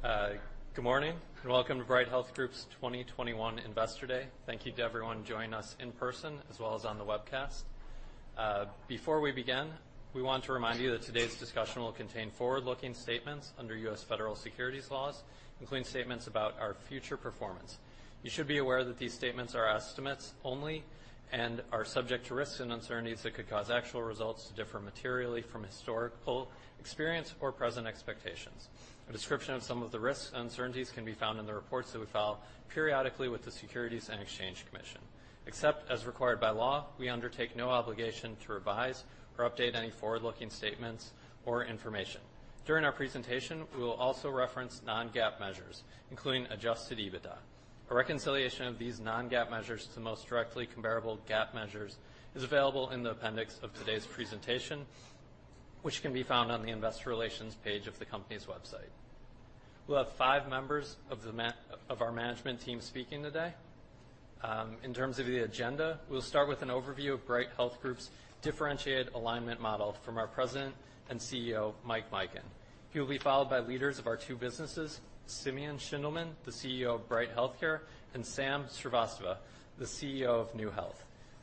Good morning, and welcome to Bright Health Group's 2021 Investor Day. Thank you to everyone joining us in person, as well as on the webcast. Before we begin, we want to remind you that today's discussion will contain forward-looking statements under U.S. Federal Securities laws, including statements about our future performance. You should be aware that these statements are estimates only and are subject to risks and uncertainties that could cause actual results to differ materially from historical experience or present expectations. A description of some of the risks and uncertainties can be found in the reports that we file periodically with the Securities and Exchange Commission. Except as required by law, we undertake no obligation to revise or update any forward-looking statements or information. During our presentation, we will also reference non-GAAP measures, including adjusted EBITDA. A reconciliation of these non-GAAP measures toc the most directly comparable GAAP measures is available in the appendix of today's presentation, which can be found on the investor relations page of the company's website. We'll have five members of our management team speaking today. In terms of the agenda, we'll start with an overview of Bright Health Group's differentiated alignment model from our President and CEO, Mike Mikan. He'll be followed by leaders of our two businesses, Simeon Schindelman, the CEO of Bright HealthCare, and Sam Srivastava, the CEO of NeueHealth.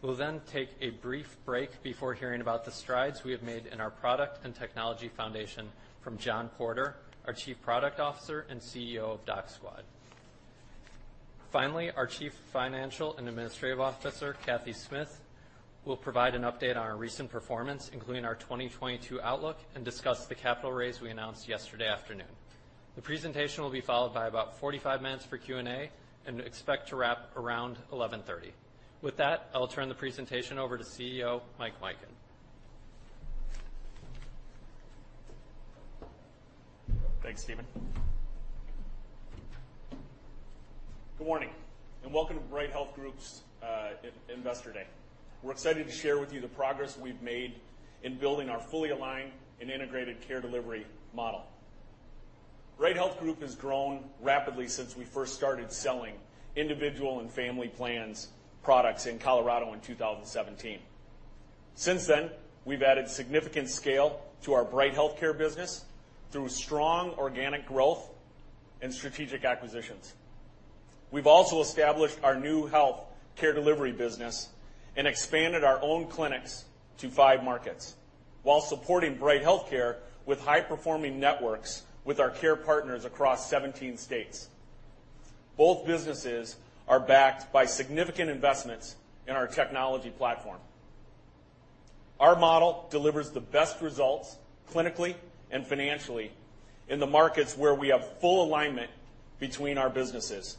We'll then take a brief break before hearing about the strides we have made in our product and technology foundation from Jon Porter, our Chief Product Officer and CEO of DocSquad. Finally, our Chief Financial and Administrative Officer, Cathy Smith, will provide an update on our recent performance, including our 2022 outlook, and discuss the capital raise we announced yesterday afternoon. The presentation will be followed by about 45 minutes for Q&A, and we expect to wrap around 11:30 A.M. With that, I will turn the presentation over to CEO Mike Mikan. Thanks, Steve. Good morning, and welcome to Bright Health Group's Investor Day. We're excited to share with you the progress we've made in building our fully aligned and integrated care delivery model. Bright Health Group has grown rapidly since we first started selling individual and family plans products in Colorado in 2017. Since then, we've added significant scale to our Bright HealthCare business through strong organic growth and strategic acquisitions. We've also established our new health care delivery business and expanded our own clinics to five markets while supporting Bright HealthCare with high-performing networks with our care partners across 17 states. Both businesses are backed by significant investments in our technology platform. Our model delivers the best results clinically and financially in the markets where we have full alignment between our businesses.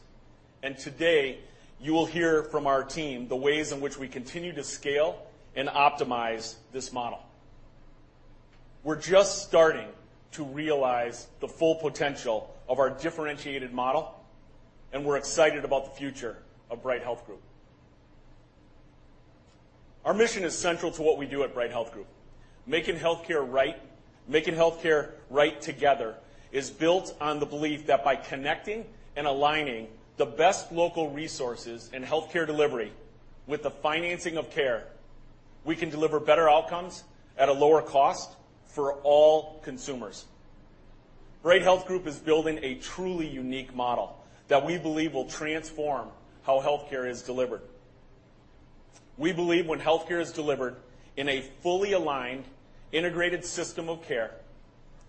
Today, you will hear from our team the ways in which we continue to scale and optimize this model. We're just starting to realize the full potential of our differentiated model, and we're excited about the future of Bright Health Group. Our mission is central to what we do at Bright Health Group. Making healthcare right, making healthcare right together is built on the belief that by connecting and aligning the best local resources in healthcare delivery with the financing of care, we can deliver better outcomes at a lower cost for all consumers. Bright Health Group is building a truly unique model that we believe will transform how healthcare is delivered. We believe when healthcare is delivered in a fully aligned, integrated system of care,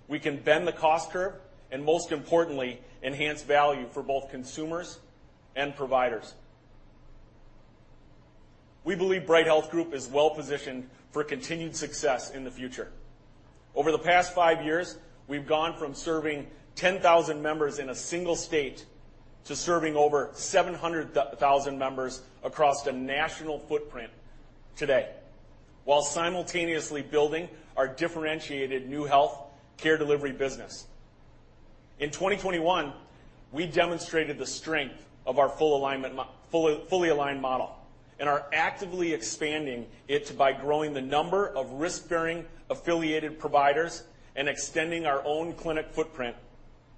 we can bend the cost curve, and most importantly, enhance value for both consumers and providers. We believe Bright Health Group is well-positioned for continued success in the future. Over the past five years, we've gone from serving 10,000 members in a single state to serving over 700,000 members across the national footprint today, while simultaneously building our differentiated new health care delivery business. In 2021, we demonstrated the strength of our fully aligned model and are actively expanding it by growing the number of risk-bearing affiliated providers and extending our own clinic footprint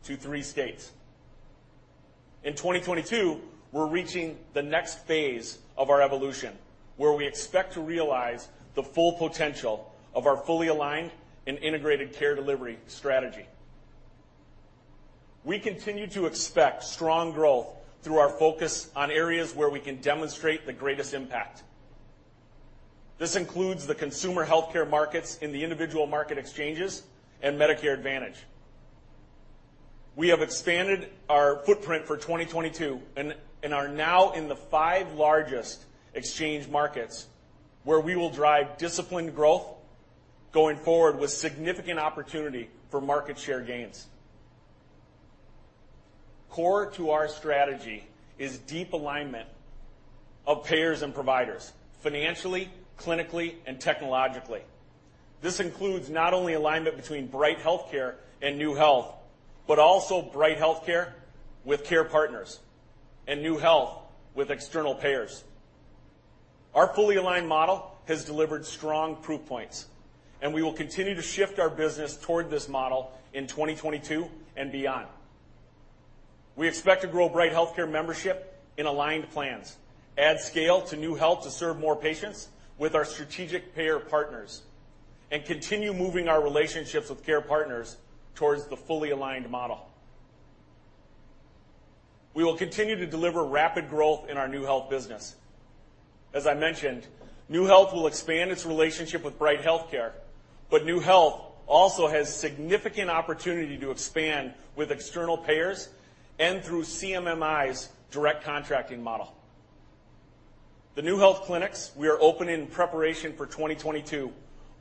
to three states. In 2022, we're reaching the next phase of our evolution, where we expect to realize the full potential of our fully aligned and integrated care delivery strategy. We continue to expect strong growth through our focus on areas where we can demonstrate the greatest impact. This includes the consumer healthcare markets in the individual market exchanges and Medicare Advantage. We have expanded our footprint for 2022 and are now in the 5 largest exchange markets, where we will drive disciplined growth going forward with significant opportunity for market share gains. Core to our strategy is deep alignment of payers and providers, financially, clinically, and technologically. This includes not only alignment between Bright HealthCare and NeueHealth, but also Bright HealthCare with care partners and NeueHealth with external payers. Our fully aligned model has delivered strong proof points, and we will continue to shift our business toward this model in 2022 and beyond. We expect to grow Bright HealthCare membership in aligned plans, add scale to NeueHealth to serve more patients with our strategic payer partners, and continue moving our relationships with care partners towards the fully aligned model. We will continue to deliver rapid growth in our NeueHealth business. As I mentioned, NeueHealth will expand its relationship with Bright HealthCare, but NeueHealth also has significant opportunity to expand with external payers and through CMMI's Direct Contracting model. The NeueHealth clinics we are open in preparation for 2022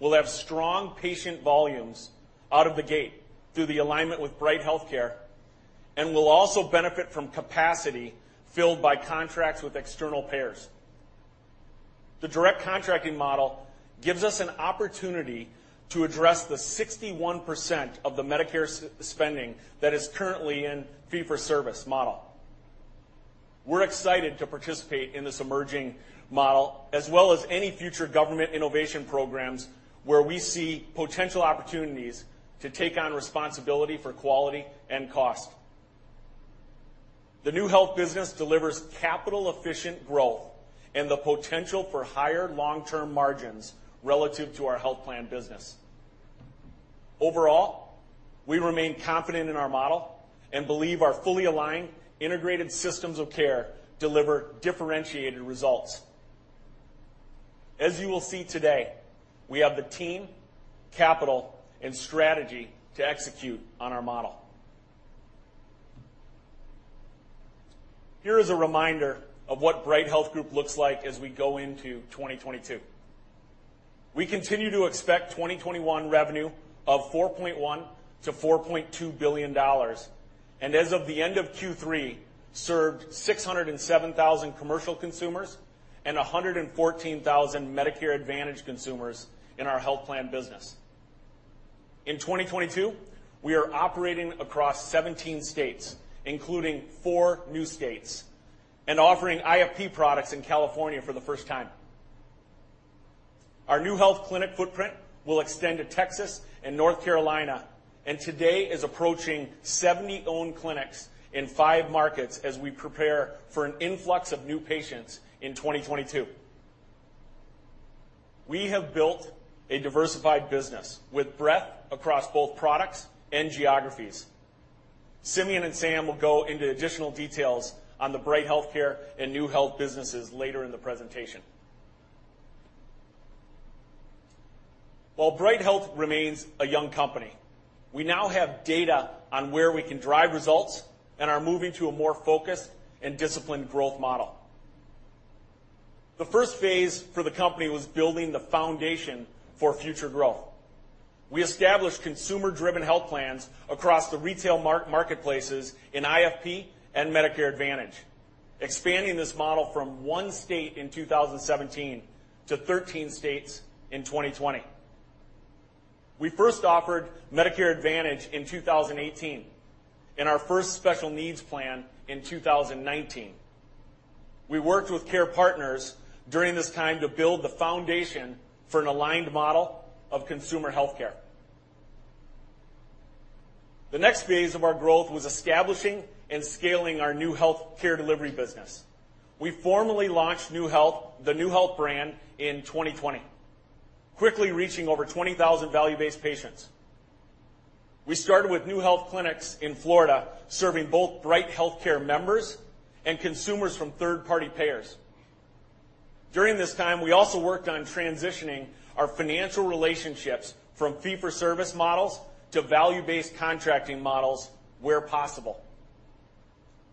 will have strong patient volumes out of the gate through the alignment with Bright HealthCare and will also benefit from capacity filled by contracts with external payers. The Direct Contracting model gives us an opportunity to address the 61% of the Medicare spending that is currently in fee-for-service model. We're excited to participate in this emerging model, as well as any future government innovation programs where we see potential opportunities to take on responsibility for quality and cost. The NeueHealth business delivers capital-efficient growth and the potential for higher long-term margins relative to our health plan business. Overall, we remain confident in our model and believe our fully aligned integrated systems of care deliver differentiated results. As you will see today, we have the team, capital, and strategy to execute on our model. Here is a reminder of what Bright Health Group looks like as we go into 2022. We continue to expect 2021 revenue of $4.1 billion-$4.2 billion, and as of the end of Q3, we served 607,000 commercial consumers and 114,000 Medicare Advantage consumers in our health plan business. In 2022, we are operating across 17 states, including 4 new states and offering IFP products in California for the first time. Our new health clinic footprint will extend to Texas and North Carolina, and today is approaching 70 owned clinics in five markets as we prepare for an influx of new patients in 2022. We have built a diversified business with breadth across both products and geographies. Simeon and Sam will go into additional details on the Bright HealthCare and NeueHealth businesses later in the presentation. While Bright Health remains a young company, we now have data on where we can drive results and are moving to a more focused and disciplined growth model. The first phase for the company was building the foundation for future growth. We established consumer-driven health plans across the retail marketplaces in IFP and Medicare Advantage, expanding this model from one state in 2017 to 13 states in 2020. We first offered Medicare Advantage in 2018 and our first Special Needs Plan in 2019. We worked with care partners during this time to build the foundation for an aligned model of consumer healthcare. The next phase of our growth was establishing and scaling our new healthcare delivery business. We formally launched NeueHealth, the NeueHealth brand in 2020, quickly reaching over 20,000 value-based patients. We started with NeueHealth clinics in Florida, serving both Bright HealthCare members and consumers from third-party payers. During this time, we also worked on transitioning our financial relationships from fee-for-service models to value-based contracting models where possible.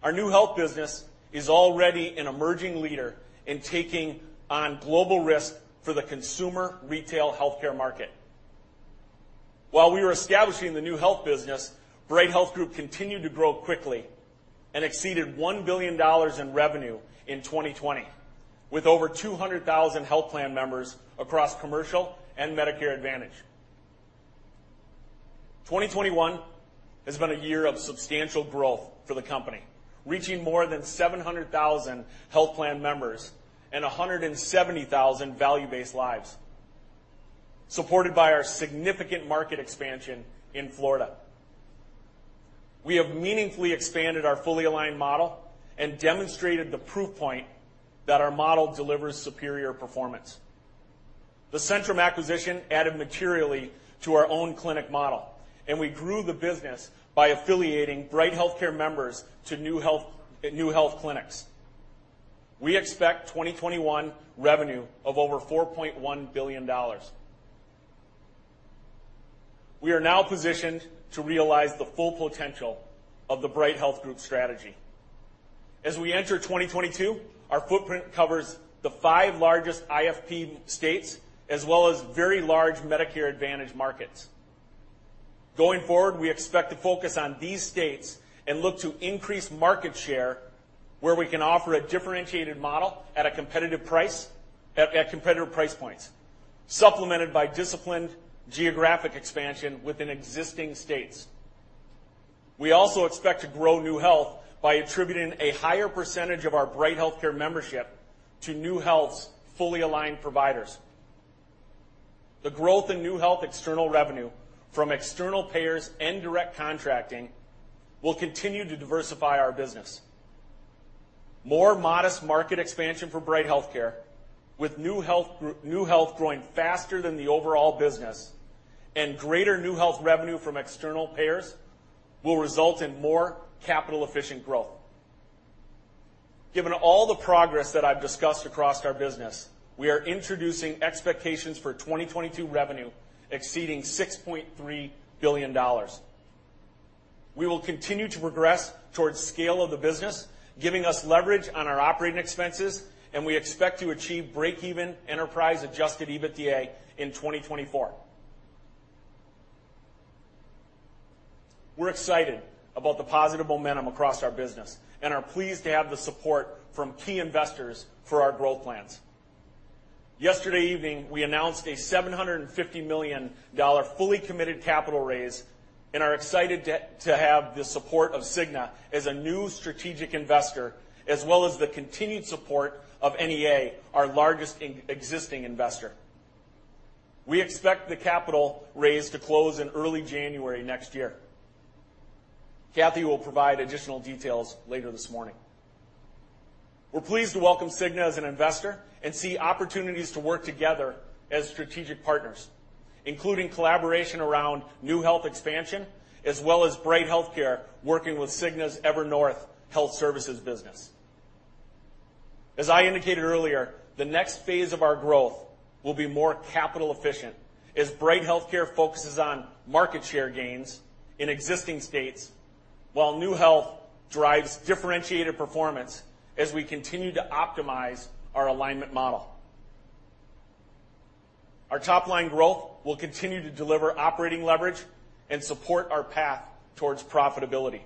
Our NeueHealth business is already an emerging leader in taking on global risk for the consumer retail healthcare market. While we were establishing the new health business, Bright Health Group continued to grow quickly and exceeded $1 billion in revenue in 2020, with over 200,000 health plan members across commercial and Medicare Advantage. 2021 has been a year of substantial growth for the company, reaching more than 700,000 health plan members and 170,000 value-based lives, supported by our significant market expansion in Florida. We have meaningfully expanded our fully aligned model and demonstrated the proof point that our model delivers superior performance. The Centrum acquisition added materially to our own clinic model, and we grew the business by affiliating Bright HealthCare members to NeueHealth at NeueHealth clinics. We expect 2021 revenue of over $4.1 billion. We are now positioned to realize the full potential of the Bright Health Group strategy. As we enter 2022, our footprint covers the five largest IFP states as well as very large Medicare Advantage markets. Going forward, we expect to focus on these states and look to increase market share where we can offer a differentiated model at competitive price points, supplemented by disciplined geographic expansion within existing states. We also expect to grow NeueHealth by attributing a higher percentage of our Bright HealthCare membership to NeueHealth's fully aligned providers. The growth in NeueHealth external revenue from external payers and direct contracting will continue to diversify our business. More modest market expansion for Bright HealthCare, with NeueHealth growing faster than the overall business and greater NeueHealth revenue from external payers will result in more capital-efficient growth. Given all the progress that I've discussed across our business, we are introducing expectations for 2022 revenue exceeding $6.3 billion. We will continue to progress towards scale of the business, giving us leverage on our operating expenses, and we expect to achieve break-even enterprise adjusted EBITDA in 2024. We're excited about the positive momentum across our business and are pleased to have the support from key investors for our growth plans. Yesterday evening, we announced a $750 million fully committed capital raise and are excited to have the support of Cigna as a new strategic investor as well as the continued support of NEA, our largest existing investor. We expect the capital raise to close in early January next year. Kathy will provide additional details later this morning. We're pleased to welcome Cigna as an investor and see opportunities to work together as strategic partners, including collaboration around NeueHealth expansion, as well as Bright HealthCare working with Cigna's Evernorth Health Services business. As I indicated earlier, the next phase of our growth will be more capital efficient as Bright HealthCare focuses on market share gains in existing states while NeueHealth drives differentiated performance as we continue to optimize our alignment model. Our top-line growth will continue to deliver operating leverage and support our path towards profitability,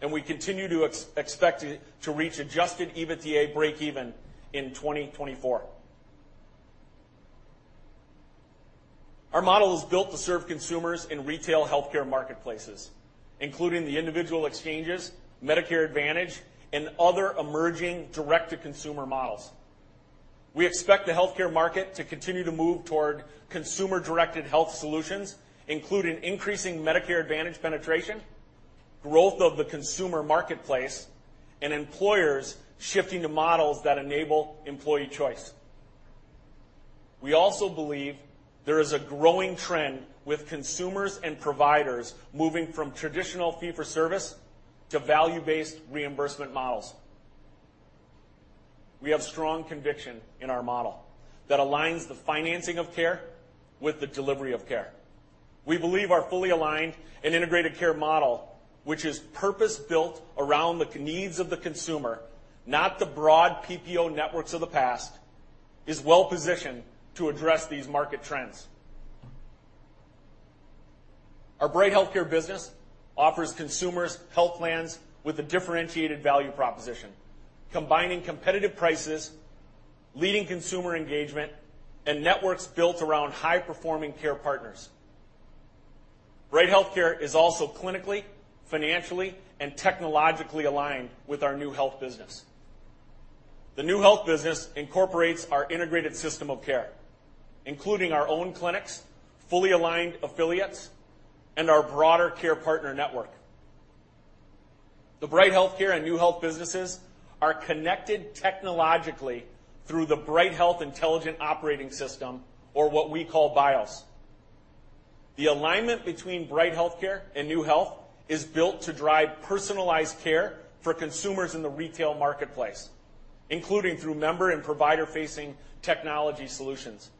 and we continue to expect to reach adjusted EBITDA break even in 2024. Our model is built to serve consumers in retail healthcare marketplaces, including the individual exchanges, Medicare Advantage, and other emerging direct-to-consumer models. We expect the healthcare market to continue to move toward consumer-directed health solutions, including increasing Medicare Advantage penetration, growth of the consumer marketplace, and employers shifting to models that enable employee choice. We also believe there is a growing trend with consumers and providers moving from traditional fee-for-service to value-based reimbursement models. We have strong conviction in our model that aligns the financing of care with the delivery of care. We believe our fully aligned and integrated care model, which is purpose-built around the needs of the consumer, not the broad PPO networks of the past, is well-positioned to address these market trends. Our Bright HealthCare business offers consumers health plans with a differentiated value proposition, combining competitive prices, leading consumer engagement, and networks built around high-performing care partners. Bright HealthCare is also clinically, financially, and technologically aligned with our NeueHealth business. The NeueHealth business incorporates our integrated system of care, including our own clinics, fully aligned affiliates, and our broader care partner network. The Bright HealthCare and NeueHealth businesses are connected technologically through the Bright Health Intelligent Operating System, or what we call BiOS. The alignment between Bright HealthCare and NeueHealth is built to drive personalized care for consumers in the retail marketplace, including through member and provider-facing technology solutions.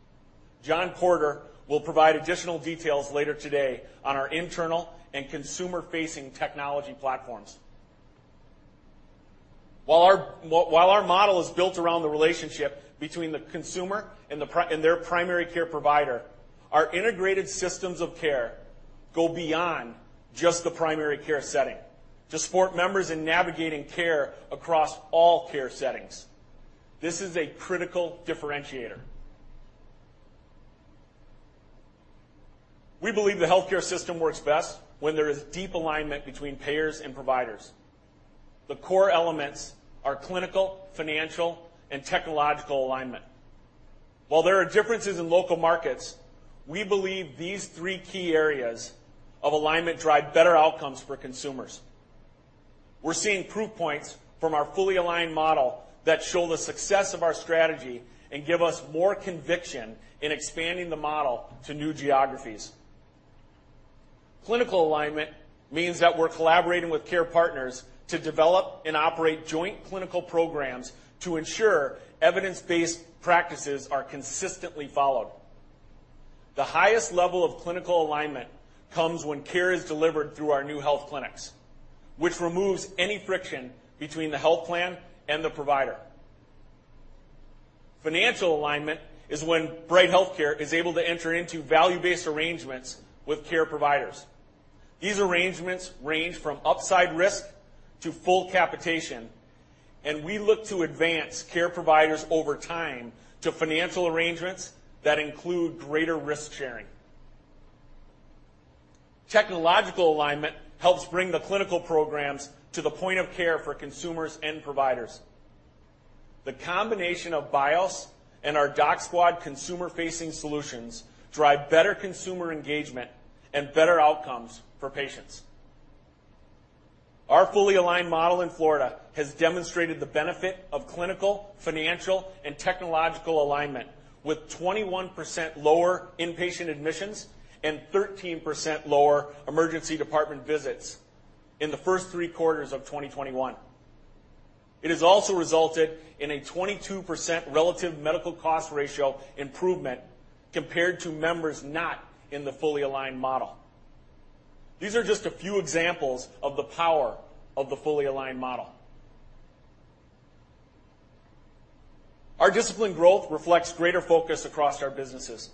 Jon Porter will provide additional details later today on our internal and consumer-facing technology platforms. While our model is built around the relationship between the consumer and their primary care provider, our integrated systems of care go beyond just the primary care setting to support members in navigating care across all care settings. This is a critical differentiator. We believe the healthcare system works best when there is deep alignment between payers and providers. The core elements are clinical, financial, and technological alignment. While there are differences in local markets, we believe these three key areas of alignment drive better outcomes for consumers. We're seeing proof points from our fully aligned model that show the success of our strategy and give us more conviction in expanding the model to new geographies. Clinical alignment means that we're collaborating with care partners to develop and operate joint clinical programs to ensure evidence-based practices are consistently followed. The highest level of clinical alignment comes when care is delivered through our new health clinics, which removes any friction between the health plan and the provider. Financial alignment is when Bright HealthCare is able to enter into value-based arrangements with care providers. These arrangements range from upside risk to full capitation, and we look to advance care providers over time to financial arrangements that include greater risk-sharing. Technological alignment helps bring the clinical programs to the point of care for consumers and providers. The combination of BiOS and our DocSquad consumer-facing solutions drive better consumer engagement and better outcomes for patients. Our fully aligned model in Florida has demonstrated the benefit of clinical, financial, and technological alignment with 21% lower inpatient admissions and 13% lower emergency department visits in the first three quarters of 2021. It has also resulted in a 22% relative medical cost ratio improvement compared to members not in the fully aligned model. These are just a few examples of the power of the fully aligned model. Our disciplined growth reflects greater focus across our businesses.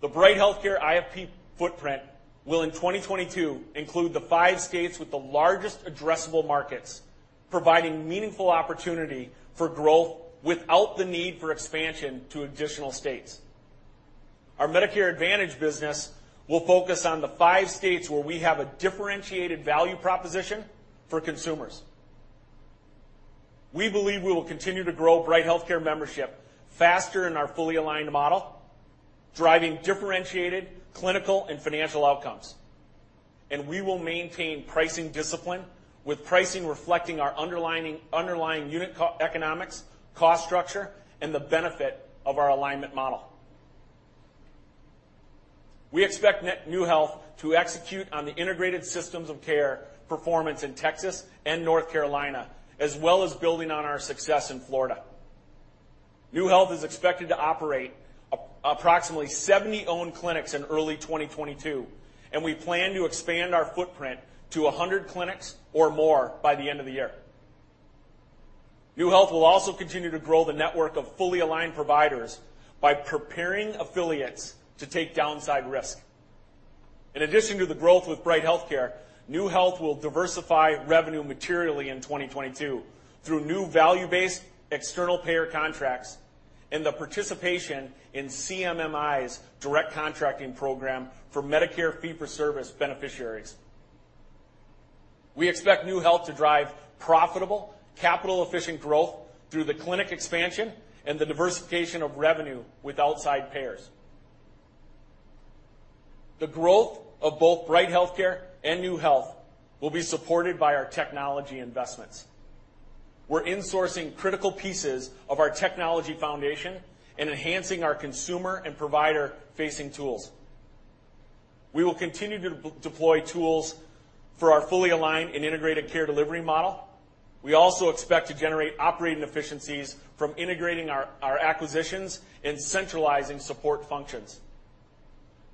The Bright Healthcare IFP footprint will in 2022 include the five states with the largest addressable markets, providing meaningful opportunity for growth without the need for expansion to additional states. Our Medicare Advantage business will focus on the five states where we have a differentiated value proposition for consumers. We believe we will continue to grow Bright Healthcare membership faster in our fully aligned model, driving differentiated clinical and financial outcomes. We will maintain pricing discipline with pricing reflecting our underlying unit economics, cost structure, and the benefit of our alignment model. We expect NeueHealth to execute on the integrated systems of care performance in Texas and North Carolina, as well as building on our success in Florida. NeueHealth is expected to operate approximately 70 owned clinics in early 2022, and we plan to expand our footprint to 100 clinics or more by the end of the year. NeueHealth will also continue to grow the network of fully aligned providers by preparing affiliates to take downside risk. In addition to the growth with Bright HealthCare, NeueHealth will diversify revenue materially in 2022 through new value-based external payer contracts and the participation in CMMI's direct contracting program for Medicare fee-for-service beneficiaries. We expect NeueHealth to drive profitable, capital-efficient growth through the clinic expansion and the diversification of revenue with outside payers. The growth of both Bright HealthCare and NeueHealth will be supported by our technology investments. We're insourcing critical pieces of our technology foundation and enhancing our consumer and provider-facing tools. We will continue to deploy tools for our fully aligned and integrated care delivery model. We also expect to generate operating efficiencies from integrating our acquisitions and centralizing support functions.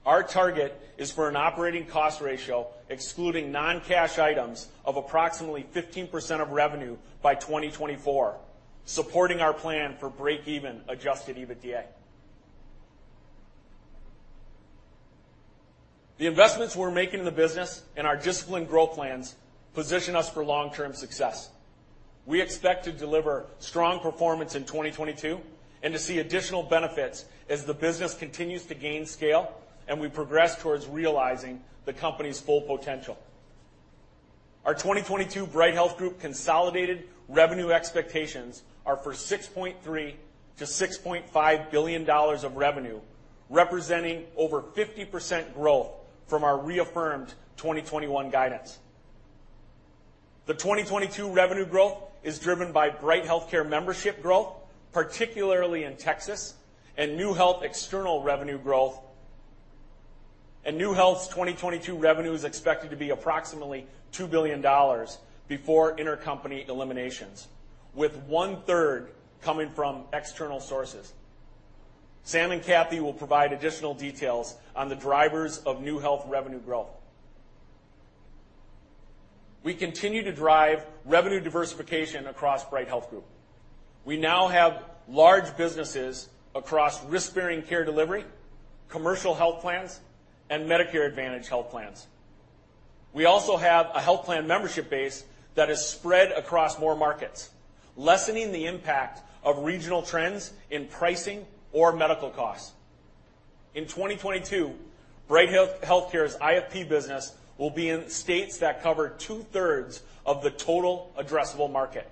Our target is for an operating cost ratio excluding non-cash items of approximately 15% of revenue by 2024, supporting our plan for break-even adjusted EBITDA. The investments we're making in the business and our disciplined growth plans position us for long-term success. We expect to deliver strong performance in 2022 and to see additional benefits as the business continues to gain scale and we progress towards realizing the company's full potential. Our 2022 Bright Health Group consolidated revenue expectations are for $6.3 billion-$6.5 billion of revenue, representing over 50% growth from our reaffirmed 2021 guidance. The 2022 revenue growth is driven by Bright HealthCare membership growth, particularly in Texas, and NeueHealth external revenue growth. NeueHealth's 2022 revenue is expected to be approximately $2 billion before intercompany eliminations, with one-third coming from external sources. Sam and Kathy will provide additional details on the drivers of NeueHealth revenue growth. We continue to drive revenue diversification across Bright Health Group. We now have large businesses across risk-bearing care delivery, commercial health plans, and Medicare Advantage health plans. We also have a health plan membership base that is spread across more markets, lessening the impact of regional trends in pricing or medical costs. In 2022, Bright HealthCare's IFP business will be in states that cover two-thirds of the total addressable market.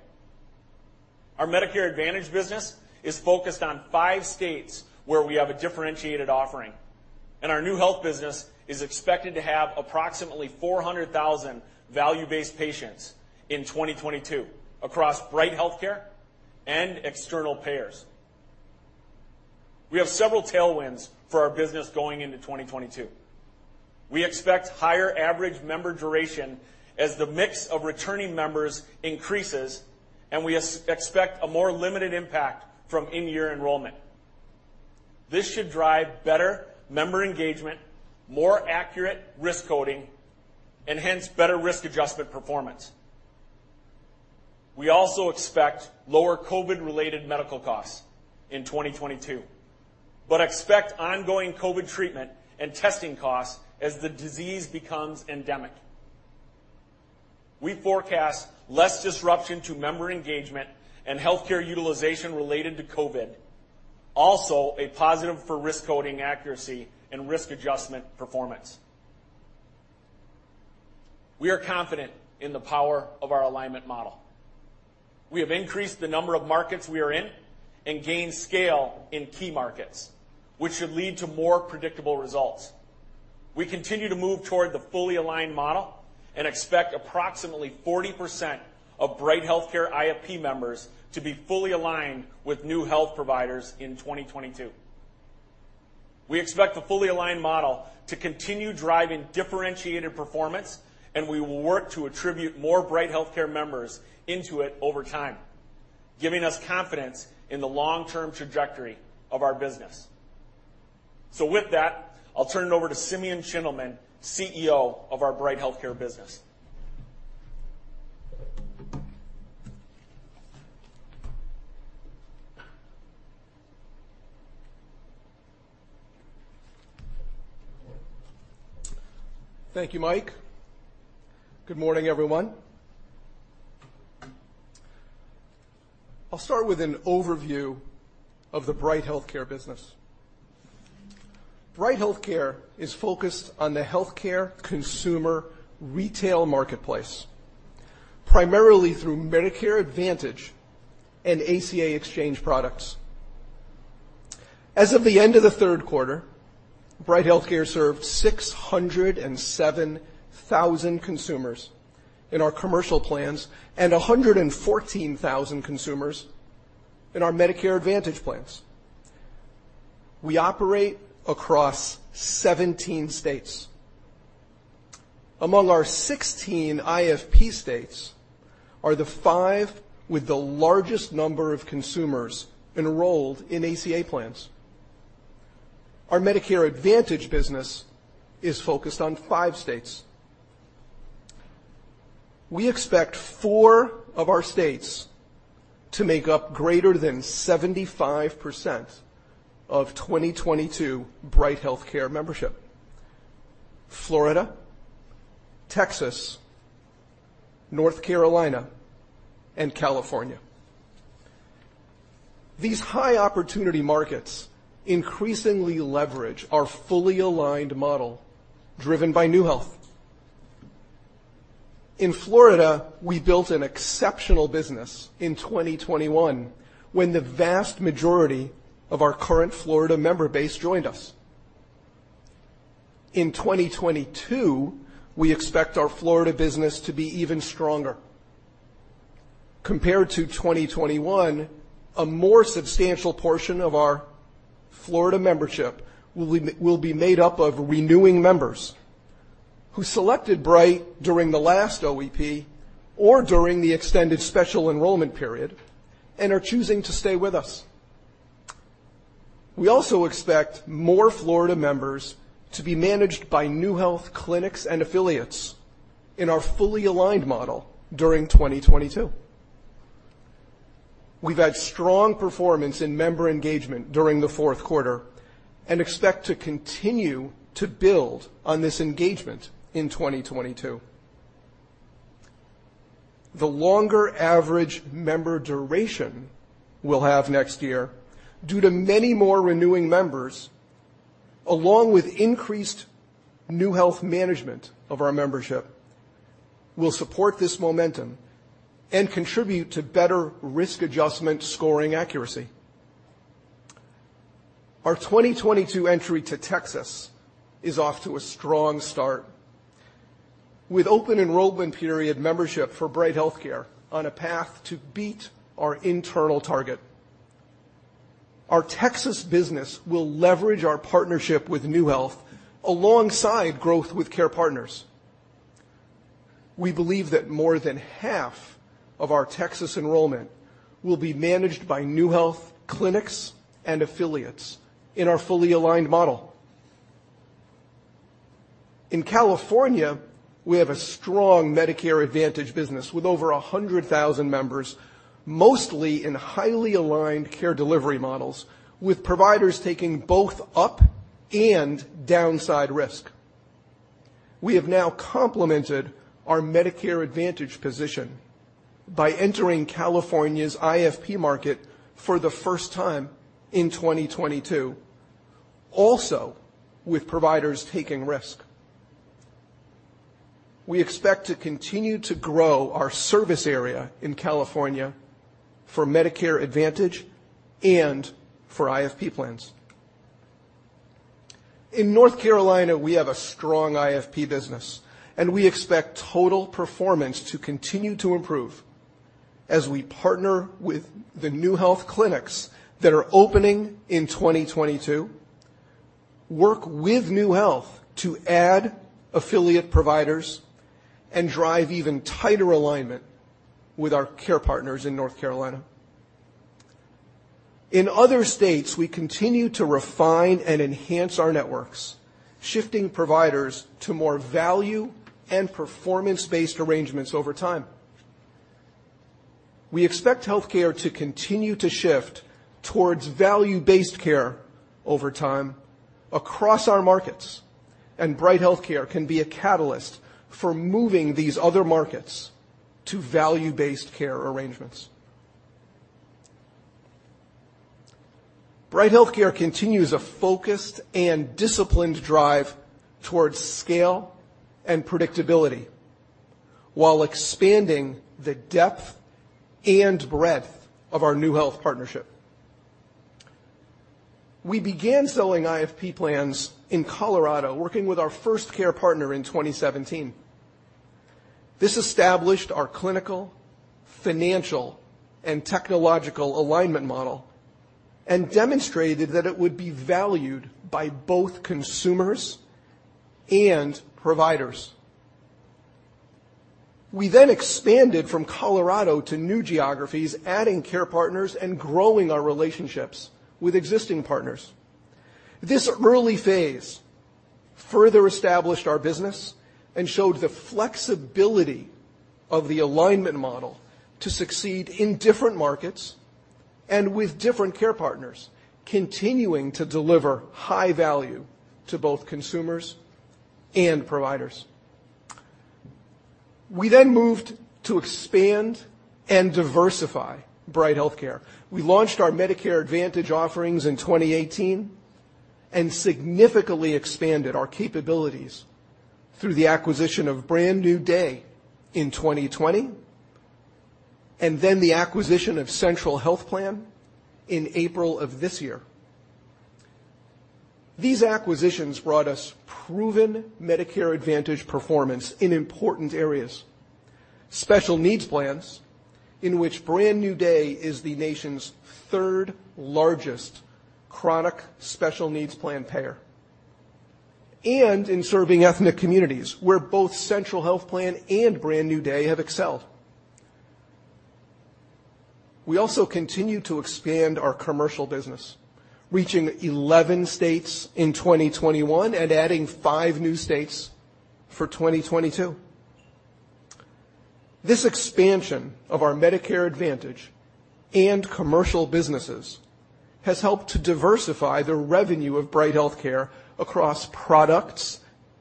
Our Medicare Advantage business is focused on five states where we have a differentiated offering. Our NeueHealth business is expected to have approximately 400,000 value-based patients in 2022 across Bright HealthCare and external payers. We have several tailwinds for our business going into 2022. We expect higher average member duration as the mix of returning members increases, and we expect a more limited impact from in-year enrollment. This should drive better member engagement, more accurate risk coding, and hence better risk adjustment performance. We also expect lower COVID-related medical costs in 2022, but expect ongoing COVID treatment and testing costs as the disease becomes endemic. We forecast less disruption to member engagement and healthcare utilization related to COVID, also a positive for risk coding accuracy and risk adjustment performance. We are confident in the power of our alignment model. We have increased the number of markets we are in and gained scale in key markets, which should lead to more predictable results. We continue to move toward the fully aligned model and expect approximately 40% of Bright HealthCare IFP members to be fully aligned with NeueHealth providers in 2022. We expect the fully aligned model to continue driving differentiated performance, and we will work to attribute more Bright HealthCare members into it over time, giving us confidence in the long-term trajectory of our business. With that, I'll turn it over to Simeon Schindelman, CEO of our Bright HealthCare business. Thank you, Mike. Good morning, everyone. I'll start with an overview of the Bright HealthCare business. Bright HealthCare is focused on the healthcare consumer retail marketplace, primarily through Medicare Advantage and ACA exchange products. As of the end of the third quarter, Bright HealthCare served 607,000 consumers in our commercial plans and 114,000 consumers in our Medicare Advantage plans. We operate across 17 states. Among our 16 IFP states are the five with the largest number of consumers enrolled in ACA plans. Our Medicare Advantage business is focused on five states. We expect four of our states to make up greater than 75% of 2022 Bright HealthCare membership, Florida, Texas, North Carolina, and California. These high-opportunity markets increasingly leverage our fully aligned model driven by NeueHealth. In Florida, we built an exceptional business in 2021 when the vast majority of our current Florida member base joined us. In 2022, we expect our Florida business to be even stronger. Compared to 2021, a more substantial portion of our Florida membership will be made up of renewing members who selected Bright during the last OEP or during the extended special enrollment period and are choosing to stay with us. We also expect more Florida members to be managed by new health clinics and affiliates in our fully aligned model during 2022. We've had strong performance in member engagement during the fourth quarter and expect to continue to build on this engagement in 2022. The longer average member duration we'll have next year due to many more renewing members, along with increased NeueHealth management of our membership, will support this momentum and contribute to better risk adjustment scoring accuracy. Our 2022 entry to Texas is off to a strong start with Open Enrollment Period membership for Bright HealthCare on a path to beat our internal target. Our Texas business will leverage our partnership with NeueHealth alongside growth with care partners. We believe that more than half of our Texas enrollment will be managed by NeueHealth clinics and affiliates in our fully aligned model. In California, we have a strong Medicare Advantage business with over 100,000 members, mostly in highly aligned care delivery models with providers taking both up and downside risk. We have now complemented our Medicare Advantage position by entering California's IFP market for the first time in 2022, also with providers taking risk. We expect to continue to grow our service area in California for Medicare Advantage and for IFP plans. In North Carolina, we have a strong IFP business, and we expect total performance to continue to improve as we partner with the new health clinics that are opening in 2022, work with NeueHealth to add affiliate providers, and drive even tighter alignment with our care partners in North Carolina. In other states, we continue to refine and enhance our networks, shifting providers to more value and performance-based arrangements over time. We expect healthcare to continue to shift towards value-based care over time across our markets, and Bright HealthCare can be a catalyst for moving these other markets to value-based care arrangements. Bright HealthCare continues a focused and disciplined drive towards scale and predictability while expanding the depth and breadth of our NeueHealth partnership. We began selling IFP plans in Colorado, working with our first care partner in 2017. This established our clinical, financial, and technological alignment model and demonstrated that it would be valued by both consumers and providers. We expanded from Colorado to new geographies, adding care partners and growing our relationships with existing partners. This early phase further established our business and showed the flexibility of the alignment model to succeed in different markets and with different care partners, continuing to deliver high value to both consumers and providers. We moved to expand and diversify Bright HealthCare. We launched our Medicare Advantage offerings in 2018 and significantly expanded our capabilities through the acquisition of Brand New Day in 2020, and then the acquisition of Central Health Plan in April of this year. These acquisitions brought us proven Medicare Advantage performance in important areas, Special Needs Plans in which Brand New Day is the nation's third-largest chronic Special Needs Plan payer, and in serving ethnic communities where both Central Health Plan and Brand New Day have excelled. We also continue to expand our commercial business, reaching 11 states in 2021 and adding 5 new states for 2022. This expansion of our Medicare Advantage and commercial businesses has helped to diversify the revenue of Bright HealthCare across products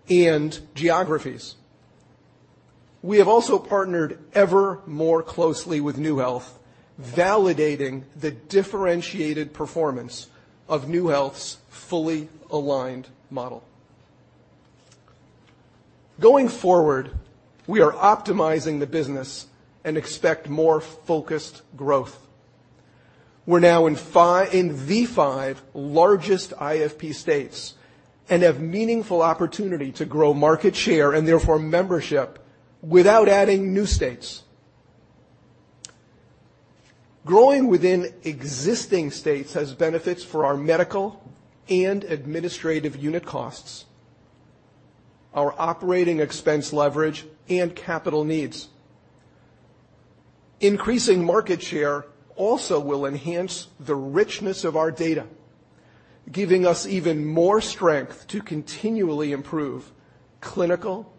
and geographies. We have also partnered ever more closely with NeueHealth, validating the differentiated performance of NeueHealth's fully aligned model. Going forward, we are optimizing the business and expect more focused growth. We're now in the five largest IFP states and have meaningful opportunity to grow market share and therefore membership without adding new states. Growing within existing states has benefits for our medical and administrative unit costs, our operating expense leverage, and capital needs. Increasing market share also will enhance the richness of our data, giving us even more strength to continually improve clinical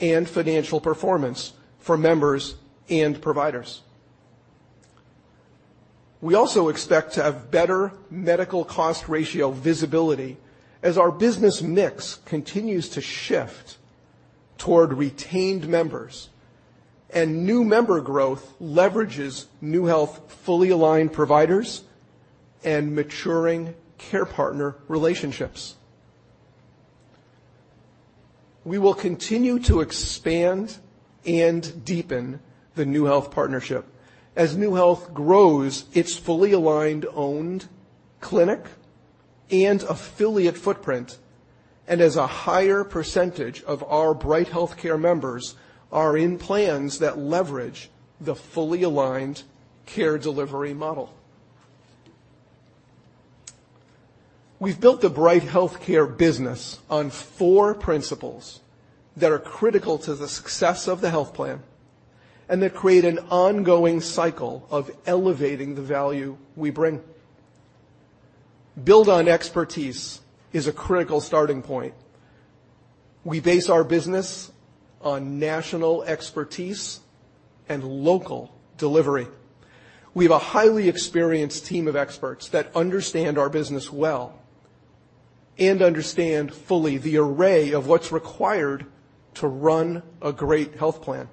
and financial performance for members and providers. We also expect to have better medical cost ratio visibility as our business mix continues to shift toward retained members and new member growth leverages NeueHealth fully aligned providers and maturing care partner relationships. We will continue to expand and deepen the NeueHealth Partnership as NeueHealth grows its fully aligned owned clinic and affiliate footprint, and as a higher percentage of our Bright HealthCare members are in plans that leverage the fully aligned care delivery model. We've built the Bright HealthCare business on four principles that are critical to the success of the health plan and that create an ongoing cycle of elevating the value we bring. Build on expertise is a critical starting point. We base our business on national expertise and local delivery. We have a highly experienced team of experts that understand our business well and understand fully the array of what's required to run a great health plan.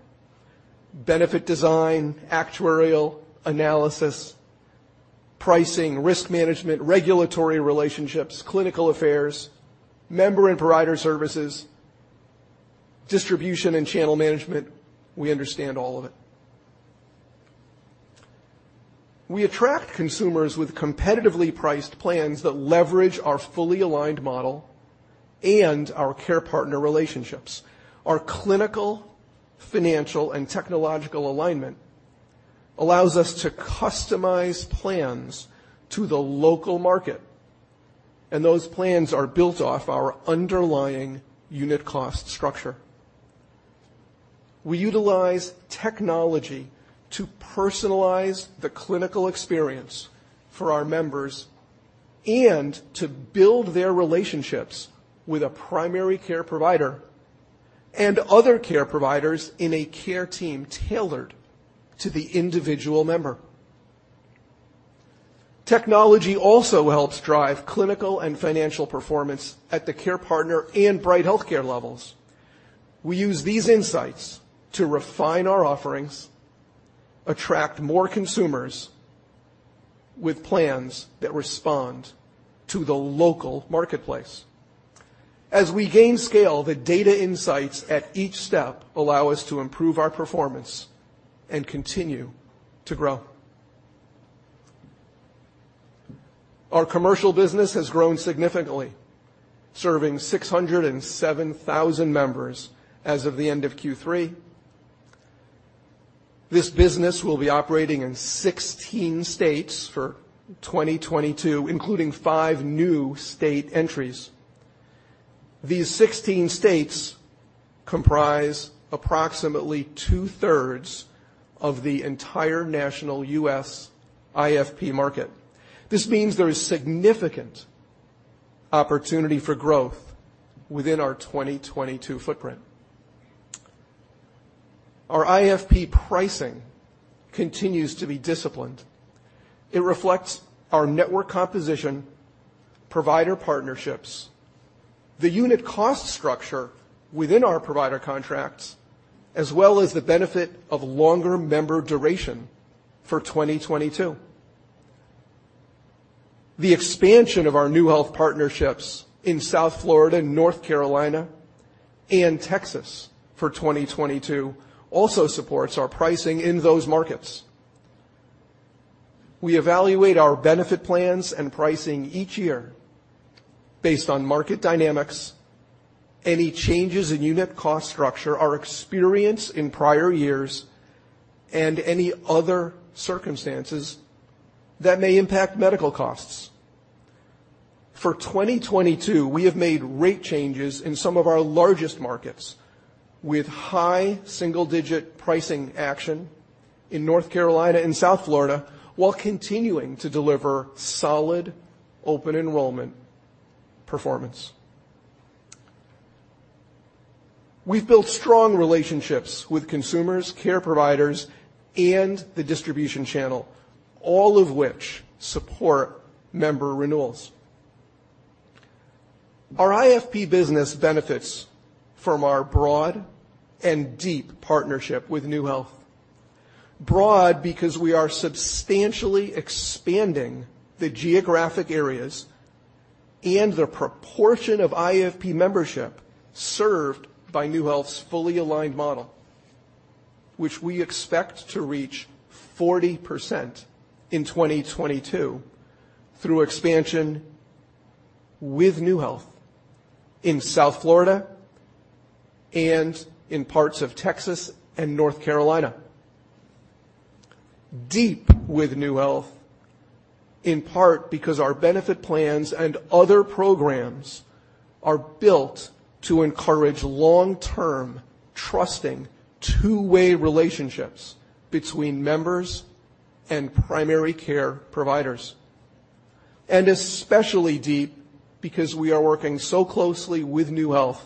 Benefit design, actuarial analysis, pricing, risk management, regulatory relationships, clinical affairs, member and provider services, distribution and channel management, we understand all of it. We attract consumers with competitively priced plans that leverage our fully aligned model and our care partner relationships. Our clinical, financial, and technological alignment allows us to customize plans to the local market, and those plans are built off our underlying unit cost structure. We utilize technology to personalize the clinical experience for our members and to build their relationships with a primary care provider and other care providers in a care team tailored to the individual member. Technology also helps drive clinical and financial performance at the care partner and Bright HealthCare levels. We use these insights to refine our offerings, attract more consumers with plans that respond to the local marketplace. As we gain scale, the data insights at each step allow us to improve our performance and continue to grow. Our commercial business has grown significantly, serving 607,000 members as of the end of Q3. This business will be operating in 16 states for 2022, including 5 new state entries. These 16 states comprise approximately two-thirds of the entire national U.S. IFP market. This means there is significant opportunity for growth within our 2022 footprint. Our IFP pricing continues to be disciplined. It reflects our network composition, provider partnerships, the unit cost structure within our provider contracts, as well as the benefit of longer member duration for 2022. The expansion of our new health partnerships in South Florida and North Carolina and Texas for 2022 also supports our pricing in those markets. We evaluate our benefit plans and pricing each year based on market dynamics, any changes in unit cost structure or experience in prior years, and any other circumstances that may impact medical costs. For 2022, we have made rate changes in some of our largest markets with high single-digit pricing action in North Carolina and South Florida while continuing to deliver solid open enrollment performance. We've built strong relationships with consumers, care providers, and the distribution channel, all of which support member renewals. Our IFP business benefits from our broad and deep partnership with NeueHealth. Broad because we are substantially expanding the geographic areas and the proportion of IFP membership served by NeueHealth's fully aligned model, which we expect to reach 40% in 2022 through expansion with NeueHealth in South Florida and in parts of Texas and North Carolina. Deep with NeueHealth, in part because our benefit plans and other programs are built to encourage long-term, trusting, two-way relationships between members and primary care providers, and especially deep because we are working so closely with NeueHealth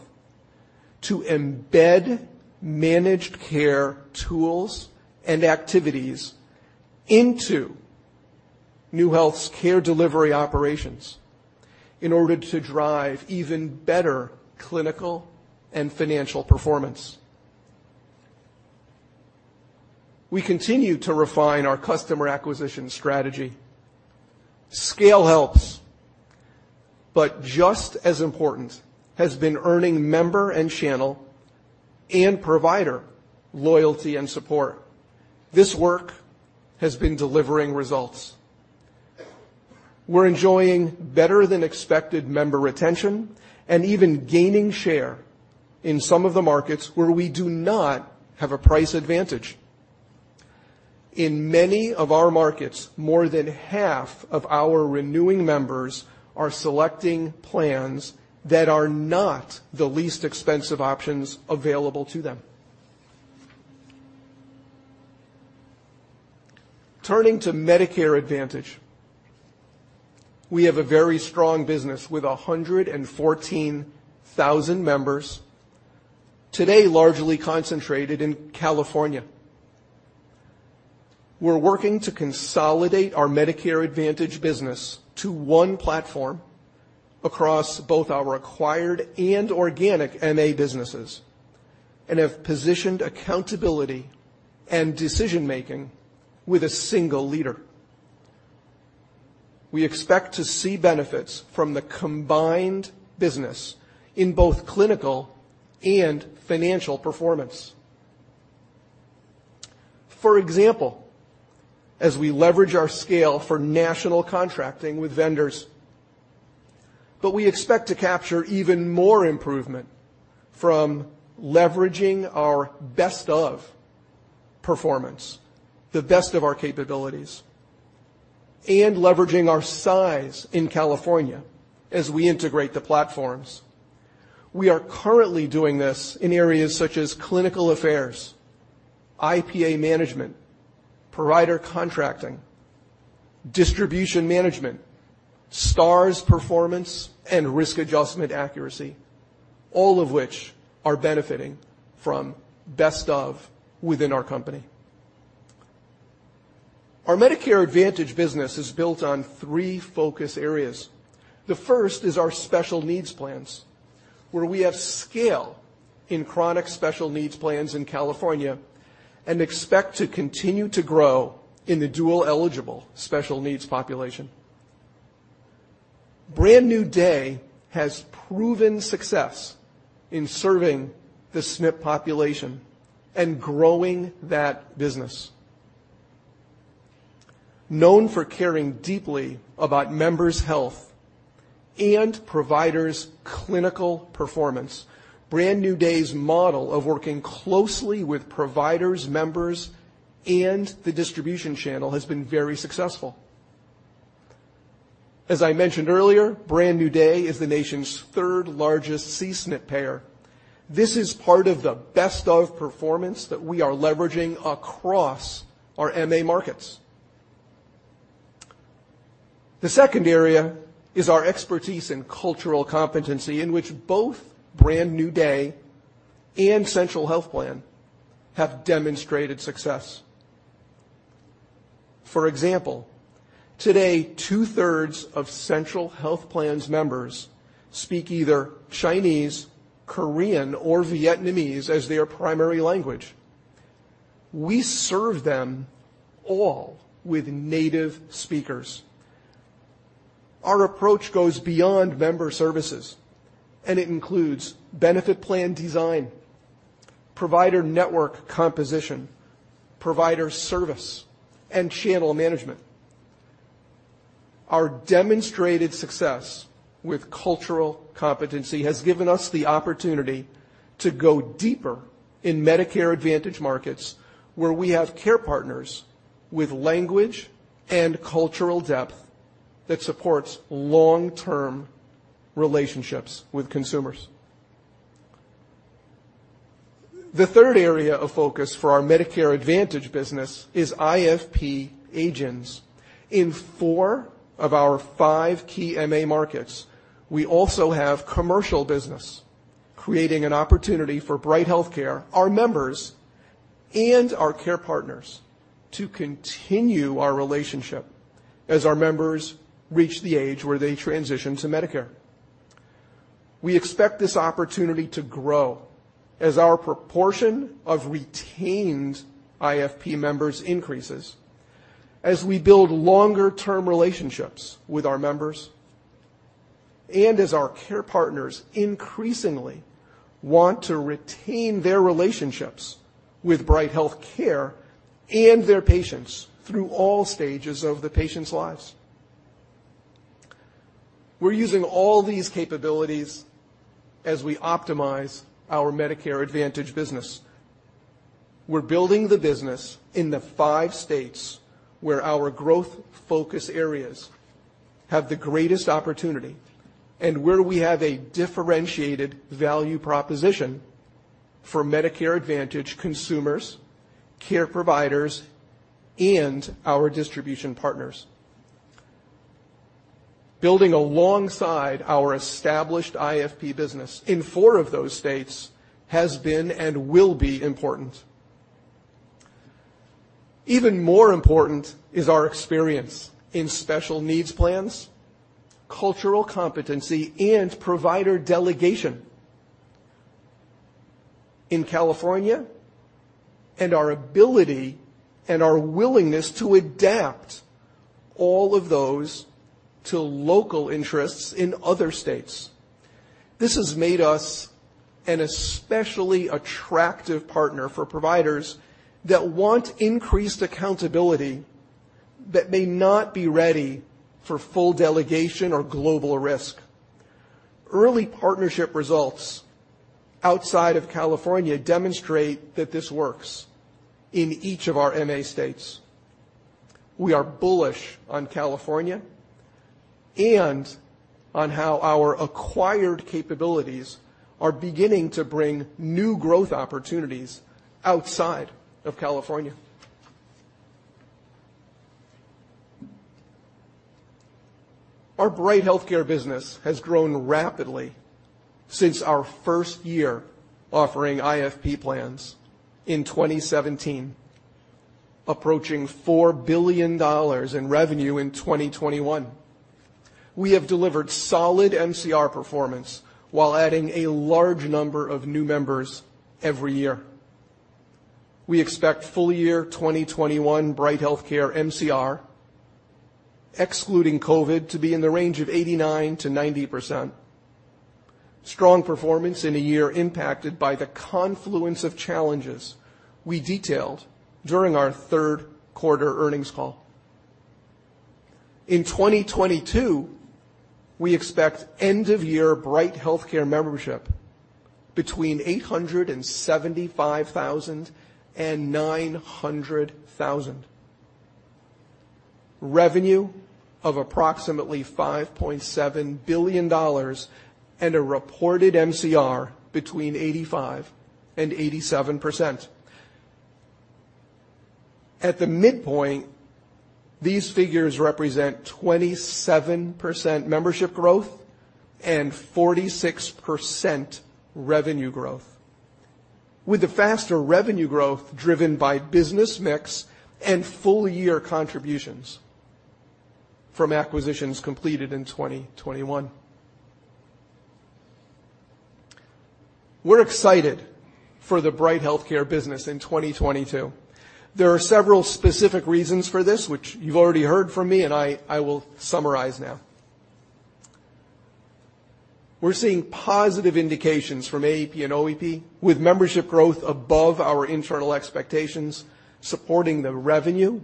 to embed managed care tools and activities into NeueHealth's care delivery operations in order to drive even better clinical and financial performance. We continue to refine our customer acquisition strategy. Scale helps, but just as important has been earning member and channel and provider loyalty and support. This work has been delivering results. We're enjoying better than expected member retention and even gaining share in some of the markets where we do not have a price advantage. In many of our markets, more than half of our renewing members are selecting plans that are not the least expensive options available to them. Turning to Medicare Advantage. We have a very strong business with 114,000 members today, largely concentrated in California. We're working to consolidate our Medicare Advantage business to one platform across both our acquired and organic MA businesses and have positioned accountability and decision-making with a single leader. We expect to see benefits from the combined business in both clinical and financial performance. For example, as we leverage our scale for national contracting with vendors. We expect to capture even more improvement from leveraging our best of performance, the best of our capabilities, and leveraging our size in California as we integrate the platforms. We are currently doing this in areas such as clinical affairs, IPA management, provider contracting, distribution management, Stars performance, and risk adjustment accuracy, all of which are benefiting from best of within our company. Our Medicare Advantage business is built on three focus areas. The first is our Special Needs Plans, where we have scale in chronic Special Needs Plans in California and expect to continue to grow in the dual-eligible Special Needs population. Brand New Day has proven success in serving the SNF population and growing that business. Known for caring deeply about members' health and providers' clinical performance, Brand New Day's model of working closely with providers, members, and the distribution channel has been very successful. As I mentioned earlier, Brand New Day is the nation's third-largest C-SNF payer. This is part of the best of performance that we are leveraging across our MA markets. The second area is our expertise in cultural competency, in which both Brand New Day and Central Health Plan have demonstrated success. For example, today two-thirds of Central Health Plan's members speak either Chinese, Korean, or Vietnamese as their primary language. We serve them all with native speakers. Our approach goes beyond member services, and it includes benefit plan design, provider network composition, provider service, and channel management. Our demonstrated success with cultural competency has given us the opportunity to go deeper in Medicare Advantage markets where we have care partners with language and cultural depth that supports long-term relationships with consumers. The third area of focus for our Medicare Advantage business is IFP agents. In four of our five key MA markets, we also have commercial business, creating an opportunity for Bright HealthCare, our members, and our care partners to continue our relationship as our members reach the age where they transition to Medicare. We expect this opportunity to grow as our proportion of retained IFP members increases as we build longer-term relationships with our members and as our care partners increasingly want to retain their relationships with Bright HealthCare and their patients through all stages of the patients' lives. We're using all these capabilities as we optimize our Medicare Advantage business. We're building the business in the five states where our growth focus areas have the greatest opportunity and where we have a differentiated value proposition for Medicare Advantage consumers, care providers, and our distribution partners. Building alongside our established IFP business in four of those states has been and will be important. Even more important is our experience in Special Needs Plans, cultural competency, and provider delegation in California, and our ability and our willingness to adapt all of those to local interests in other states. This has made us an especially attractive partner for providers that want increased accountability that may not be ready for full delegation or global risk. Early partnership results outside of California demonstrate that this works in each of our MA states. We are bullish on California and on how our acquired capabilities are beginning to bring new growth opportunities outside of California. Our Bright HealthCare business has grown rapidly since our first year offering IFP plans in 2017, approaching $4 billion in revenue in 2021. We have delivered solid MCR performance while adding a large number of new members every year. We expect full year 2021 Bright HealthCare MCR, excluding COVID, to be in the range of 89%-90%. Strong performance in a year impacted by the confluence of challenges we detailed during our third quarter earnings call. In 2022, we expect end-of-year Bright HealthCare membership between 875,000 and 900,000. Revenue of approximately $5.7 billion and a reported MCR between 85% and 87%. At the midpoint, these figures represent 27% membership growth and 46% revenue growth, with the faster revenue growth driven by business mix and full-year contributions from acquisitions completed in 2021. We're excited for the Bright HealthCare business in 2022. There are several specific reasons for this, which you've already heard from me, and I will summarize now. We're seeing positive indications from AEP and OEP, with membership growth above our internal expectations, supporting the revenue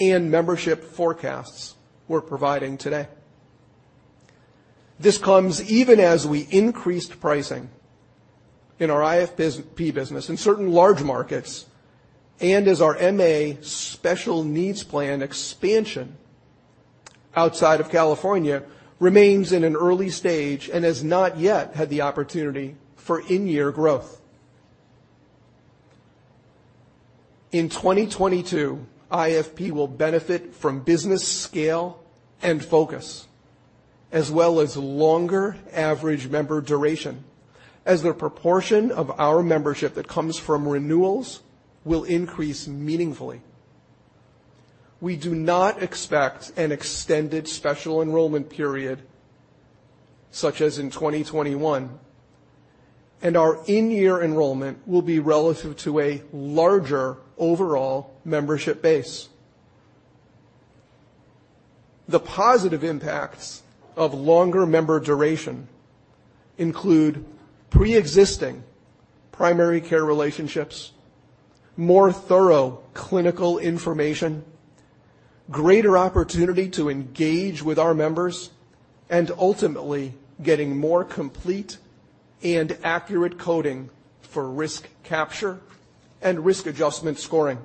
and membership forecasts we're providing today. This comes even as we increased pricing in our IFP business in certain large markets and as our MA Special Needs Plan expansion outside of California remains in an early stage and has not yet had the opportunity for in-year growth. In 2022, IFP will benefit from business scale and focus, as well as longer average member duration, as the proportion of our membership that comes from renewals will increase meaningfully. We do not expect an extended special enrollment period such as in 2021, and our in-year enrollment will be relative to a larger overall membership base. The positive impacts of longer member duration include pre-existing primary care relationships, more thorough clinical information, greater opportunity to engage with our members, and ultimately getting more complete and accurate coding for risk capture and risk adjustment scoring.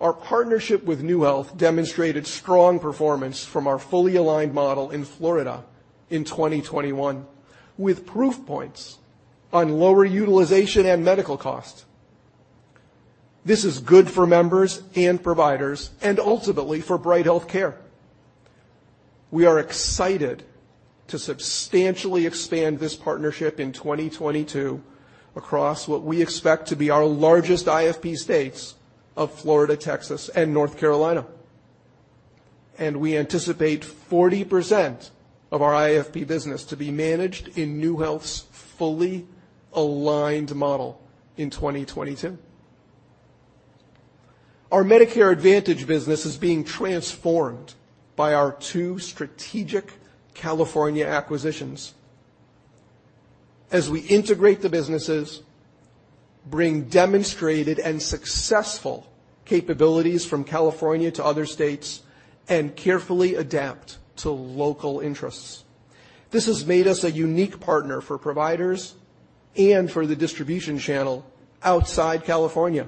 Our partnership with NeueHealth demonstrated strong performance from our fully aligned model in Florida in 2021, with proof points on lower utilization and medical costs. This is good for members and providers and ultimately for Bright HealthCare. We are excited to substantially expand this partnership in 2022 across what we expect to be our largest IFP states of Florida, Texas, and North Carolina. We anticipate 40% of our IFP business to be managed in NeueHealth's fully aligned model in 2022. Our Medicare Advantage business is being transformed by our two strategic California acquisitions. As we integrate the businesses, bring demonstrated and successful capabilities from California to other states and carefully adapt to local interests. This has made us a unique partner for providers and for the distribution channel outside California,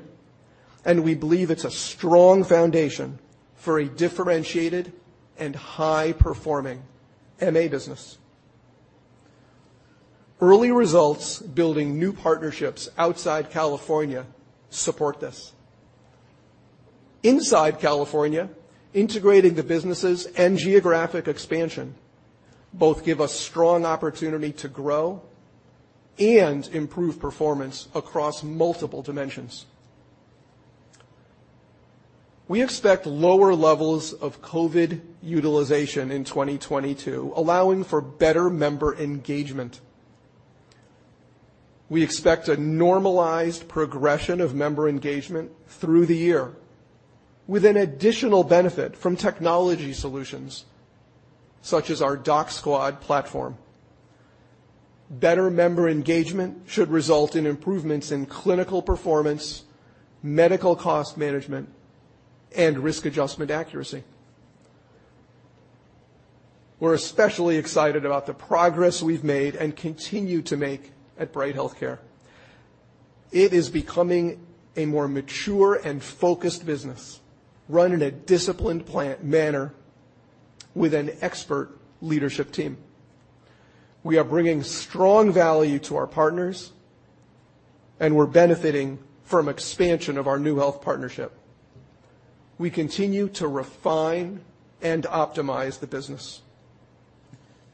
and we believe it's a strong foundation for a differentiated and high-performing MA business. Early results building new partnerships outside California support this. Inside California, integrating the businesses and geographic expansion both give us strong opportunity to grow and improve performance across multiple dimensions. We expect lower levels of COVID utilization in 2022, allowing for better member engagement. We expect a normalized progression of member engagement through the year with an additional benefit from technology solutions such as our DocSquad platform. Better member engagement should result in improvements in clinical performance, medical cost management, and risk adjustment accuracy. We're especially excited about the progress we've made and continue to make at Bright HealthCare. It is becoming a more mature and focused business, run in a disciplined planned manner with an expert leadership team. We are bringing strong value to our partners, and we're benefiting from expansion of our new health partnership. We continue to refine and optimize the business.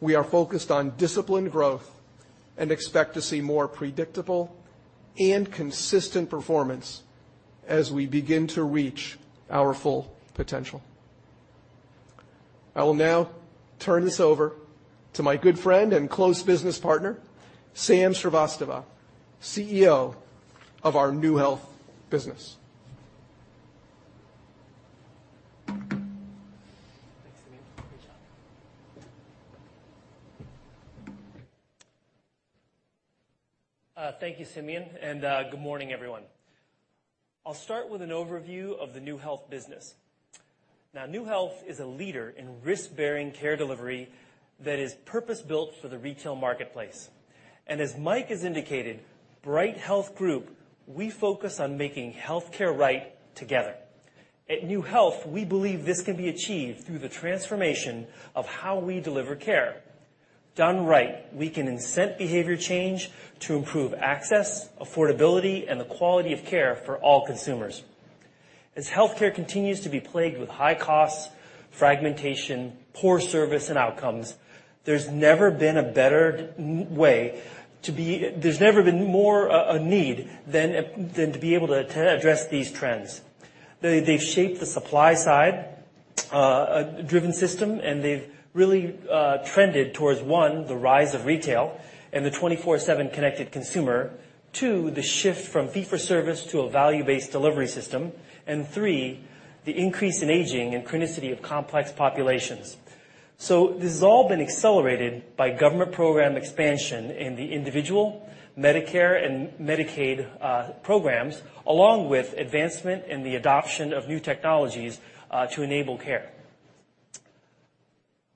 We are focused on disciplined growth and expect to see more predictable and consistent performance as we begin to reach our full potential. I will now turn this over to my good friend and close business partner, Sam Srivastava, CEO of NeueHealth. Thanks, Simeon. Good job. Thank you, Simeon, and good morning, everyone. I'll start with an overview of the NeueHealth business. Now, NeueHealth is a leader in risk-bearing care delivery that is purpose-built for the retail marketplace. As Mike has indicated, Bright Health Group, we focus on making healthcare right together. At NeueHealth, we believe this can be achieved through the transformation of how we deliver care. Done right, we can incent behavior change to improve access, affordability, and the quality of care for all consumers. As healthcare continues to be plagued with high costs, fragmentation, poor service and outcomes, there's never been more of a need than to be able to address these trends. They've shaped the supply-side driven system, and they've really trended towards one, the rise of retail and the 24/7 connected consumer. Two, the shift from fee for service to a value-based delivery system. Three, the increase in aging and chronicity of complex populations. This has all been accelerated by government program expansion in the individual, Medicare, and Medicaid programs, along with advancement in the adoption of new technologies to enable care.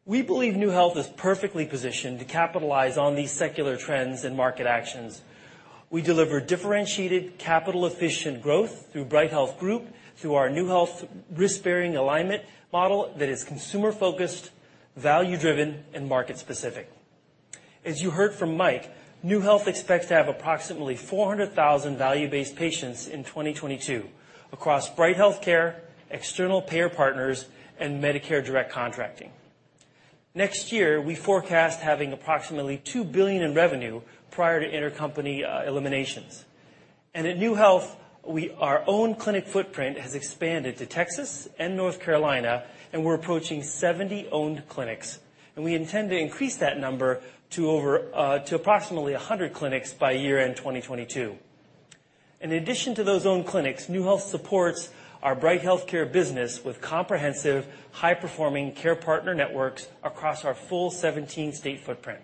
We believe NeueHealth is perfectly positioned to capitalize on these secular trends and market actions. We deliver differentiated capital-efficient growth through Bright Health Group, through our NeueHealth risk-bearing alignment model that is consumer-focused, value-driven, and market-specific. As you heard from Mike, NeueHealth expects to have approximately 400,000 value-based patients in 2022 across Bright HealthCare, external payer partners, and Medicare Direct Contracting. Next year, we forecast having approximately $2 billion in revenue prior to intercompany eliminations. At NeueHealth, our own clinic footprint has expanded to Texas and North Carolina, and we're approaching 70 owned clinics. We intend to increase that number to approximately 100 clinics by year-end 2022. In addition to those owned clinics, NeueHealth supports our Bright HealthCare business with comprehensive high-performing care partner networks across our full 17-state footprint.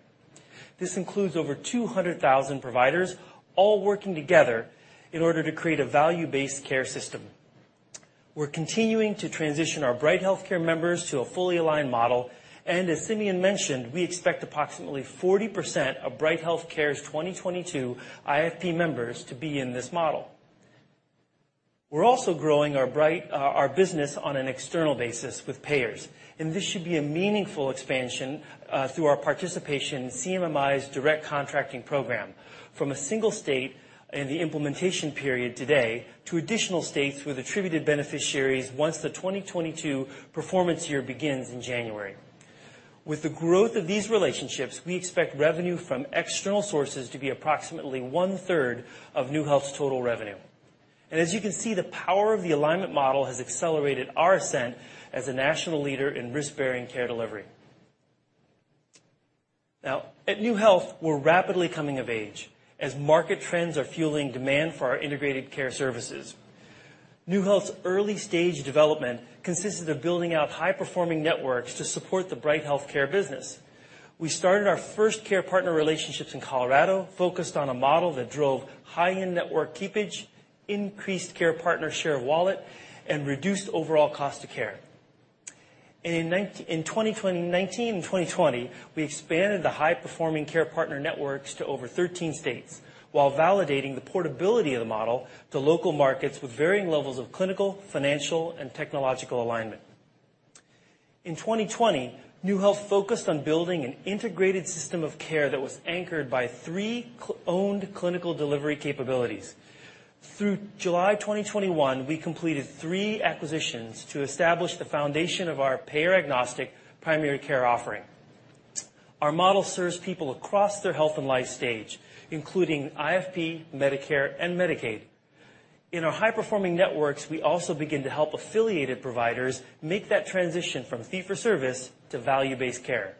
This includes over 200,000 providers all working together in order to create a value-based care system. We're continuing to transition our Bright HealthCare members to a fully aligned model, and as Simeon mentioned, we expect approximately 40% of Bright HealthCare's 2022 IFP members to be in this model. We're also growing our Bright, our business on an external basis with payers, and this should be a meaningful expansion through our participation in CMMI's Direct Contracting program from a single state in the implementation period today to additional states with attributed beneficiaries once the 2022 performance year begins in January. With the growth of these relationships, we expect revenue from external sources to be approximately one-third of NeueHealth's total revenue. As you can see, the power of the alignment model has accelerated our ascent as a national leader in risk-bearing care delivery. Now, at NeueHealth, we're rapidly coming of age as market trends are fueling demand for our integrated care services. NeueHealth's early stage development consisted of building out high-performing networks to support the Bright HealthCare business. We started our first care partner relationships in Colorado, focused on a model that drove high-end network keepage, increased care partner share of wallet, and reduced overall cost of care. In 2019 and 2020, we expanded the high-performing care partner networks to over 13 states while validating the portability of the model to local markets with varying levels of clinical, financial, and technological alignment. In 2020, NeueHealth focused on building an integrated system of care that was anchored by three owned clinical delivery capabilities. Through July 2021, we completed three acquisitions to establish the foundation of our payer-agnostic primary care offering. Our model serves people across their health and life stage, including IFP, Medicare, and Medicaid. In our high-performing networks, we also begin to help affiliated providers make that transition from fee for service to value-based care.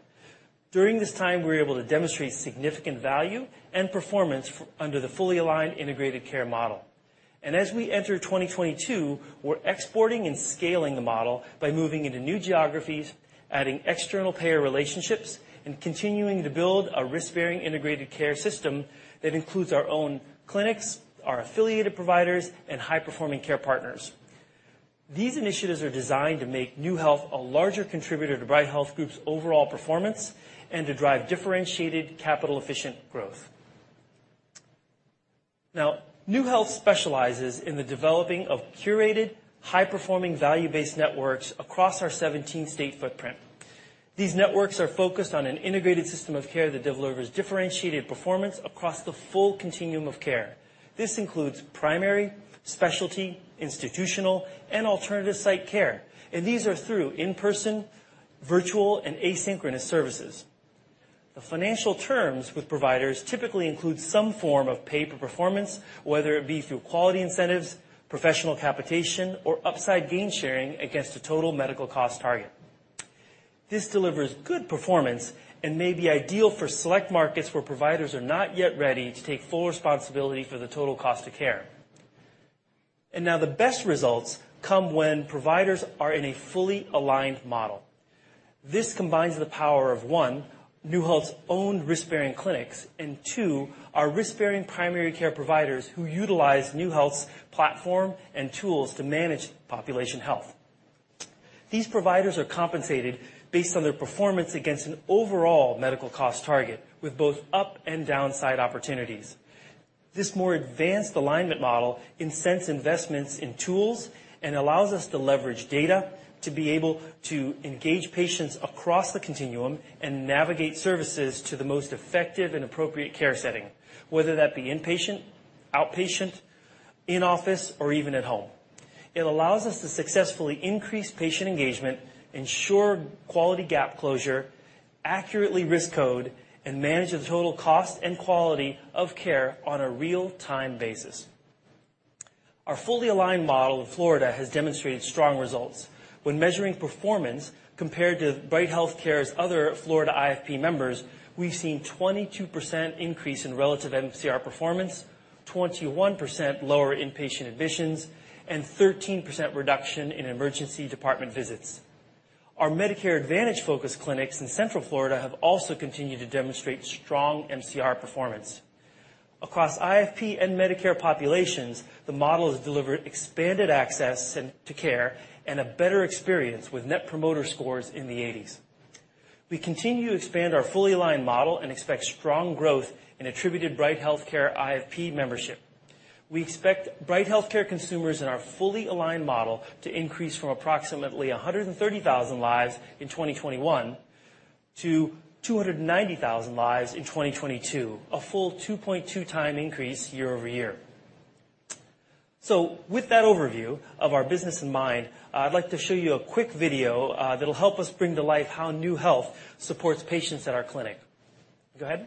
During this time, we were able to demonstrate significant value and performance under the fully aligned integrated care model. As we enter 2022, we're exporting and scaling the model by moving into new geographies, adding external payer relationships, and continuing to build a risk-bearing integrated care system that includes our own clinics, our affiliated providers, and high-performing care partners. These initiatives are designed to make NeueHealth a larger contributor to Bright Health Group's overall performance and to drive differentiated capital-efficient growth. Now, NeueHealth specializes in the developing of curated, high-performing, value-based networks across our 17-state footprint. These networks are focused on an integrated system of care that delivers differentiated performance across the full continuum of care. This includes primary, specialty, institutional, and alternative site care, and these are through in-person, virtual, and asynchronous services. The financial terms with providers typically include some form of pay for performance, whether it be through quality incentives, professional capitation, or upside gain sharing against a total medical cost target. This delivers good performance and may be ideal for select markets where providers are not yet ready to take full responsibility for the total cost of care. Now the best results come when providers are in a fully aligned model. This combines the power of, one, NeueHealth's own risk-bearing clinics, and two, our risk-bearing primary care providers who utilize NeueHealth's platform and tools to manage population health. These providers are compensated based on their performance against an overall medical cost target with both up and downside opportunities. This more advanced alignment model incents investments in tools and allows us to leverage data to be able to engage patients across the continuum and navigate services to the most effective and appropriate care setting, whether that be inpatient, outpatient, in-office, or even at home. It allows us to successfully increase patient engagement, ensure quality gap closure, accurately risk code, and manage the total cost and quality of care on a real-time basis. Our fully aligned model in Florida has demonstrated strong results. When measuring performance compared to Bright HealthCare's other Florida IFP members, we've seen 22% increase in relative MCR performance, 21% lower inpatient admissions, and 13% reduction in emergency department visits. Our Medicare Advantage-focused clinics in Central Florida have also continued to demonstrate strong MCR performance. Across IFP and Medicare populations, the model has delivered expanded access to care and a better experience with net promoter scores in the eighties. We continue to expand our fully aligned model and expect strong growth in attributed Bright HealthCare IFP membership. We expect Bright HealthCare consumers in our fully aligned model to increase from approximately 130,000 lives in 2021 to 290,000 lives in 2022, a full 2.2x increase year-over-year. With that overview of our business in mind, I'd like to show you a quick video that'll help us bring to life how NeueHealth supports patients at our clinic. Go ahead.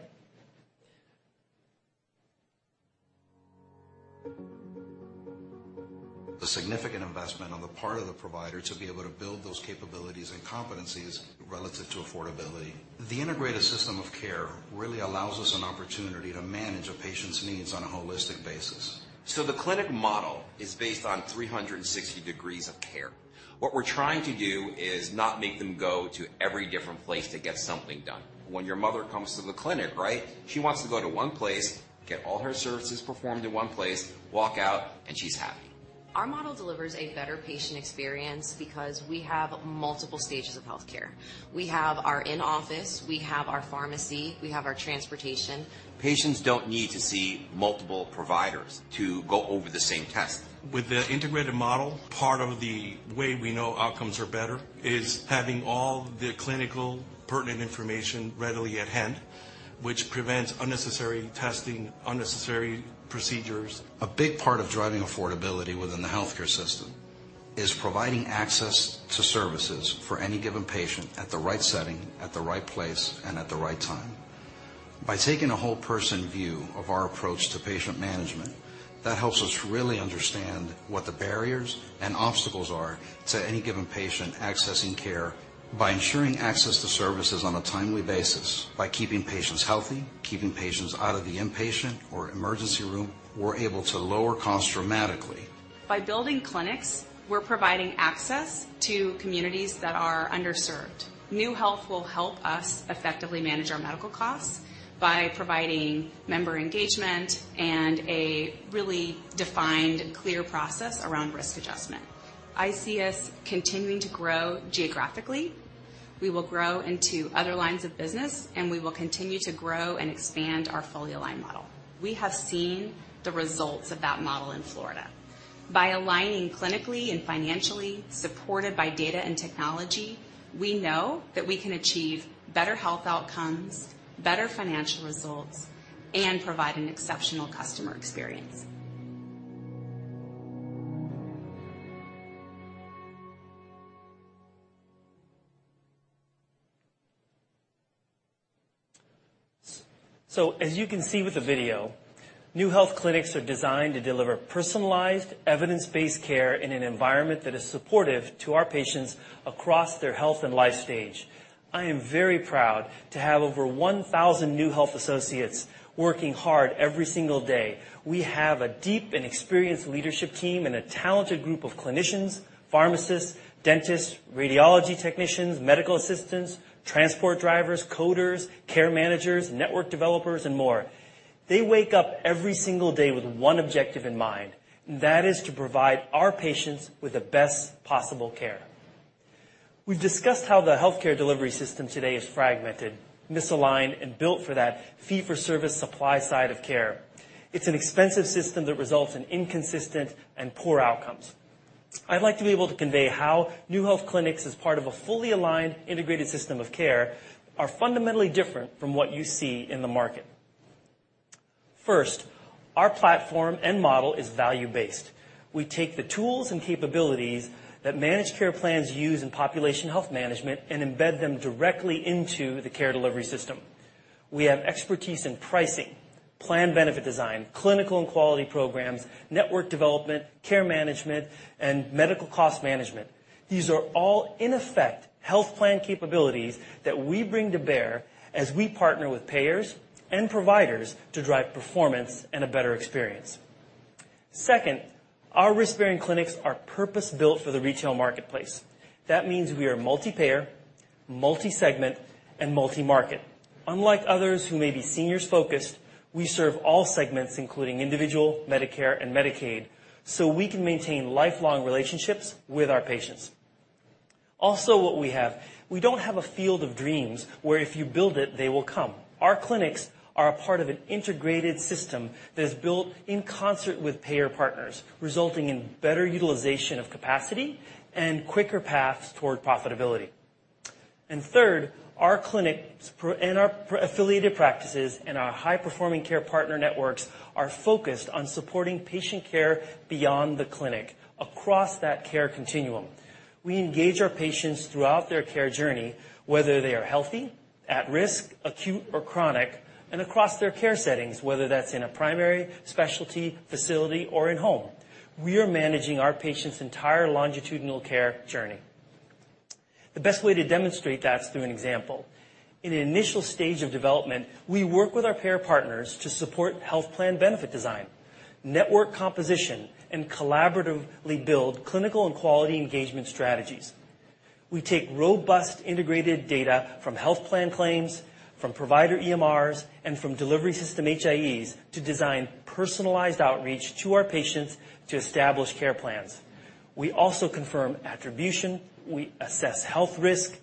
The significant investment on the part of the provider to be able to build those capabilities and competencies relative to affordability. The integrated system of care really allows us an opportunity to manage a patient's needs on a holistic basis. The clinic model is based on 360 degrees of care. What we're trying to do is not make them go to every different place to get something done. When your mother comes to the clinic, right, she wants to go to one place, get all her services performed in one place, walk out, and she's happy. Our model delivers a better patient experience because we have multiple stages of healthcare. We have our in-office, we have our pharmacy, we have our transportation. Patients don't need to see multiple providers to go over the same test. With the integrated model, part of the way we know outcomes are better is having all the clinical pertinent information readily at hand, which prevents unnecessary testing, unnecessary procedures. A big part of driving affordability within the healthcare system is providing access to services for any given patient at the right setting, at the right place, and at the right time. By taking a whole-person view of our approach to patient management, that helps us really understand what the barriers and obstacles are to any given patient accessing care. By ensuring access to services on a timely basis, by keeping patients healthy, keeping patients out of the inpatient or emergency room, we're able to lower costs dramatically. By building clinics, we're providing access to communities that are underserved. NeueHealth will help us effectively manage our medical costs by providing member engagement and a really defined and clear process around risk adjustment. I see us continuing to grow geographically. We will grow into other lines of business, and we will continue to grow and expand our fully aligned model. We have seen the results of that model in Florida. By aligning clinically and financially, supported by data and technology, we know that we can achieve better health outcomes, better financial results, and provide an exceptional customer experience. As you can see with the video, NeueHealth clinics are designed to deliver personalized, evidence-based care in an environment that is supportive to our patients across their health and life stage. I am very proud to have over 1,000 NeueHealth associates working hard every single day. We have a deep and experienced leadership team and a talented group of clinicians, pharmacists, dentists, radiology technicians, medical assistants, transport drivers, coders, care managers, network developers, and more. They wake up every single day with one objective in mind, and that is to provide our patients with the best possible care. We've discussed how the healthcare delivery system today is fragmented, misaligned, and built for that fee-for-service supply side of care. It's an expensive system that results in inconsistent and poor outcomes. I'd like to be able to convey how NeueHealth clinics as part of a fully aligned integrated system of care are fundamentally different from what you see in the market. First, our platform and model is value-based. We take the tools and capabilities that managed care plans use in population health management and embed them directly into the care delivery system. We have expertise in pricing, plan benefit design, clinical and quality programs, network development, care management, and medical cost management. These are all in effect health plan capabilities that we bring to bear as we partner with payers and providers to drive performance and a better experience. Second, our risk-bearing clinics are purpose-built for the retail marketplace. That means we are multi-payer, multi-segment, and multi-market. Unlike others who may be seniors focused, we serve all segments including individual, Medicare, and Medicaid, so we can maintain lifelong relationships with our patients. Also what we have, we don't have a field of dreams where if you build it, they will come. Our clinics are a part of an integrated system that is built in concert with payer partners, resulting in better utilization of capacity and quicker paths toward profitability. Third, our clinics and our provider-affiliated practices and our high-performing care partner networks are focused on supporting patient care beyond the clinic across that care continuum. We engage our patients throughout their care journey, whether they are healthy, at risk, acute or chronic, and across their care settings, whether that's in a primary, specialty, facility or in home. We are managing our patient's entire longitudinal care journey. The best way to demonstrate that is through an example. In an initial stage of development, we work with our payer partners to support health plan benefit design, network composition, and collaboratively build clinical and quality engagement strategies. We take robust integrated data from health plan claims, from provider EMRs, and from delivery system HIEs to design personalized outreach to our patients to establish care plans. We also confirm attribution, we assess health risk,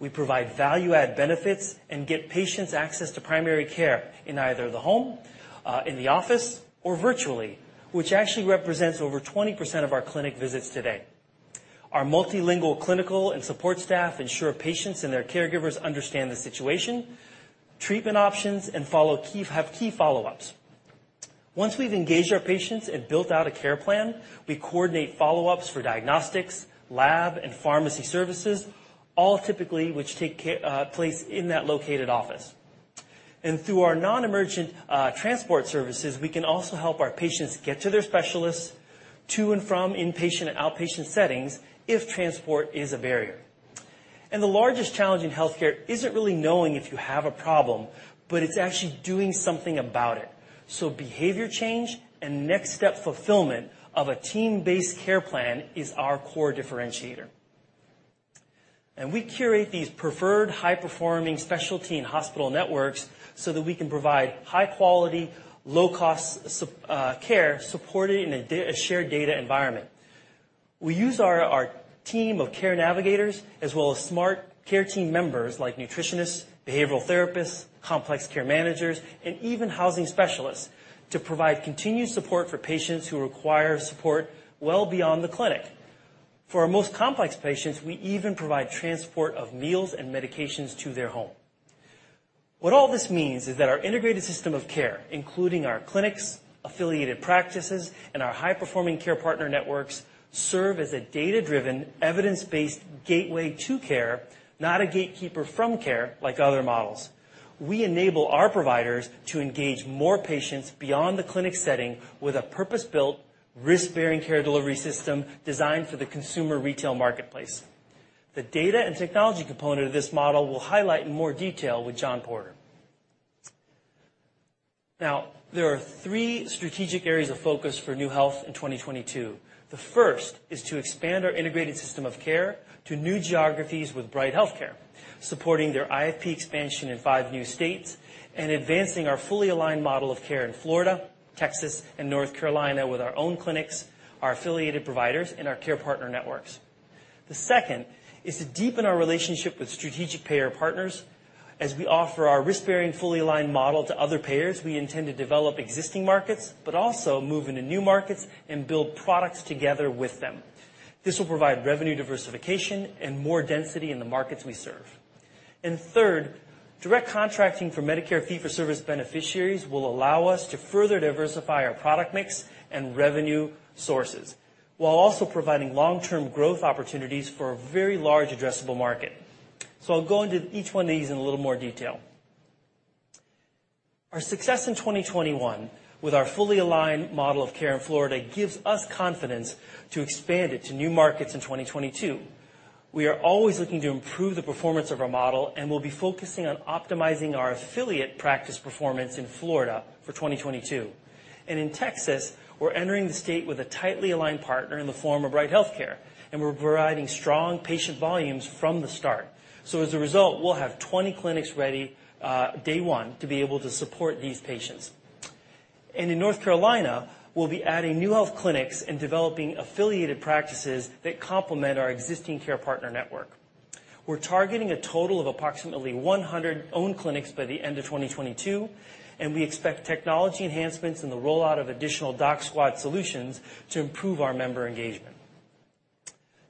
we provide value-add benefits, and get patients access to primary care in either the home, in the office, or virtually, which actually represents over 20% of our clinic visits today. Our multilingual clinical and support staff ensure patients and their caregivers understand the situation, treatment options, and have key follow-ups. Once we've engaged our patients and built out a care plan, we coordinate follow-ups for diagnostics, lab, and pharmacy services, all typically which take place in that located office. Through our non-emergent transport services, we can also help our patients get to their specialists to and from inpatient and outpatient settings if transport is a barrier. The largest challenge in healthcare isn't really knowing if you have a problem, but it's actually doing something about it. Behavior change and next step fulfillment of a team-based care plan is our core differentiator. We curate these preferred high-performing specialty and hospital networks so that we can provide high-quality, low-cost care supported in a shared data environment. We use our team of care navigators as well as smart care team members like nutritionists, behavioral therapists, complex care managers, and even housing specialists to provide continued support for patients who require support well beyond the clinic. For our most complex patients, we even provide transport of meals and medications to their home. What all this means is that our integrated system of care, including our clinics, affiliated practices, and our high-performing care partner networks, serve as a data-driven, evidence-based gateway to care, not a gatekeeper from care like other models. We enable our providers to engage more patients beyond the clinic setting with a purpose-built, risk-bearing care delivery system designed for the consumer retail marketplace. The data and technology component of this model will highlight in more detail with Jon Porter. Now, there are three strategic areas of focus for NeueHealth in 2022. The first is to expand our integrated system of care to new geographies with Bright HealthCare, supporting their IFP expansion in five new states and advancing our fully aligned model of care in Florida, Texas, and North Carolina with our own clinics, our affiliated providers, and our care partner networks. The second is to deepen our relationship with strategic payer partners. As we offer our risk-bearing fully aligned model to other payers, we intend to develop existing markets, but also move into new markets and build products together with them. This will provide revenue diversification and more density in the markets we serve. Third, Direct Contracting for Medicare fee-for-service beneficiaries will allow us to further diversify our product mix and revenue sources, while also providing long-term growth opportunities for a very large addressable market. I'll go into each one of these in a little more detail. Our success in 2021 with our fully aligned model of care in Florida gives us confidence to expand it to new markets in 2022. We are always looking to improve the performance of our model and we'll be focusing on optimizing our affiliate practice performance in Florida for 2022. In Texas, we're entering the state with a tightly aligned partner in the form of Bright HealthCare, and we're providing strong patient volumes from the start. As a result, we'll have 20 clinics ready, day one to be able to support these patients. In North Carolina, we'll be adding new health clinics and developing affiliated practices that complement our existing care partner network. We're targeting a total of approximately 100 owned clinics by the end of 2022, and we expect technology enhancements in the rollout of additional DocSquad solutions to improve our member engagement.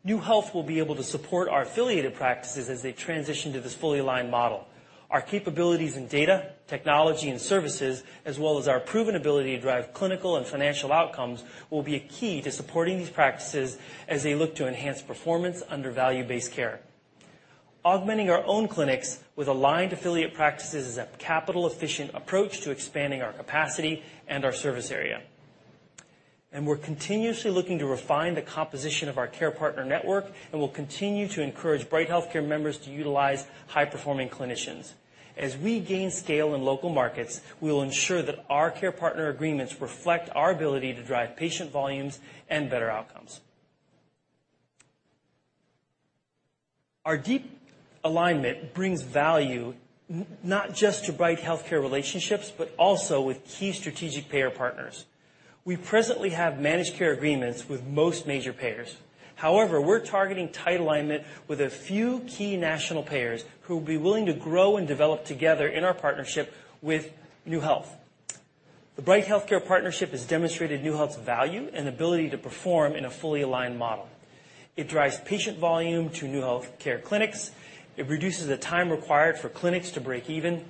NeueHealth will be able to support our affiliated practices as they transition to this fully aligned model. Our capabilities in data, technology, and services, as well as our proven ability to drive clinical and financial outcomes, will be a key to supporting these practices as they look to enhance performance under value-based care. Augmenting our own clinics with aligned affiliate practices is a capital-efficient approach to expanding our capacity and our service area. We're continuously looking to refine the composition of our care partner network, and we'll continue to encourage Bright HealthCare members to utilize high-performing clinicians. As we gain scale in local markets, we will ensure that our care partner agreements reflect our ability to drive patient volumes and better outcomes. Our deep alignment brings value not just to Bright HealthCare relationships, but also with key strategic payer partners. We presently have managed care agreements with most major payers. However, we're targeting tight alignment with a few key national payers who will be willing to grow and develop together in our partnership with NeueHealth. The Bright HealthCare Partnership has demonstrated NeueHealth's value and ability to perform in a fully aligned model. It drives patient volume to NeueHealth care clinics. It reduces the time required for clinics to break even.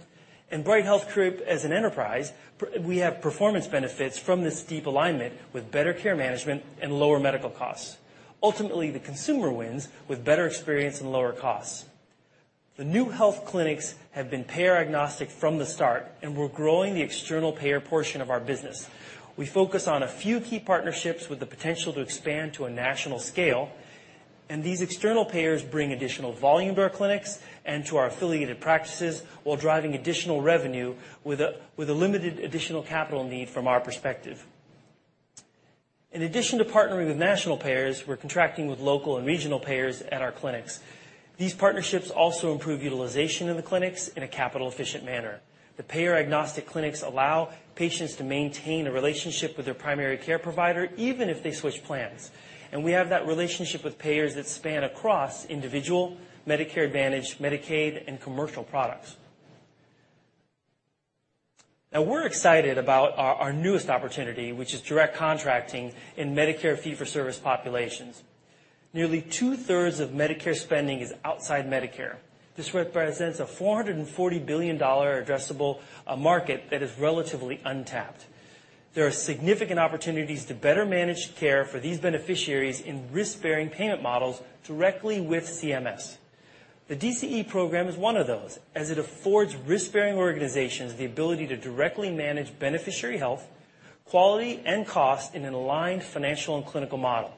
Bright Health Group as an enterprise, we have performance benefits from this deep alignment with better care management and lower medical costs. Ultimately, the consumer wins with better experience and lower costs. The NeueHealth clinics have been payer-agnostic from the start, and we're growing the external payer portion of our business. We focus on a few key partnerships with the potential to expand to a national scale, and these external payers bring additional volume to our clinics and to our affiliated practices while driving additional revenue with a limited additional capital need from our perspective. In addition to partnering with national payers, we're contracting with local and regional payers at our clinics. These partnerships also improve utilization of the clinics in a capital-efficient manner. The payer-agnostic clinics allow patients to maintain a relationship with their primary care provider, even if they switch plans. We have that relationship with payers that span across individual, Medicare Advantage, Medicaid, and commercial products. Now we're excited about our newest opportunity, which is Direct Contracting in Medicare fee-for-service populations. Nearly two-thirds of Medicare spending is outside Medicare. This represents a $440 billion addressable market that is relatively untapped. There are significant opportunities to better manage care for these beneficiaries in risk-bearing payment models directly with CMS. The DCE program is one of those, as it affords risk-bearing organizations the ability to directly manage beneficiary health, quality, and cost in an aligned financial and clinical model.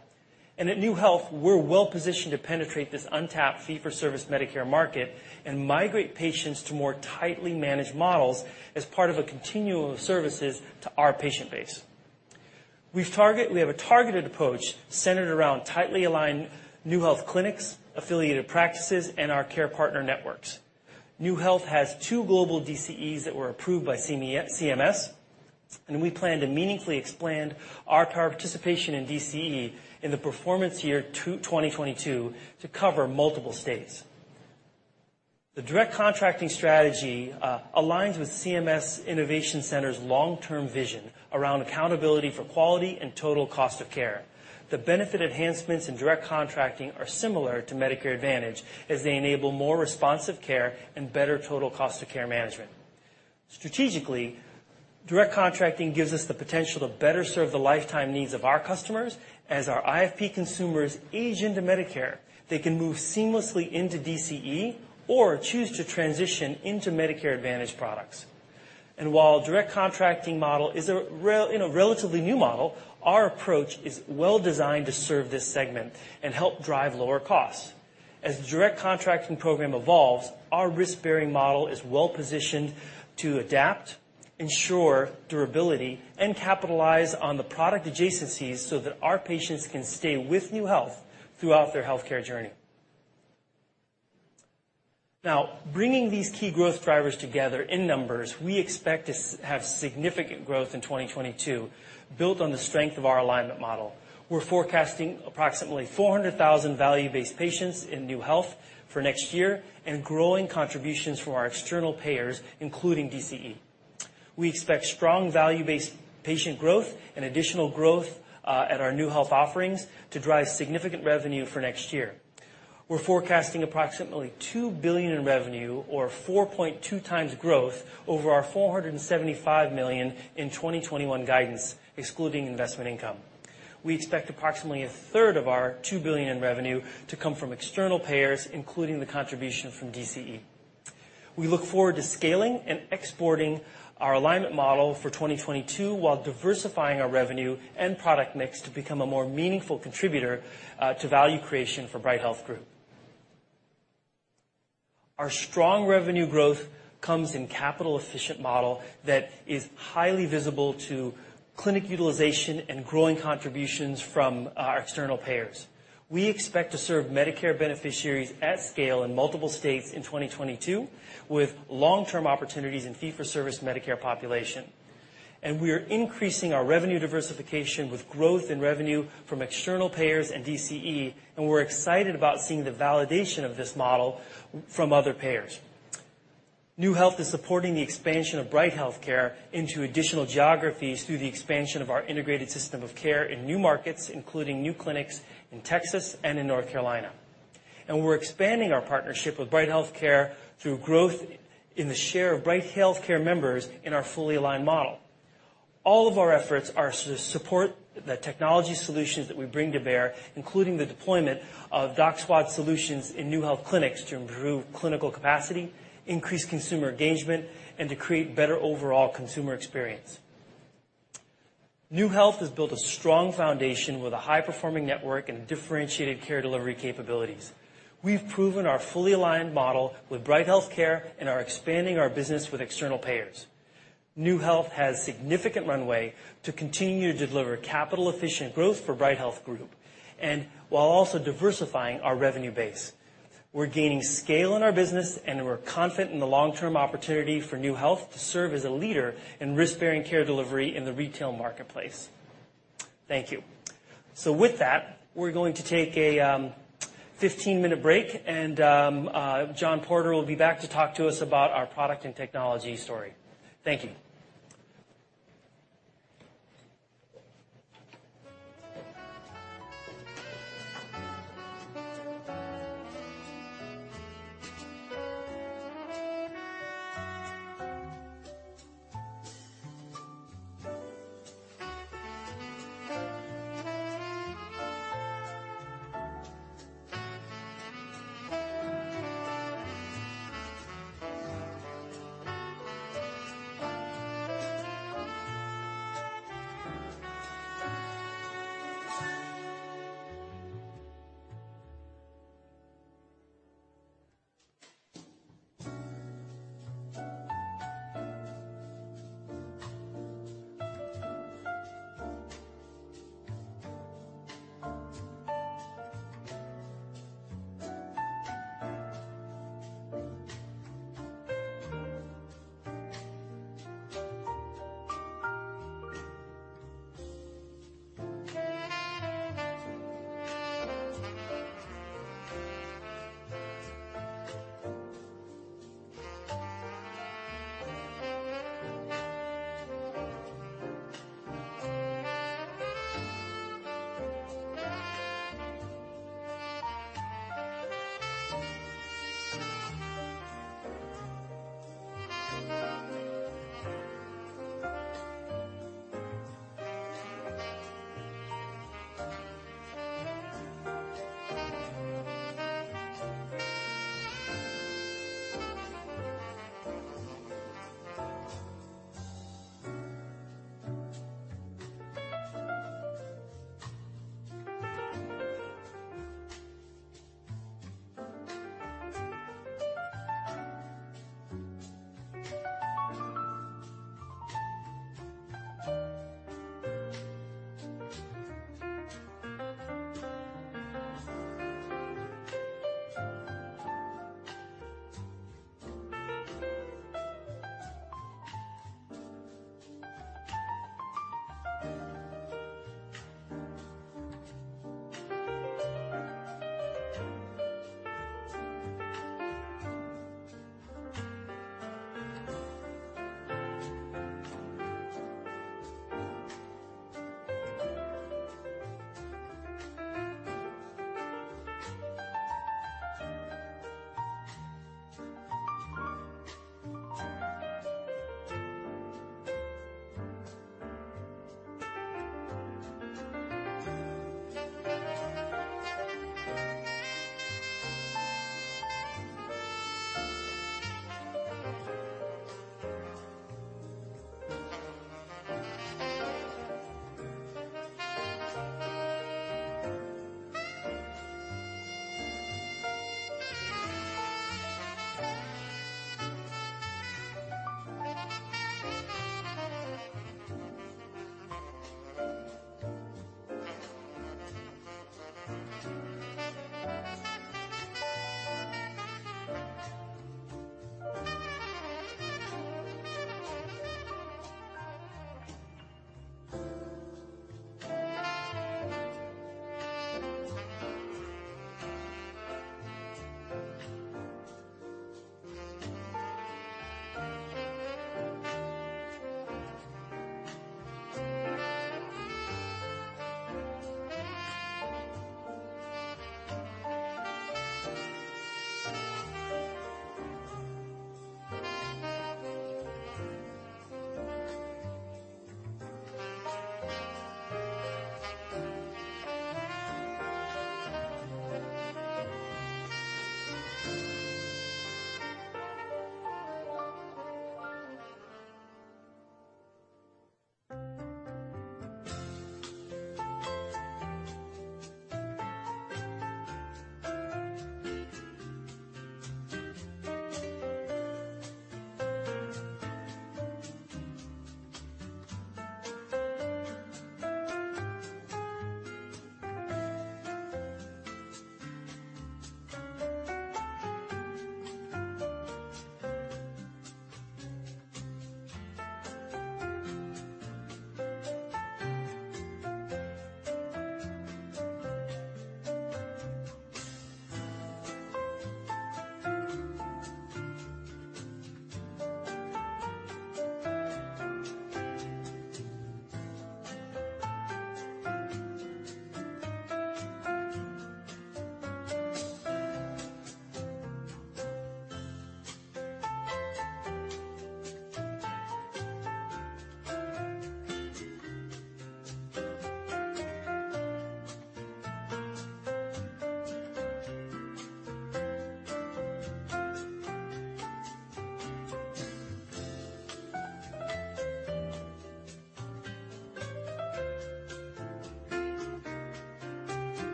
At NeueHealth, we're well-positioned to penetrate this untapped fee-for-service Medicare market and migrate patients to more tightly managed models as part of a continuum of services to our patient base. We have a targeted approach centered around tightly aligned NeueHealth clinics, affiliated practices, and our care partner networks. NeueHealth has two global DCEs that were approved by CMS, and we plan to meaningfully expand our participation in DCE in the performance year 2022 to cover multiple states. The direct contracting strategy aligns with CMS Innovation Center's long-term vision around accountability for quality and total cost of care. The benefit enhancements in direct contracting are similar to Medicare Advantage, as they enable more responsive care and better total cost of care management. Strategically, direct contracting gives us the potential to better serve the lifetime needs of our customers. As our IFP consumers age into Medicare, they can move seamlessly into DCE or choose to transition into Medicare Advantage products. While direct contracting model is a you know, relatively new model, our approach is well-designed to serve this segment and help drive lower costs. As the direct contracting program evolves, our risk-bearing model is well-positioned to adapt, ensure durability, and capitalize on the product adjacencies so that our patients can stay with NeueHealth throughout their healthcare journey. Now, bringing these key growth drivers together in numbers, we expect to have significant growth in 2022, built on the strength of our alignment model. We're forecasting approximately 400,000 value-based patients in NeueHealth for next year and growing contributions from our external payers, including DCE. We expect strong value-based patient growth and additional growth at our NeueHealth offerings to drive significant revenue for next year. We're forecasting approximately $2 billion in revenue or 4.2x growth over our $475 million in 2021 guidance, excluding investment income. We expect approximately a third of our $2 billion in revenue to come from external payers, including the contribution from DCE. We look forward to scaling and exporting our alignment model for 2022 while diversifying our revenue and product mix to become a more meaningful contributor to value creation for Bright Health Group. Our strong revenue growth comes from a capital efficient model that is highly visible to clinic utilization and growing contributions from our external payers. We expect to serve Medicare beneficiaries at scale in multiple states in 2022 with long-term opportunities in fee-for-service Medicare population. We are increasing our revenue diversification with growth in revenue from external payers and DCE, and we're excited about seeing the validation of this model from other payers. NeueHealth is supporting the expansion of Bright HealthCare into additional geographies through the expansion of our integrated system of care in new markets, including new clinics in Texas and in North Carolina. We're expanding our partnership with Bright HealthCare through growth in the share of Bright HealthCare members in our fully aligned model. All of our efforts are to support the technology solutions that we bring to bear, including the deployment of DocSquad solutions in NeueHealth clinics to improve clinical capacity, increase consumer engagement, and to create better overall consumer experience. NeueHealth has built a strong foundation with a high-performing network and differentiated care delivery capabilities. We've proven our fully aligned model with Bright HealthCare and are expanding our business with external payers. NeueHealth has significant runway to continue to deliver capital efficient growth for Bright Health Group and while also diversifying our revenue base. We're gaining scale in our business, and we're confident in the long-term opportunity for NeueHealth to serve as a leader in risk-bearing care delivery in the retail marketplace. Thank you. With that, we're going to take a 15-minute break, and Jon Porter will be back to talk to us about our product and technology story. Thank you.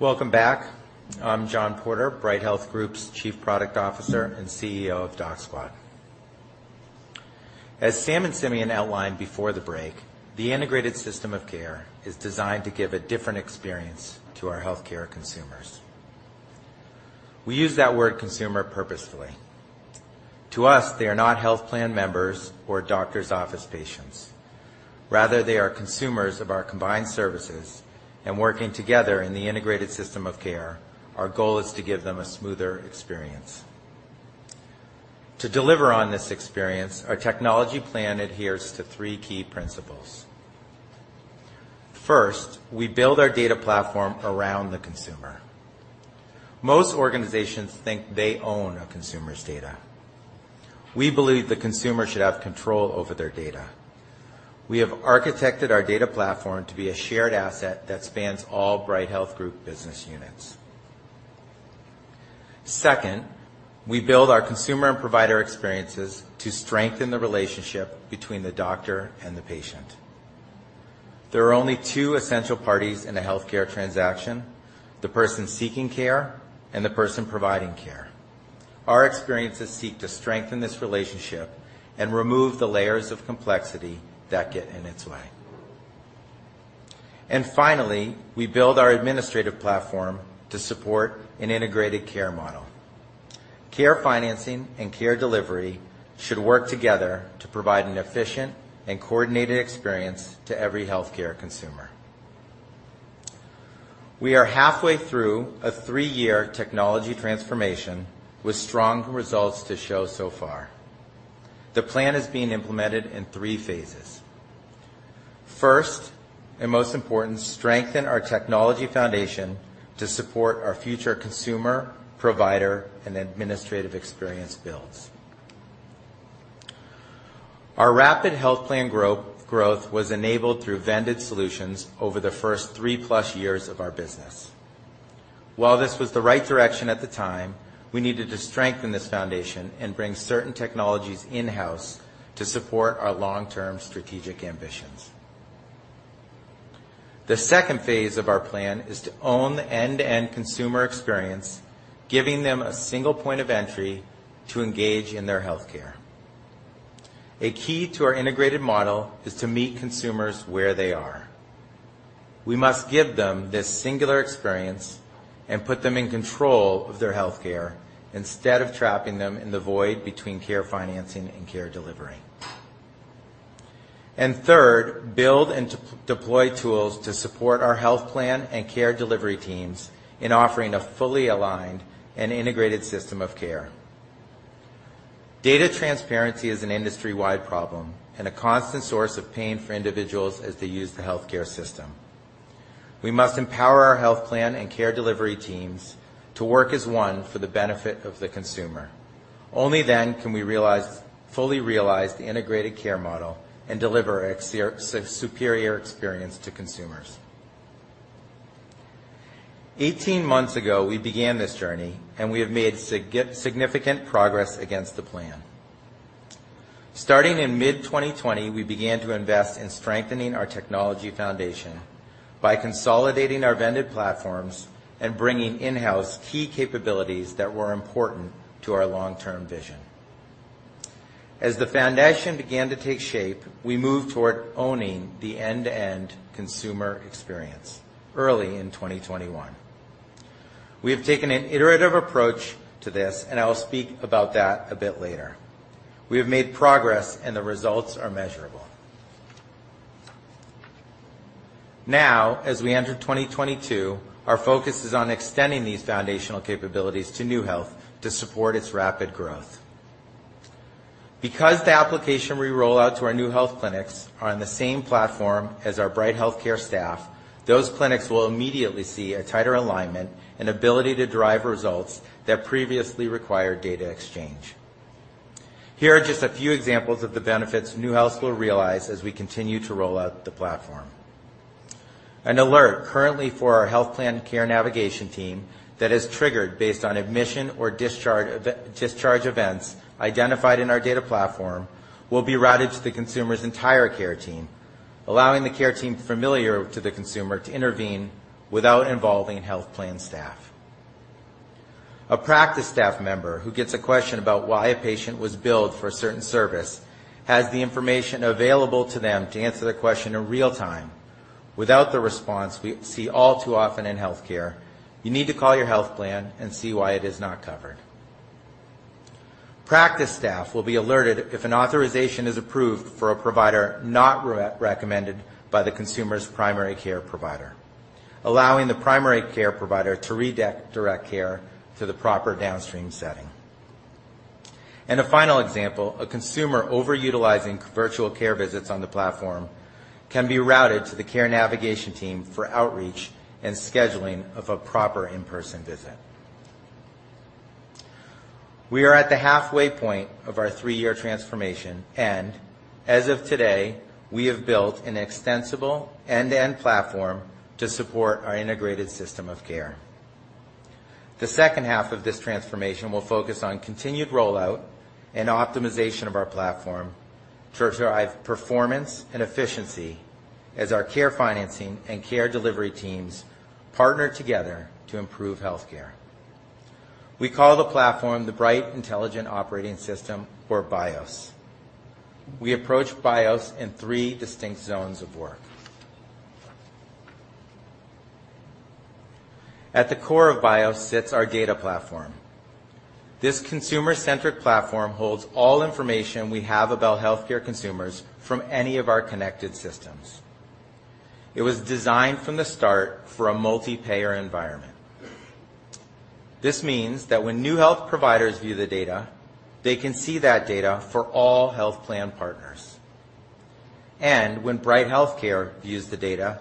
Welcome back. I'm Jon Porter, Bright Health Group's Chief Product Officer and CEO of DocSquad. As Sam and Simeon outlined before the break, the integrated system of care is designed to give a different experience to our healthcare consumers. We use that word consumer purposefully. To us, they are not health plan members or doctor's office patients. Rather, they are consumers of our combined services, and working together in the integrated system of care, our goal is to give them a smoother experience. To deliver on this experience, our technology plan adheres to three key principles. First, we build our data platform around the consumer. Most organizations think they own a consumer's data. We believe the consumer should have control over their data. We have architected our data platform to be a shared asset that spans all Bright Health Group business units. Second, we build our consumer and provider experiences to strengthen the relationship between the doctor and the patient. There are only two essential parties in a healthcare transaction, the person seeking care and the person providing care. Our experiences seek to strengthen this relationship and remove the layers of complexity that get in its way. Finally, we build our administrative platform to support an integrated care model. Care financing and care delivery should work together to provide an efficient and coordinated experience to every healthcare consumer. We are halfway through a three-year technology transformation with strong results to show so far. The plan is being implemented in three phases. First, and most important, strengthen our technology foundation to support our future consumer, provider, and administrative experience builds. Our rapid health plan growth was enabled through vended solutions over the first three-plus years of our business. While this was the right direction at the time, we needed to strengthen this foundation and bring certain technologies in-house to support our long-term strategic ambitions. The second phase of our plan is to own the end-to-end consumer experience, giving them a single point of entry to engage in their healthcare. A key to our integrated model is to meet consumers where they are. We must give them this singular experience and put them in control of their healthcare instead of trapping them in the void between care financing and care delivery. Third, build and deploy tools to support our health plan and care delivery teams in offering a fully aligned and integrated system of care. Data transparency is an industry-wide problem and a constant source of pain for individuals as they use the healthcare system. We must empower our health plan and care delivery teams to work as one for the benefit of the consumer. Only then can we fully realize the integrated care model and deliver superior experience to consumers. 18 months ago, we began this journey, and we have made significant progress against the plan. Starting in mid-2020, we began to invest in strengthening our technology foundation by consolidating our vended platforms and bringing in-house key capabilities that were important to our long-term vision. As the foundation began to take shape, we moved toward owning the end-to-end consumer experience early in 2021. We have taken an iterative approach to this, and I will speak about that a bit later. We have made progress, and the results are measurable. Now, as we enter 2022, our focus is on extending these foundational capabilities to NeueHealth to support its rapid growth. Because the application we roll out to our NeueHealth clinics are on the same platform as our Bright HealthCare staff, those clinics will immediately see a tighter alignment and ability to drive results that previously required data exchange. Here are just a few examples of the benefits NeueHealth will realize as we continue to roll out the platform. An alert currently for our health plan care navigation team that is triggered based on admission or discharge events identified in our data platform will be routed to the consumer's entire care team, allowing the care team familiar to the consumer to intervene without involving health plan staff. A practice staff member who gets a question about why a patient was billed for a certain service has the information available to them to answer the question in real-time without the response we see all too often in healthcare, "You need to call your health plan and see why it is not covered." Practice staff will be alerted if an authorization is approved for a provider not re-recommended by the consumer's primary care provider, allowing the primary care provider to direct care to the proper downstream setting. A final example, a consumer over-utilizing virtual care visits on the platform can be routed to the care navigation team for outreach and scheduling of a proper in-person visit. We are at the halfway point of our three-year transformation, and as of today, we have built an extensible end-to-end platform to support our integrated system of care. The second half of this transformation will focus on continued rollout and optimization of our platform to drive performance and efficiency as our care financing and care delivery teams partner together to improve healthcare. We call the platform the Bright Intelligent Operating System or BiOS. We approach BiOS in three distinct zones of work. At the core of BiOS sits our data platform. This consumer-centric platform holds all information we have about healthcare consumers from any of our connected systems. It was designed from the start for a multi-payer environment. This means that when new health providers view the data, they can see that data for all health plan partners. When Bright HealthCare views the data,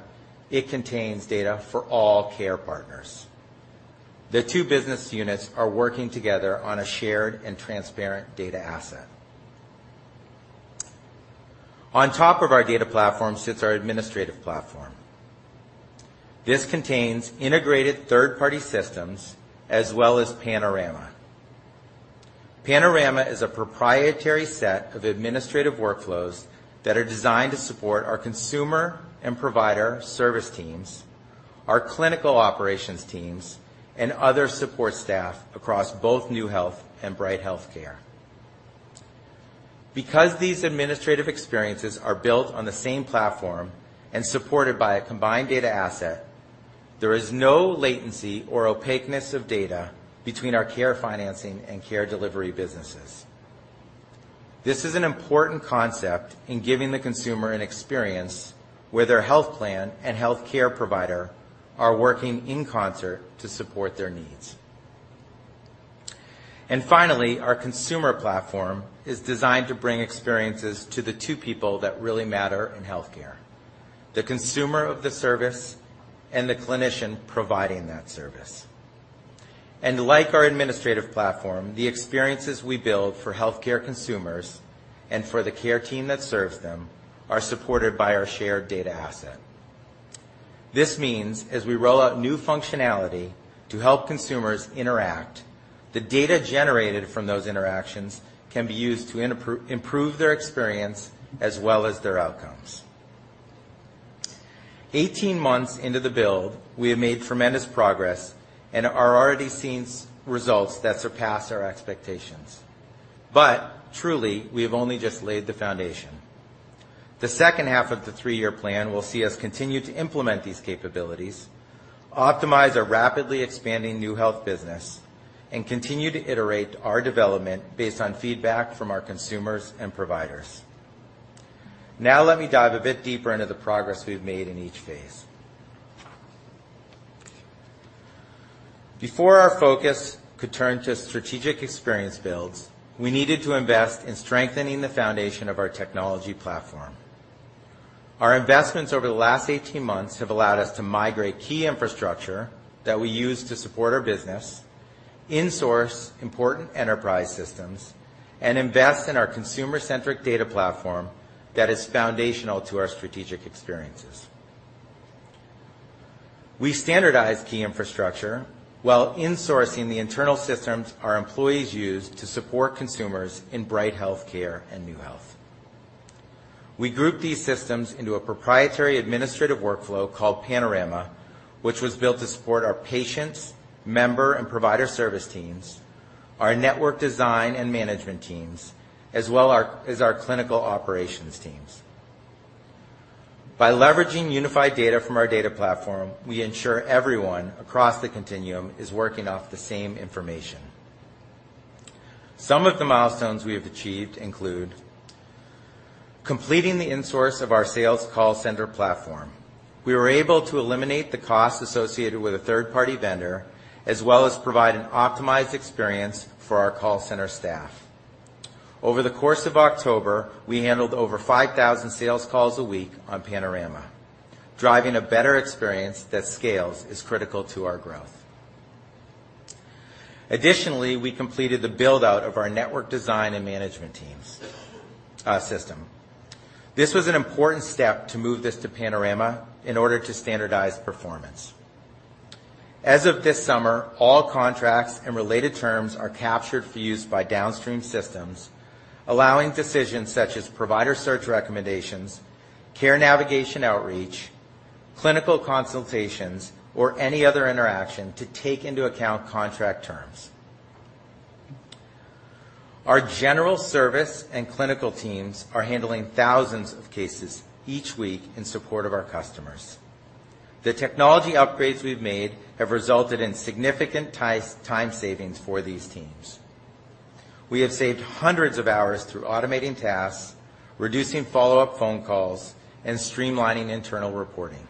it contains data for all care partners. The two business units are working together on a shared and transparent data asset. On top of our data platform sits our administrative platform. This contains integrated third-party systems as well as Panorama. Panorama is a proprietary set of administrative workflows that are designed to support our consumer and provider service teams, our clinical operations teams, and other support staff across both NeueHealth and Bright HealthCare. Because these administrative experiences are built on the same platform and supported by a combined data asset, there is no latency or opaqueness of data between our care financing and care delivery businesses. This is an important concept in giving the consumer an experience where their health plan and healthcare provider are working in concert to support their needs. Finally, our consumer platform is designed to bring experiences to the two people that really matter in healthcare: the consumer of the service and the clinician providing that service. Like our administrative platform, the experiences we build for healthcare consumers and for the care team that serves them are supported by our shared data asset. This means as we roll out new functionality to help consumers interact. The data generated from those interactions can be used to improve their experience as well as their outcomes. 18 months into the build, we have made tremendous progress and are already seeing results that surpass our expectations. Truly, we have only just laid the foundation. The second half of the three-year plan will see us continue to implement these capabilities, optimize our rapidly expanding new health business, and continue to iterate our development based on feedback from our consumers and providers. Now let me dive a bit deeper into the progress we've made in each phase. Before our focus could turn to strategic experience builds, we needed to invest in strengthening the foundation of our technology platform. Our investments over the last 18 months have allowed us to migrate key infrastructure that we use to support our business, insource important enterprise systems, and invest in our consumer-centric data platform that is foundational to our strategic experiences. We standardized key infrastructure while insourcing the internal systems our employees use to support consumers in Bright HealthCare and NeueHealth. We grouped these systems into a proprietary administrative workflow called Panorama, which was built to support our patients, member, and provider service teams, our network design and management teams, as well as our clinical operations teams. By leveraging unified data from our data platform, we ensure everyone across the continuum is working off the same information. Some of the milestones we have achieved include completing the insource of our sales call center platform. We were able to eliminate the costs associated with a third-party vendor, as well as provide an optimized experience for our call center staff. Over the course of October, we handled over 5,000 sales calls a week on Panorama. Driving a better experience that scales is critical to our growth. Additionally, we completed the build-out of our network design and management teams, system. This was an important step to move this to Panorama in order to standardize performance. As of this summer, all contracts and related terms are captured for use by downstream systems, allowing decisions such as provider search recommendations, care navigation outreach, clinical consultations, or any other interaction to take into account contract terms. Our general service and clinical teams are handling thousands of cases each week in support of our customers. The technology upgrades we've made have resulted in significant time savings for these teams. We have saved hundreds of hours through automating tasks, reducing follow-up phone calls, and streamlining internal reporting.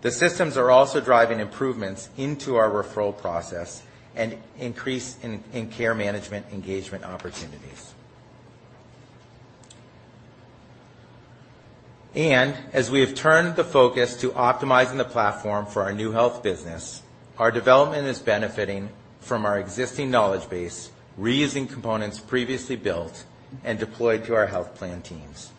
The systems are also driving improvements into our referral process and increase in care management engagement opportunities. As we have turned the focus to optimizing the platform for our new health business, our development is benefiting from our existing knowledge base, reusing components previously built and deployed to our health plan teams.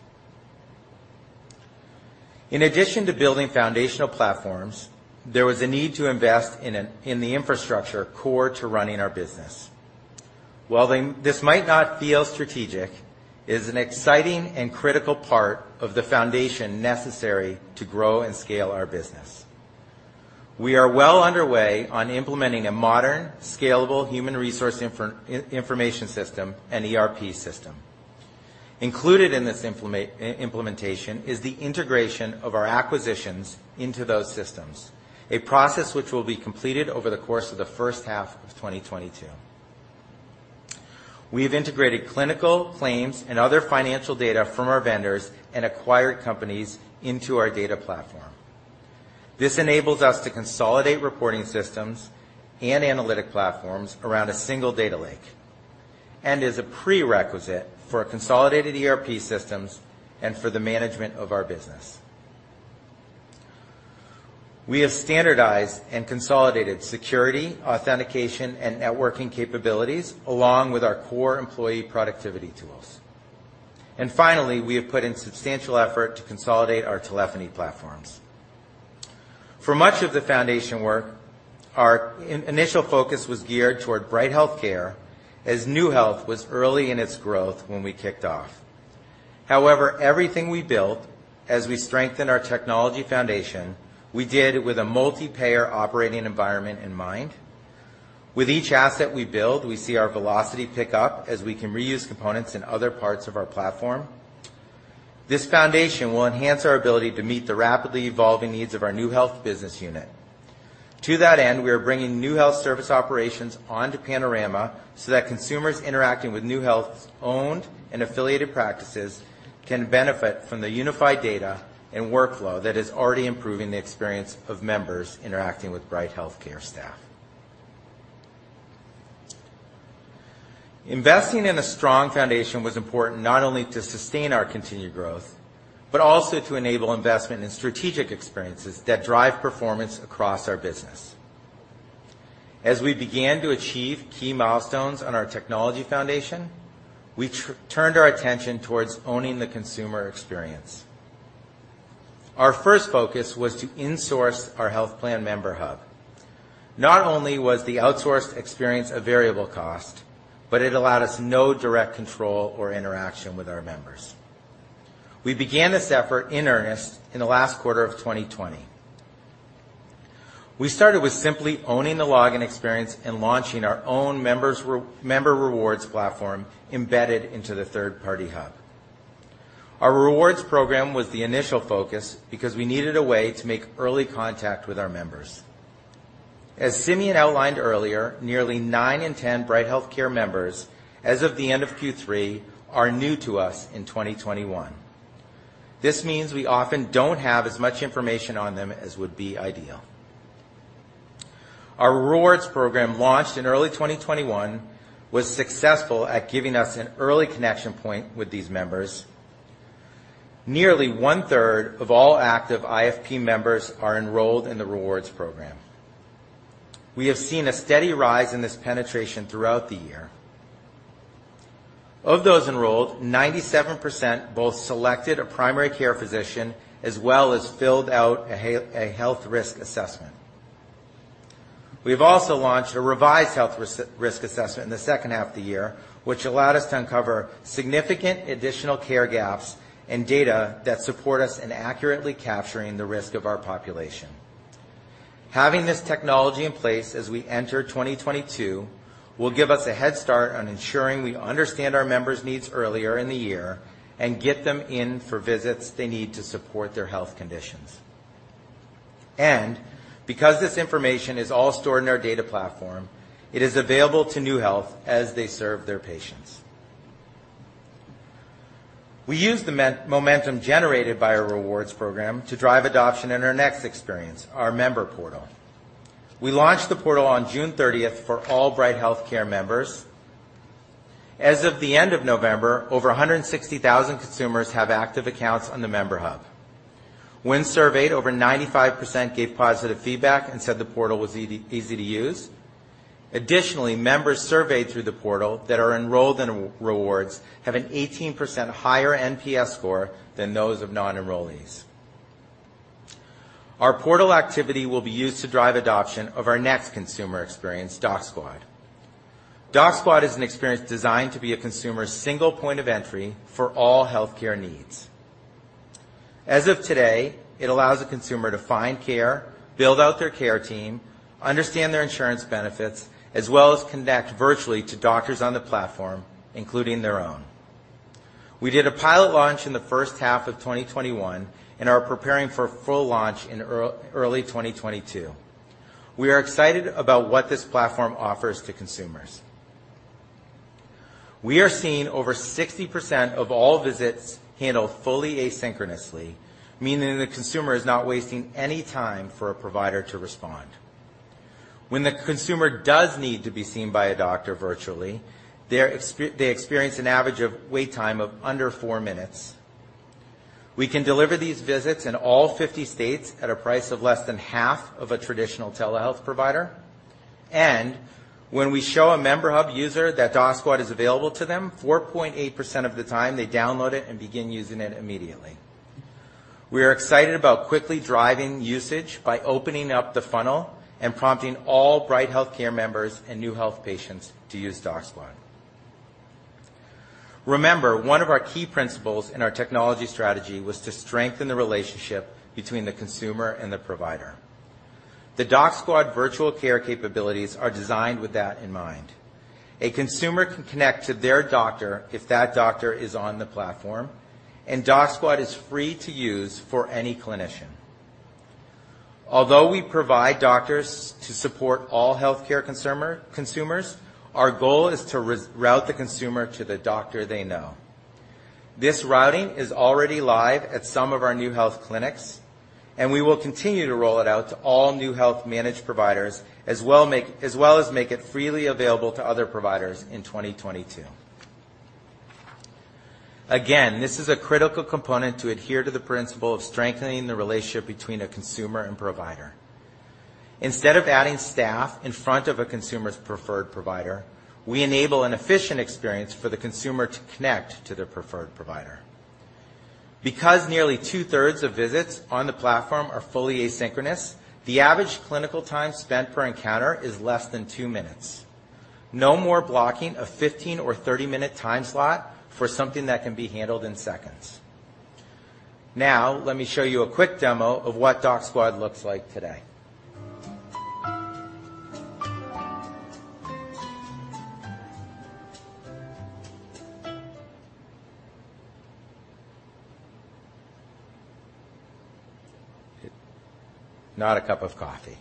In addition to building foundational platforms, there was a need to invest in the infrastructure core to running our business. While this might not feel strategic, it is an exciting and critical part of the foundation necessary to grow and scale our business. We are well underway on implementing a modern, scalable human resource information system and ERP system. Included in this implementation is the integration of our acquisitions into those systems, a process which will be completed over the course of the first half of 2022. We have integrated clinical, claims, and other financial data from our vendors and acquired companies into our data platform. This enables us to consolidate reporting systems and analytic platforms around a single data lake and is a prerequisite for a consolidated ERP system and for the management of our business. We have standardized and consolidated security, authentication, and networking capabilities along with our core employee productivity tools. Finally, we have put in substantial effort to consolidate our telephony platforms. For much of the foundation work, our initial focus was geared toward Bright HealthCare as NeueHealth was early in its growth when we kicked off. However, everything we built as we strengthened our technology foundation, we did with a multi-payer operating environment in mind. With each asset we build, we see our velocity pick up as we can reuse components in other parts of our platform. This foundation will enhance our ability to meet the rapidly evolving needs of our NeueHealth business unit. To that end, we are bringing NeueHealth service operations onto Panorama so that consumers interacting with NeueHealth's owned and affiliated practices can benefit from the unified data and workflow that is already improving the experience of members interacting with Bright HealthCare staff. Investing in a strong foundation was important not only to sustain our continued growth, but also to enable investment in strategic experiences that drive performance across our business. As we began to achieve key milestones on our technology foundation, we turned our attention towards owning the consumer experience. Our first focus was to insource our health plan member hub. Not only was the outsourced experience a variable cost, but it allowed us no direct control or interaction with our members. We began this effort in earnest in the last quarter of 2020. We started with simply owning the login experience and launching our own members member rewards platform embedded into the third-party hub. Our rewards program was the initial focus because we needed a way to make early contact with our members. As Simeon outlined earlier, nearly nine in 10 Bright HealthCare members, as of the end of Q3, are new to us in 2021. This means we often don't have as much information on them as would be ideal. Our rewards program, launched in early 2021, was successful at giving us an early connection point with these members. Nearly one-third of all active IFP members are enrolled in the rewards program. We have seen a steady rise in this penetration throughout the year. Of those enrolled, 97% both selected a primary care physician as well as filled out a health risk assessment. We've also launched a revised health risk assessment in the second half of the year, which allowed us to uncover significant additional care gaps and data that support us in accurately capturing the risk of our population. Having this technology in place as we enter 2022 will give us a head start on ensuring we understand our members' needs earlier in the year and get them in for visits they need to support their health conditions. Because this information is all stored in our data platform, it is available to NeueHealth as they serve their patients. We used the momentum generated by our rewards program to drive adoption in our next experience, our member portal. We launched the portal on June 30 for all Bright HealthCare members. As of the end of November, over 160,000 consumers have active accounts on the member hub. When surveyed, over 95% gave positive feedback and said the portal was easy to use. Additionally, members surveyed through the portal that are enrolled in rewards have an 18% higher NPS score than those of non-enrollees. Our portal activity will be used to drive adoption of our next consumer experience, DocSquad. DocSquad is an experience designed to be a consumer's single point of entry for all healthcare needs. As of today, it allows a consumer to find care, build out their care team, understand their insurance benefits, as well as connect virtually to doctors on the platform, including their own. We did a pilot launch in the first half of 2021 and are preparing for full launch in early 2022. We are excited about what this platform offers to consumers. We are seeing over 60% of all visits handled fully asynchronously, meaning the consumer is not wasting any time for a provider to respond. When the consumer does need to be seen by a doctor virtually, they experience an average wait time of under four minutes. We can deliver these visits in all 50 states at a price of less than half of a traditional telehealth provider. When we show a member hub user that DocSquad is available to them, 4.8% of the time, they download it and begin using it immediately. We are excited about quickly driving usage by opening up the funnel and prompting all Bright HealthCare members and NeueHealth patients to use DocSquad. Remember, one of our key principles in our technology strategy was to strengthen the relationship between the consumer and the provider. The DocSquad virtual care capabilities are designed with that in mind. A consumer can connect to their doctor if that doctor is on the platform, and DocSquad is free to use for any clinician. Although we provide doctors to support all healthcare consumers, our goal is to route the consumer to the doctor they know. This routing is already live at some of our NeueHealth clinics, and we will continue to roll it out to all NeueHealth managed providers, as well as make it freely available to other providers in 2022. Again, this is a critical component to adhere to the principle of strengthening the relationship between a consumer and provider. Instead of adding staff in front of a consumer's preferred provider, we enable an efficient experience for the consumer to connect to their preferred provider. Because nearly two-thirds of visits on the platform are fully asynchronous, the average clinical time spent per encounter is less than 2 minutes. No more blocking a 15- or 30-minute time slot for something that can be handled in seconds. Now let me show you a quick demo of what DocSquad looks like today. Not a cup of coffee.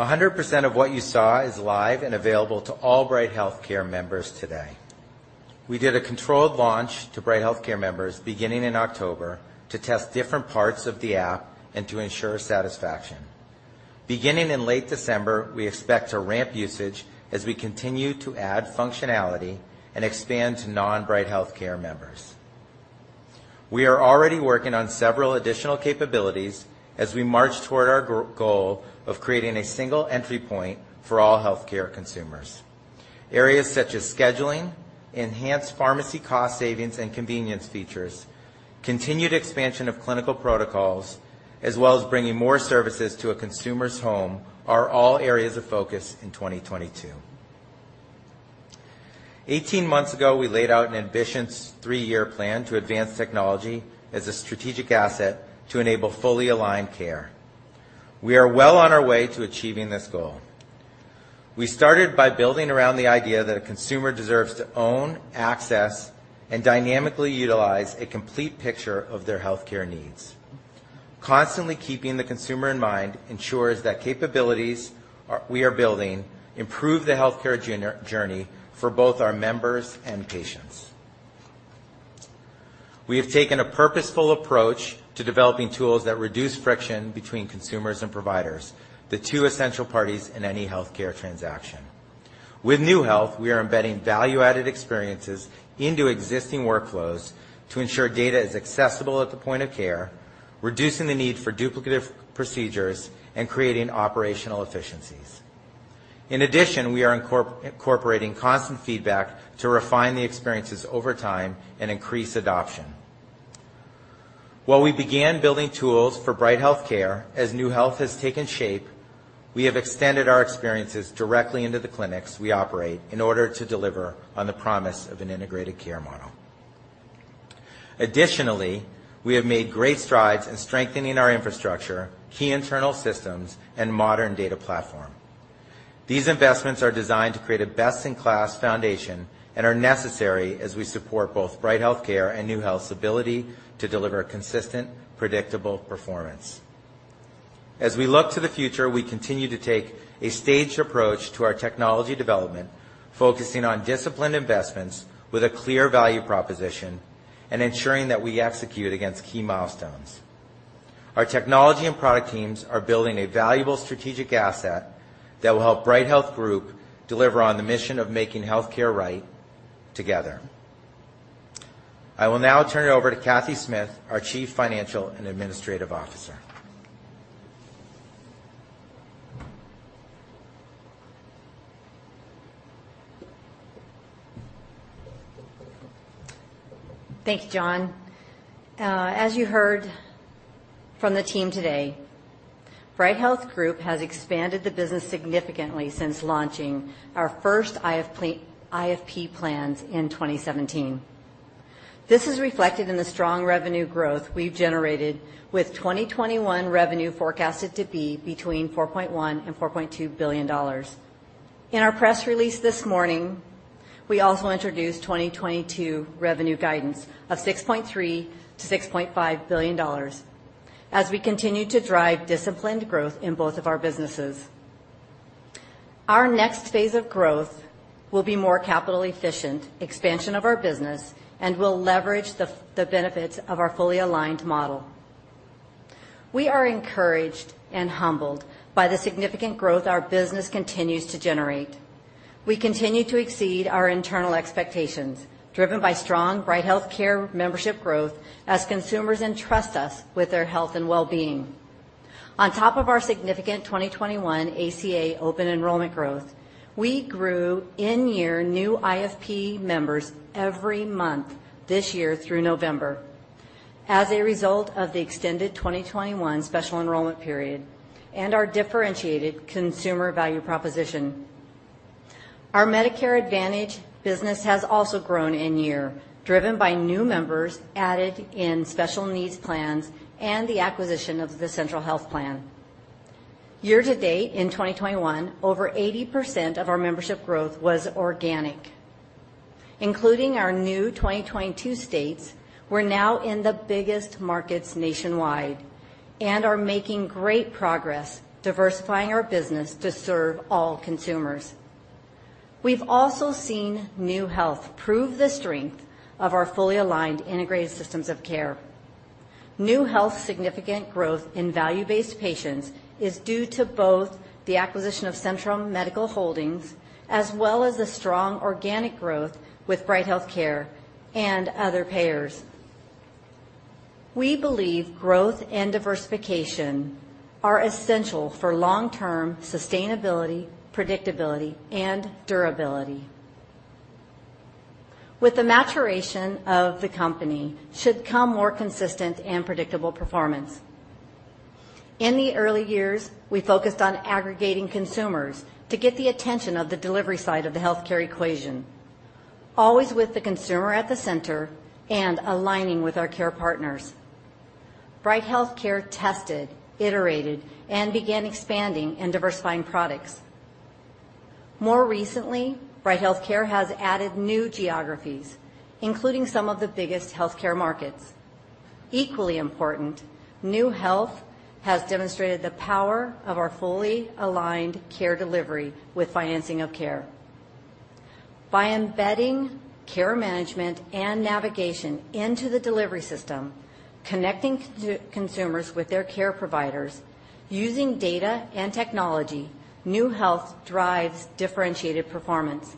100% of what you saw is live and available to all Bright HealthCare members today. We did a controlled launch to Bright HealthCare members beginning in October to test different parts of the app and to ensure satisfaction. Beginning in late December, we expect to ramp usage as we continue to add functionality and expand to non-Bright HealthCare members. We are already working on several additional capabilities as we march toward our goal of creating a single entry point for all healthcare consumers. Areas such as scheduling, enhanced pharmacy cost savings and convenience features, continued expansion of clinical protocols, as well as bringing more services to a consumer's home are all areas of focus in 2022. 18 months ago, we laid out an ambitious three-year plan to advance technology as a strategic asset to enable fully aligned care. We are well on our way to achieving this goal. We started by building around the idea that a consumer deserves to own, access, and dynamically utilize a complete picture of their healthcare needs. Constantly keeping the consumer in mind ensures that the capabilities we are building improve the healthcare journey for both our members and patients. We have taken a purposeful approach to developing tools that reduce friction between consumers and providers, the two essential parties in any healthcare transaction. With NeueHealth, we are embedding value-added experiences into existing workflows to ensure data is accessible at the point of care, reducing the need for duplicative procedures, and creating operational efficiencies. In addition, we are incorporating constant feedback to refine the experiences over time and increase adoption. While we began building tools for Bright HealthCare, as NeueHealth has taken shape, we have extended our experiences directly into the clinics we operate in order to deliver on the promise of an integrated care model. Additionally, we have made great strides in strengthening our infrastructure, key internal systems, and modern data platform. These investments are designed to create a best-in-class foundation and are necessary as we support both Bright HealthCare and NeueHealth's ability to deliver consistent, predictable performance. As we look to the future, we continue to take a staged approach to our technology development, focusing on disciplined investments with a clear value proposition and ensuring that we execute against key milestones. Our technology and product teams are building a valuable strategic asset that will help Bright Health Group deliver on the mission of making healthcare right together. I will now turn it over to Cathy Smith, our Chief Financial and Administrative Officer. Thanks, Jon. As you heard from the team today, Bright Health Group has expanded the business significantly since launching our first IFP plans in 2017. This is reflected in the strong revenue growth we've generated with 2021 revenue forecasted to be between $4.1 billion and $4.2 billion. In our press release this morning, we also introduced 2022 revenue guidance of $6.3 billion-$6.5 billion as we continue to drive disciplined growth in both of our businesses. Our next phase of growth will be more capital efficient expansion of our business and will leverage the benefits of our fully aligned model. We are encouraged and humbled by the significant growth our business continues to generate. We continue to exceed our internal expectations, driven by strong Bright HealthCare membership growth as consumers entrust us with their health and well-being. On top of our significant 2021 ACA open enrollment growth, we grew in-year new IFP members every month this year through November as a result of the extended 2021 special enrollment period and our differentiated consumer value proposition. Our Medicare Advantage business has also grown in year, driven by new members added in special needs plans and the acquisition of the Central Health plan. Year to date in 2021, over 80% of our membership growth was organic. Including our new 2022 states, we're now in the biggest markets nationwide and are making great progress diversifying our business to serve all consumers. We've also seen NeueHealth prove the strength of our fully aligned integrated systems of care. NeueHealth's significant growth in value-based patients is due to both the acquisition of Centrum Medical Holdings as well as the strong organic growth with Bright HealthCare and other payers. We believe growth and diversification are essential for long-term sustainability, predictability, and durability. With the maturation of the company should come more consistent and predictable performance. In the early years, we focused on aggregating consumers to get the attention of the delivery side of the healthcare equation, always with the consumer at the center and aligning with our care partners. Bright HealthCare tested, iterated, and began expanding and diversifying products. More recently, Bright HealthCare has added new geographies, including some of the biggest healthcare markets. Equally important, NeueHealth has demonstrated the power of our fully aligned care delivery with financing of care. By embedding care management and navigation into the delivery system, connecting consumers with their care providers, using data and technology, NeueHealth drives differentiated performance.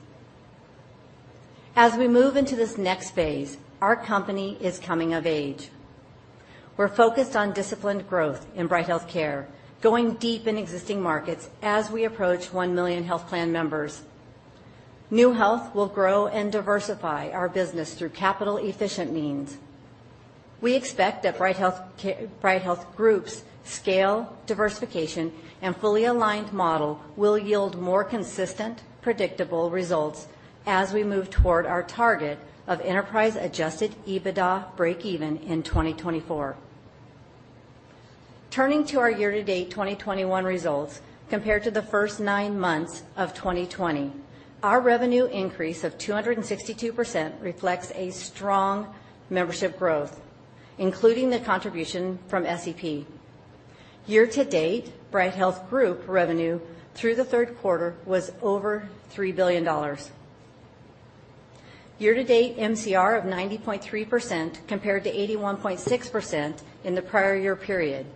As we move into this next phase, our company is coming of age. We're focused on disciplined growth in Bright HealthCare, going deep in existing markets as we approach 1 million health plan members. NeueHealth will grow and diversify our business through capital-efficient means. We expect that Bright Health Group's scale, diversification, and fully aligned model will yield more consistent, predictable results as we move toward our target of enterprise-adjusted EBITDA breakeven in 2024. Turning to our year-to-date 2021 results compared to the first 9 months of 2020, our revenue increase of 262% reflects a strong membership growth, including the contribution from SEP. Year-to-date, Bright Health Group revenue through the third quarter was over $3 billion. Year-to-date MCR of 90.3% compared to 81.6% in the prior year period.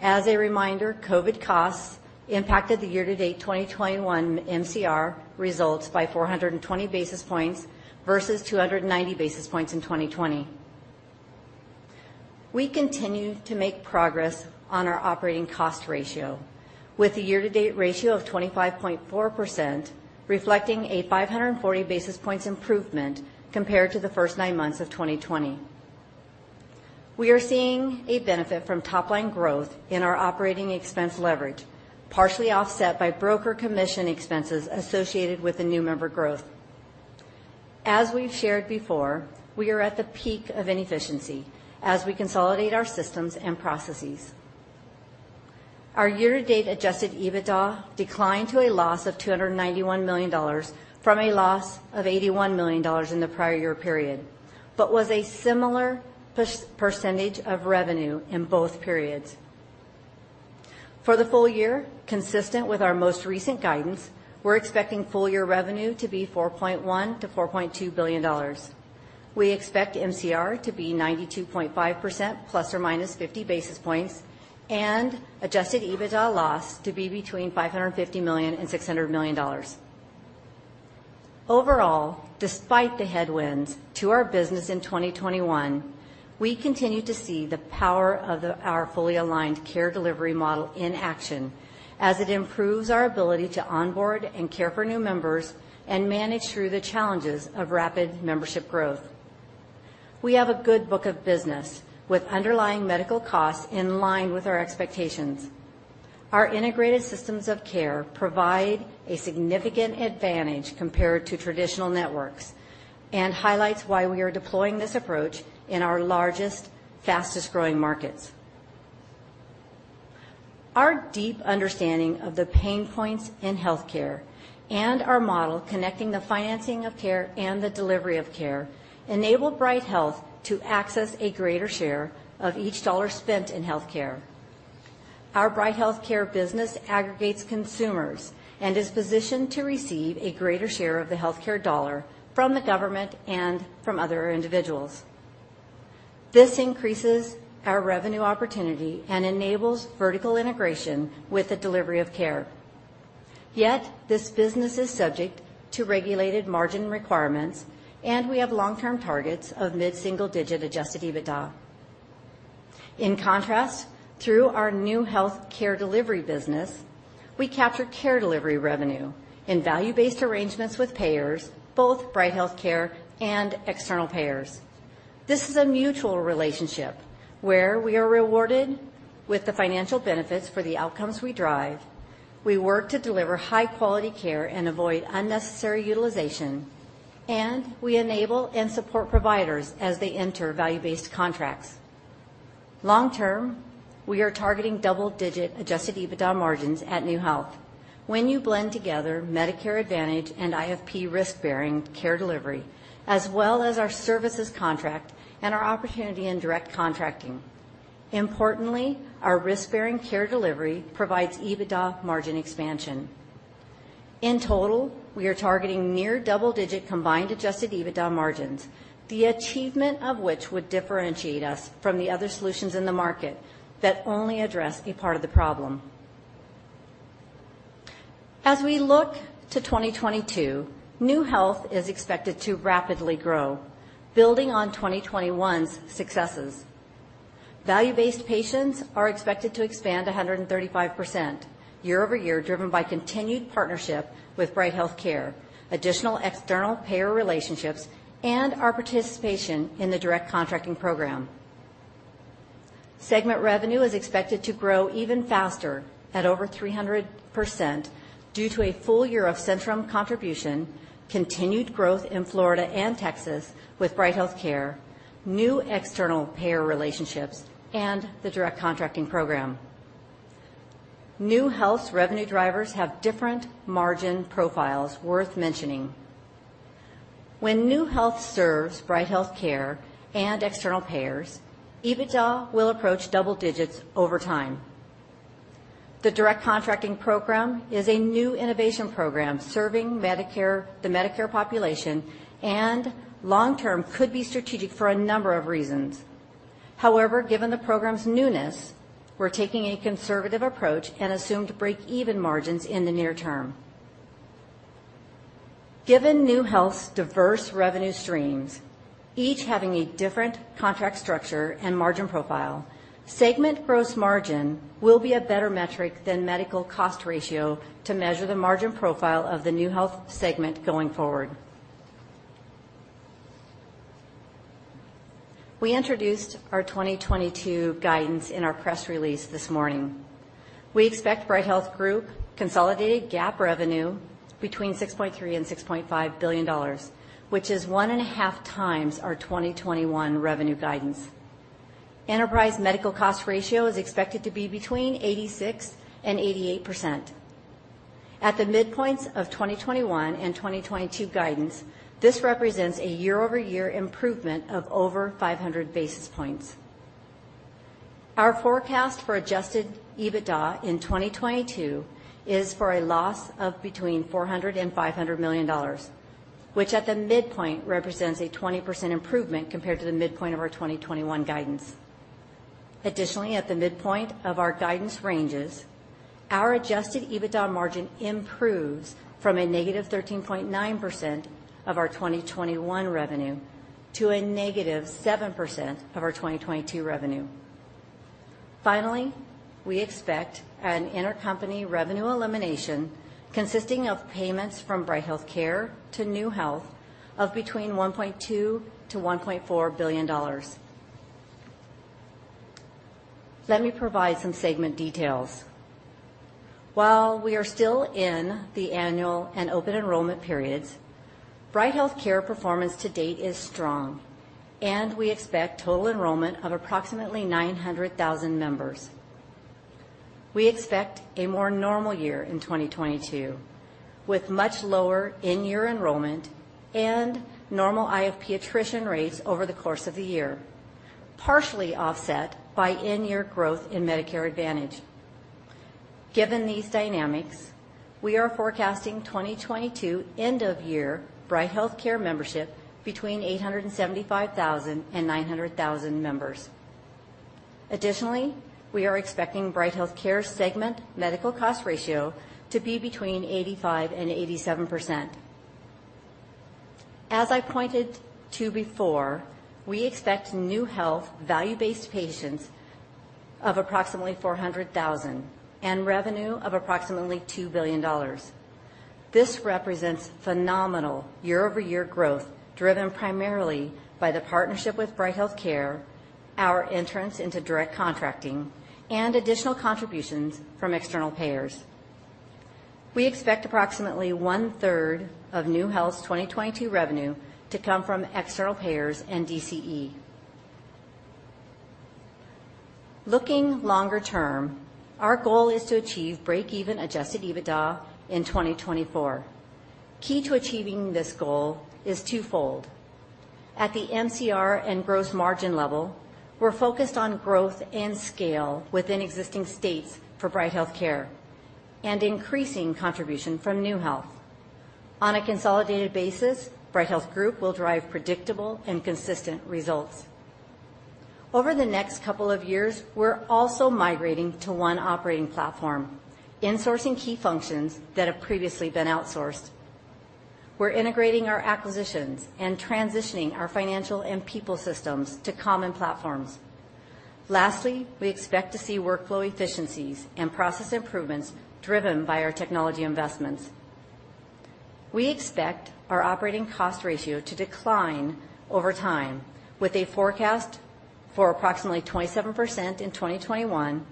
As a reminder, COVID costs impacted the year-to-date 2021 MCR results by 420 basis points versus 290 basis points in 2020. We continue to make progress on our operating cost ratio with a year-to-date ratio of 25.4% reflecting a 540 basis points improvement compared to the first nine months of 2020. We are seeing a benefit from top-line growth in our operating expense leverage, partially offset by broker commission expenses associated with the new member growth. As we've shared before, we are at the peak of inefficiency as we consolidate our systems and processes. Our year-to-date adjusted EBITDA declined to a loss of $291 million from a loss of $81 million in the prior year period, but was a similar percentage of revenue in both periods. For the full year, consistent with our most recent guidance, we're expecting full year revenue to be $4.1 billion-$4.2 billion. We expect MCR to be 92.5% plus or minus 50 basis points and adjusted EBITDA loss to be between $550 million and $600 million. Overall, despite the headwinds to our business in 2021, we continue to see the power of our fully aligned care delivery model in action as it improves our ability to onboard and care for new members and manage through the challenges of rapid membership growth. We have a good book of business with underlying medical costs in line with our expectations. Our integrated systems of care provide a significant advantage compared to traditional networks and highlights why we are deploying this approach in our largest, fastest-growing markets. Our deep understanding of the pain points in healthcare and our model connecting the financing of care and the delivery of care enable Bright Health to access a greater share of each dollar spent in healthcare. Our Bright HealthCare business aggregates consumers and is positioned to receive a greater share of the healthcare dollar from the government and from other individuals. This increases our revenue opportunity and enables vertical integration with the delivery of care. Yet this business is subject to regulated margin requirements, and we have long-term targets of mid-single-digit adjusted EBITDA. In contrast, through our new healthcare delivery business, we capture care delivery revenue in value-based arrangements with payers, both Bright HealthCare and external payers. This is a mutual relationship where we are rewarded with the financial benefits for the outcomes we drive. We work to deliver high-quality care and avoid unnecessary utilization, and we enable and support providers as they enter value-based contracts. Long term, we are targeting double-digit adjusted EBITDA margins at NeueHealth. When you blend together Medicare Advantage and IFP risk-bearing care delivery, as well as our services contract and our opportunity in direct contracting. Importantly, our risk-bearing care delivery provides EBITDA margin expansion. In total, we are targeting near double-digit combined adjusted EBITDA margins, the achievement of which would differentiate us from the other solutions in the market that only address a part of the problem. As we look to 2022, NeueHealth is expected to rapidly grow, building on 2021's successes. Value-based patients are expected to expand 135% year-over-year, driven by continued partnership with Bright HealthCare, additional external payer relationships, and our participation in the Direct Contracting program. Segment revenue is expected to grow even faster at over 300% due to a full year of Centrum contribution, continued growth in Florida and Texas with Bright HealthCare, new external payer relationships, and the Direct Contracting program. NeueHealth's revenue drivers have different margin profiles worth mentioning. When NeueHealth serves Bright HealthCare and external payers, EBITDA will approach double digits over time. The Direct Contracting program is a new innovation program serving Medicare, the Medicare population, and long term could be strategic for a number of reasons. However, given the program's newness, we're taking a conservative approach and assume to break even margins in the near term. Given NeueHealth's diverse revenue streams, each having a different contract structure and margin profile, segment gross margin will be a better metric than medical cost ratio to measure the margin profile of the NeueHealth segment going forward. We introduced our 2022 guidance in our press release this morning. We expect Bright Health Group consolidated GAAP revenue between $6.3 billion-$6.5 billion, which is 1.5 times our 2021 revenue guidance. Enterprise medical cost ratio is expected to be between 86%-88%. At the midpoints of 2021 and 2022 guidance, this represents a year-over-year improvement of over 500 basis points. Our forecast for adjusted EBITDA in 2022 is for a loss of between $400 million and $500 million, which at the midpoint represents a 20% improvement compared to the midpoint of our 2021 guidance. Additionally, at the midpoint of our guidance ranges, our adjusted EBITDA margin improves from a negative 13.9% of our 2021 revenue to a negative 7% of our 2022 revenue. Finally, we expect an intercompany revenue elimination consisting of payments from Bright HealthCare to NeueHealth of between $1.2 billion-$1.4 billion. Let me provide some segment details. While we are still in the annual and open enrollment periods, Bright HealthCare performance to date is strong, and we expect total enrollment of approximately 900,000 members. We expect a more normal year in 2022, with much lower in-year enrollment and normal IFP attrition rates over the course of the year, partially offset by in-year growth in Medicare Advantage. Given these dynamics, we are forecasting 2022 end-of-year Bright HealthCare membership between 875,000 and 900,000 members. Additionally, we are expecting Bright HealthCare segment medical cost ratio to be between 85% and 87%. As I pointed to before, we expect NeueHealth value-based patients of approximately 400,000 and revenue of approximately $2 billion. This represents phenomenal year-over-year growth driven primarily by the partnership with Bright HealthCare, our entrance into Direct Contracting and additional contributions from external payers. We expect approximately one-third of NeueHealth's 2022 revenue to come from external payers and DCE. Looking longer term, our goal is to achieve break-even adjusted EBITDA in 2024. Key to achieving this goal is twofold. At the MCR and gross margin level, we're focused on growth and scale within existing states for Bright HealthCare and increasing contribution from NeueHealth. On a consolidated basis, Bright Health Group will drive predictable and consistent results. Over the next couple of years, we're also migrating to one operating platform, insourcing key functions that have previously been outsourced. We're integrating our acquisitions and transitioning our financial and people systems to common platforms. Lastly, we expect to see workflow efficiencies and process improvements driven by our technology investments. We expect our operating cost ratio to decline over time with a forecast for approximately 27% in 2021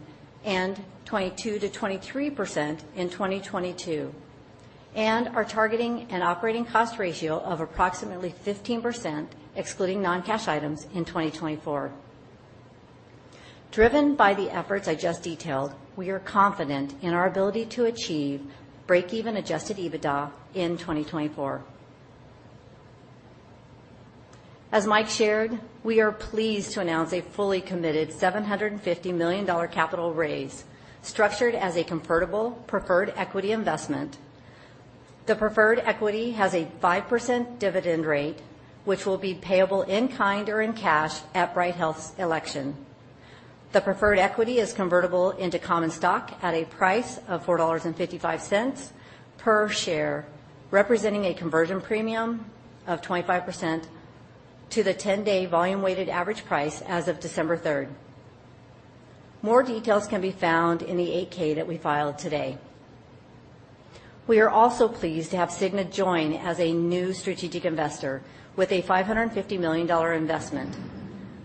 and 22%-23% in 2022, and are targeting an operating cost ratio of approximately 15%, excluding non-cash items, in 2024. Driven by the efforts I just detailed, we are confident in our ability to achieve break-even adjusted EBITDA in 2024. As Mike shared, we are pleased to announce a fully committed $750 million capital raise structured as a convertible preferred equity investment. The preferred equity has a 5% dividend rate, which will be payable in kind or in cash at Bright Health's election. The preferred equity is convertible into common stock at a price of $4.55 per share, representing a conversion premium of 25% to the 10-day volume weighted average price as of December 3. More details can be found in the 8-K that we filed today. We are also pleased to have Cigna join as a new strategic investor with a $550 million investment.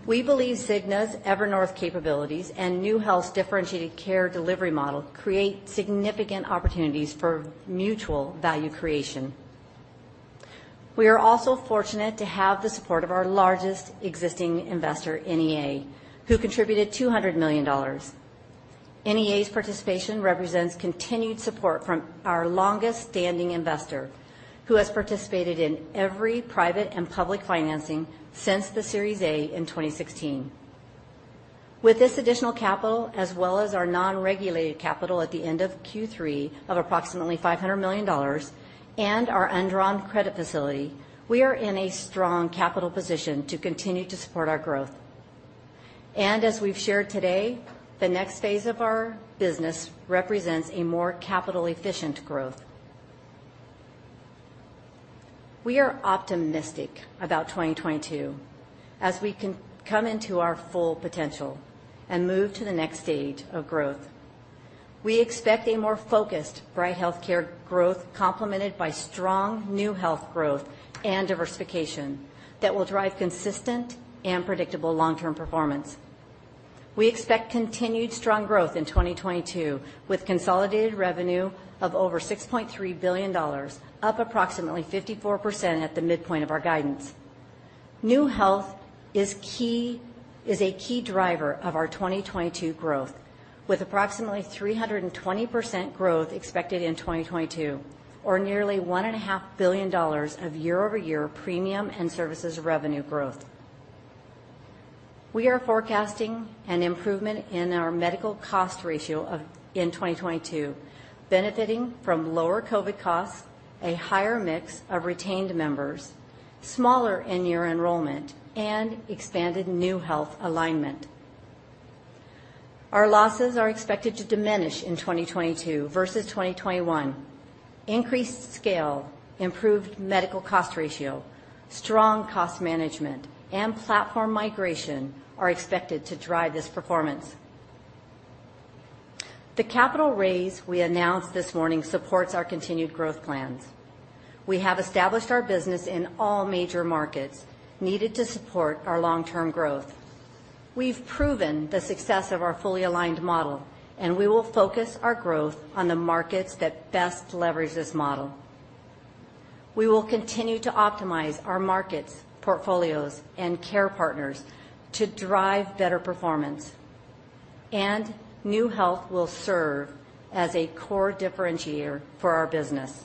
We believe Cigna's Evernorth capabilities and NeueHealth's differentiated care delivery model create significant opportunities for mutual value creation. We are also fortunate to have the support of our largest existing investor, NEA, who contributed $200 million. NEA's participation represents continued support from our longest-standing investor, who has participated in every private and public financing since the Series A in 2016. With this additional capital as well as our non-regulated capital at the end of Q3 of approximately $500 million and our undrawn credit facility, we are in a strong capital position to continue to support our growth. As we've shared today, the next phase of our business represents a more capital efficient growth. We are optimistic about 2022 as we can come into our full potential and move to the next stage of growth. We expect a more focused Bright HealthCare growth complemented by strong NeueHealth growth and diversification that will drive consistent and predictable long-term performance. We expect continued strong growth in 2022 with consolidated revenue of over $6.3 billion, up approximately 54% at the midpoint of our guidance. NeueHealth is a key driver of our 2022 growth, with approximately 320% growth expected in 2022 or nearly $1.5 billion of year-over-year premium and services revenue growth. We are forecasting an improvement in our medical cost ratio of, in 2022, benefiting from lower COVID costs, a higher mix of retained members, smaller in-year enrollment, and expanded NeueHealth alignment. Our losses are expected to diminish in 2022 versus 2021. Increased scale, improved medical cost ratio, strong cost management, and platform migration are expected to drive this performance. The capital raise we announced this morning supports our continued growth plans. We have established our business in all major markets needed to support our long-term growth. We've proven the success of our fully aligned model, and we will focus our growth on the markets that best leverage this model. We will continue to optimize our markets, portfolios, and care partners to drive better performance, and NeueHealth will serve as a core differentiator for our business.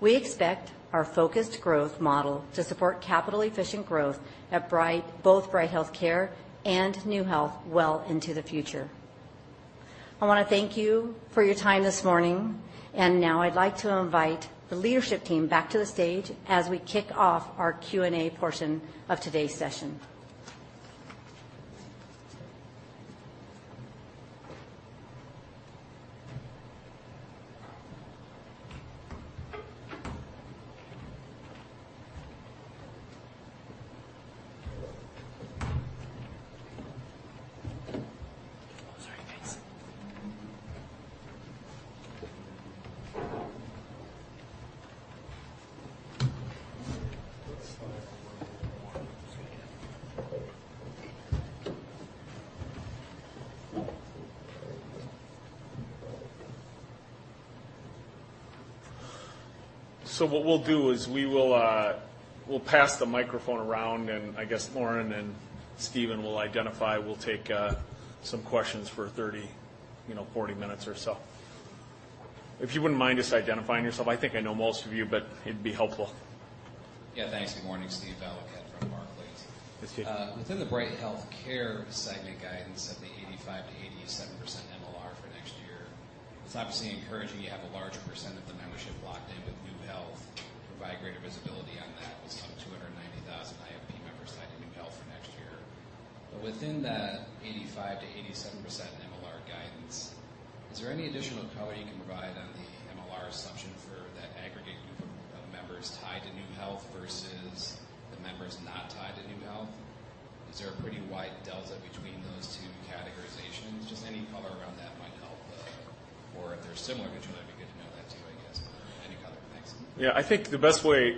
We expect our focused growth model to support capital efficient growth at Bright, both Bright HealthCare and NeueHealth well into the future. I wanna thank you for your time this morning, and now I'd like to invite the leadership team back to the stage as we kick off our Q&A portion of today's session. Oh, sorry guys. What we'll do is we'll pass the microphone around, and I guess Lauren and Steven will identify. We'll take some questions for 30, you know, 40 minutes or so. If you wouldn't mind just identifying yourself. I think I know most of you, but it'd be helpful. Yeah. Thanks. Good morning. Steve Valiquette from Barclays. Yes, Steve. Within the Bright HealthCare segment guidance of the 85%-87% MLR for next year, it's obviously encouraging you have a large percent of the membership locked in with NeueHealth. Provide greater visibility on that. We saw 290,000 IFP members tied to NeueHealth for next year. Within that 85%-87% MLR guidance, is there any additional color you can provide on the MLR assumption for that aggregate group of members tied to NeueHealth versus the members not tied to NeueHealth? Is there a pretty wide delta between those two categorizations? Just any color around that might help. Or if they're similar between them, it'd be good to know that too, I guess. But any color. Thanks. Yeah. I think the best way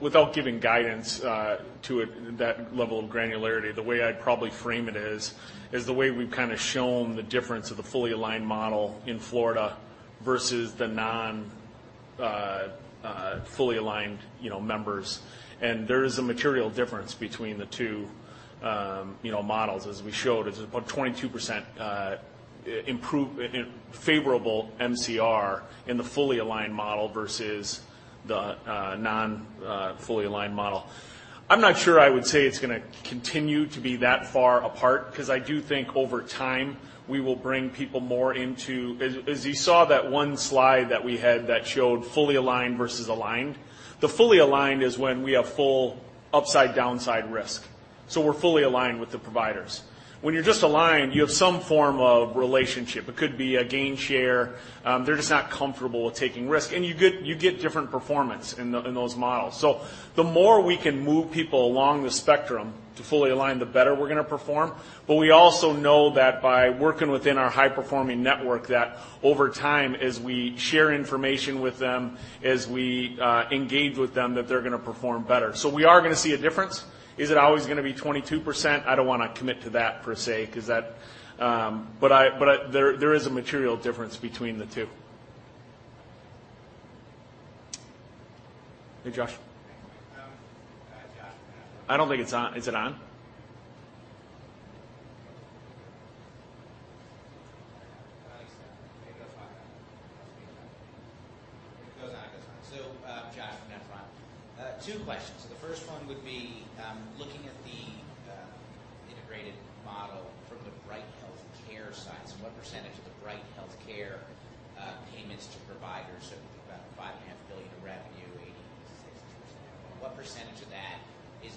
without giving guidance to it, that level of granularity, the way I'd probably frame it is the way we've kinda shown the difference of the fully aligned model in Florida versus the non Fully aligned, you know, members. There is a material difference between the two, you know, models. As we showed, it's about 22% favorable MCR in the fully aligned model versus the non fully aligned model. I'm not sure I would say it's gonna continue to be that far apart, 'cause I do think over time we will bring people more into. As you saw that one slide that we had that showed fully aligned versus aligned, the fully aligned is when we have full upside downside risk. So we're fully aligned with the providers. When you're just aligned, you have some form of relationship. It could be a gain share. They're just not comfortable with taking risk. You get different performance in those models. The more we can move people along the spectrum to fully align, the better we're gonna perform. We also know that by working within our high-performing network, that over time, as we share information with them, as we engage with them, that they're gonna perform better. We are gonna see a difference. Is it always gonna be 22%? I don't wanna commit to that per se, 'cause that, but there is a material difference between the two. Hey, Josh. I don't think it's on. Is it on? I think so. It goes on and then it goes off again. If it goes on, it goes on. Josh from Nephron Research. Two questions. The first one would be,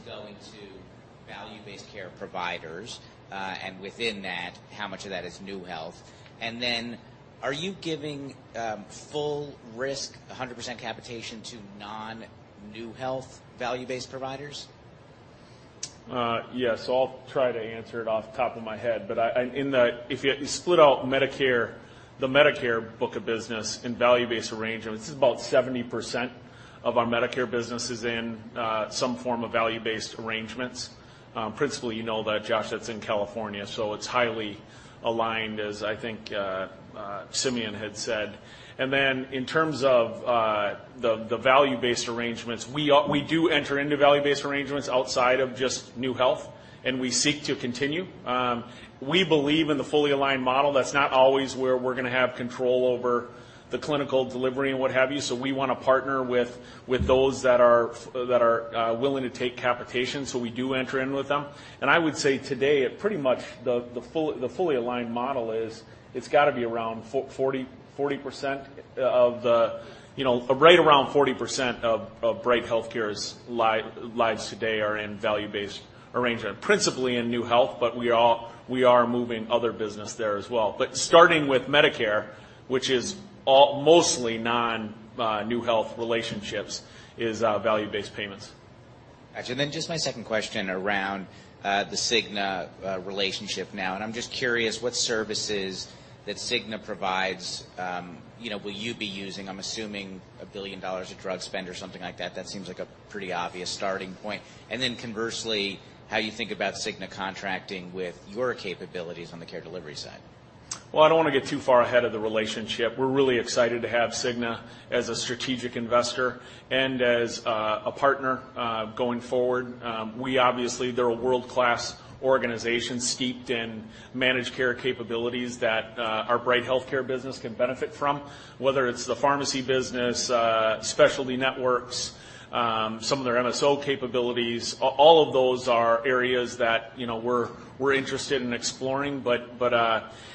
looking at the integrated model from the Bright HealthCare side. What percentage of the Bright HealthCare payments to providers, if you think about $5.5 billion of revenue, 80%-62%, what percentage of that is going to value-based care providers? And within that, how much of that is NeueHealth? And then are you giving full risk, 100% capitation to non-NeueHealth value-based providers? Yes. I'll try to answer it off the top of my head. If you split out Medicare, the Medicare book of business in value-based arrangements, this is about 70% of our Medicare business is in some form of value-based arrangements. Principally, you know that, Josh, that's in California, so it's highly aligned as I think Simeon had said. In terms of the value-based arrangements, we do enter into value-based arrangements outside of just NeueHealth, and we seek to continue. We believe in the fully aligned model. That's not always where we're gonna have control over the clinical delivery and what have you. We wanna partner with those that are willing to take capitation, so we do enter in with them. I would say today it's pretty much the fully aligned model is it's gotta be around 40% of Bright HealthCare's lives today are in value-based arrangement. Principally in NeueHealth, but we are moving other business there as well. Starting with Medicare, which is mostly non-NeueHealth relationships is value-based payments. Gotcha. Just my second question around the Cigna relationship now. I'm just curious what services that Cigna provides, you know, will you be using? I'm assuming $1 billion of drug spend or something like that. That seems like a pretty obvious starting point. Conversely, how you think about Cigna contracting with your capabilities on the care delivery side. Well, I don't wanna get too far ahead of the relationship. We're really excited to have Cigna as a strategic investor and as a partner going forward. We obviously, they're a world-class organization steeped in managed care capabilities that our Bright HealthCare business can benefit from, whether it's the pharmacy business, specialty networks, some of their MSO capabilities. All of those are areas that, you know, we're interested in exploring. But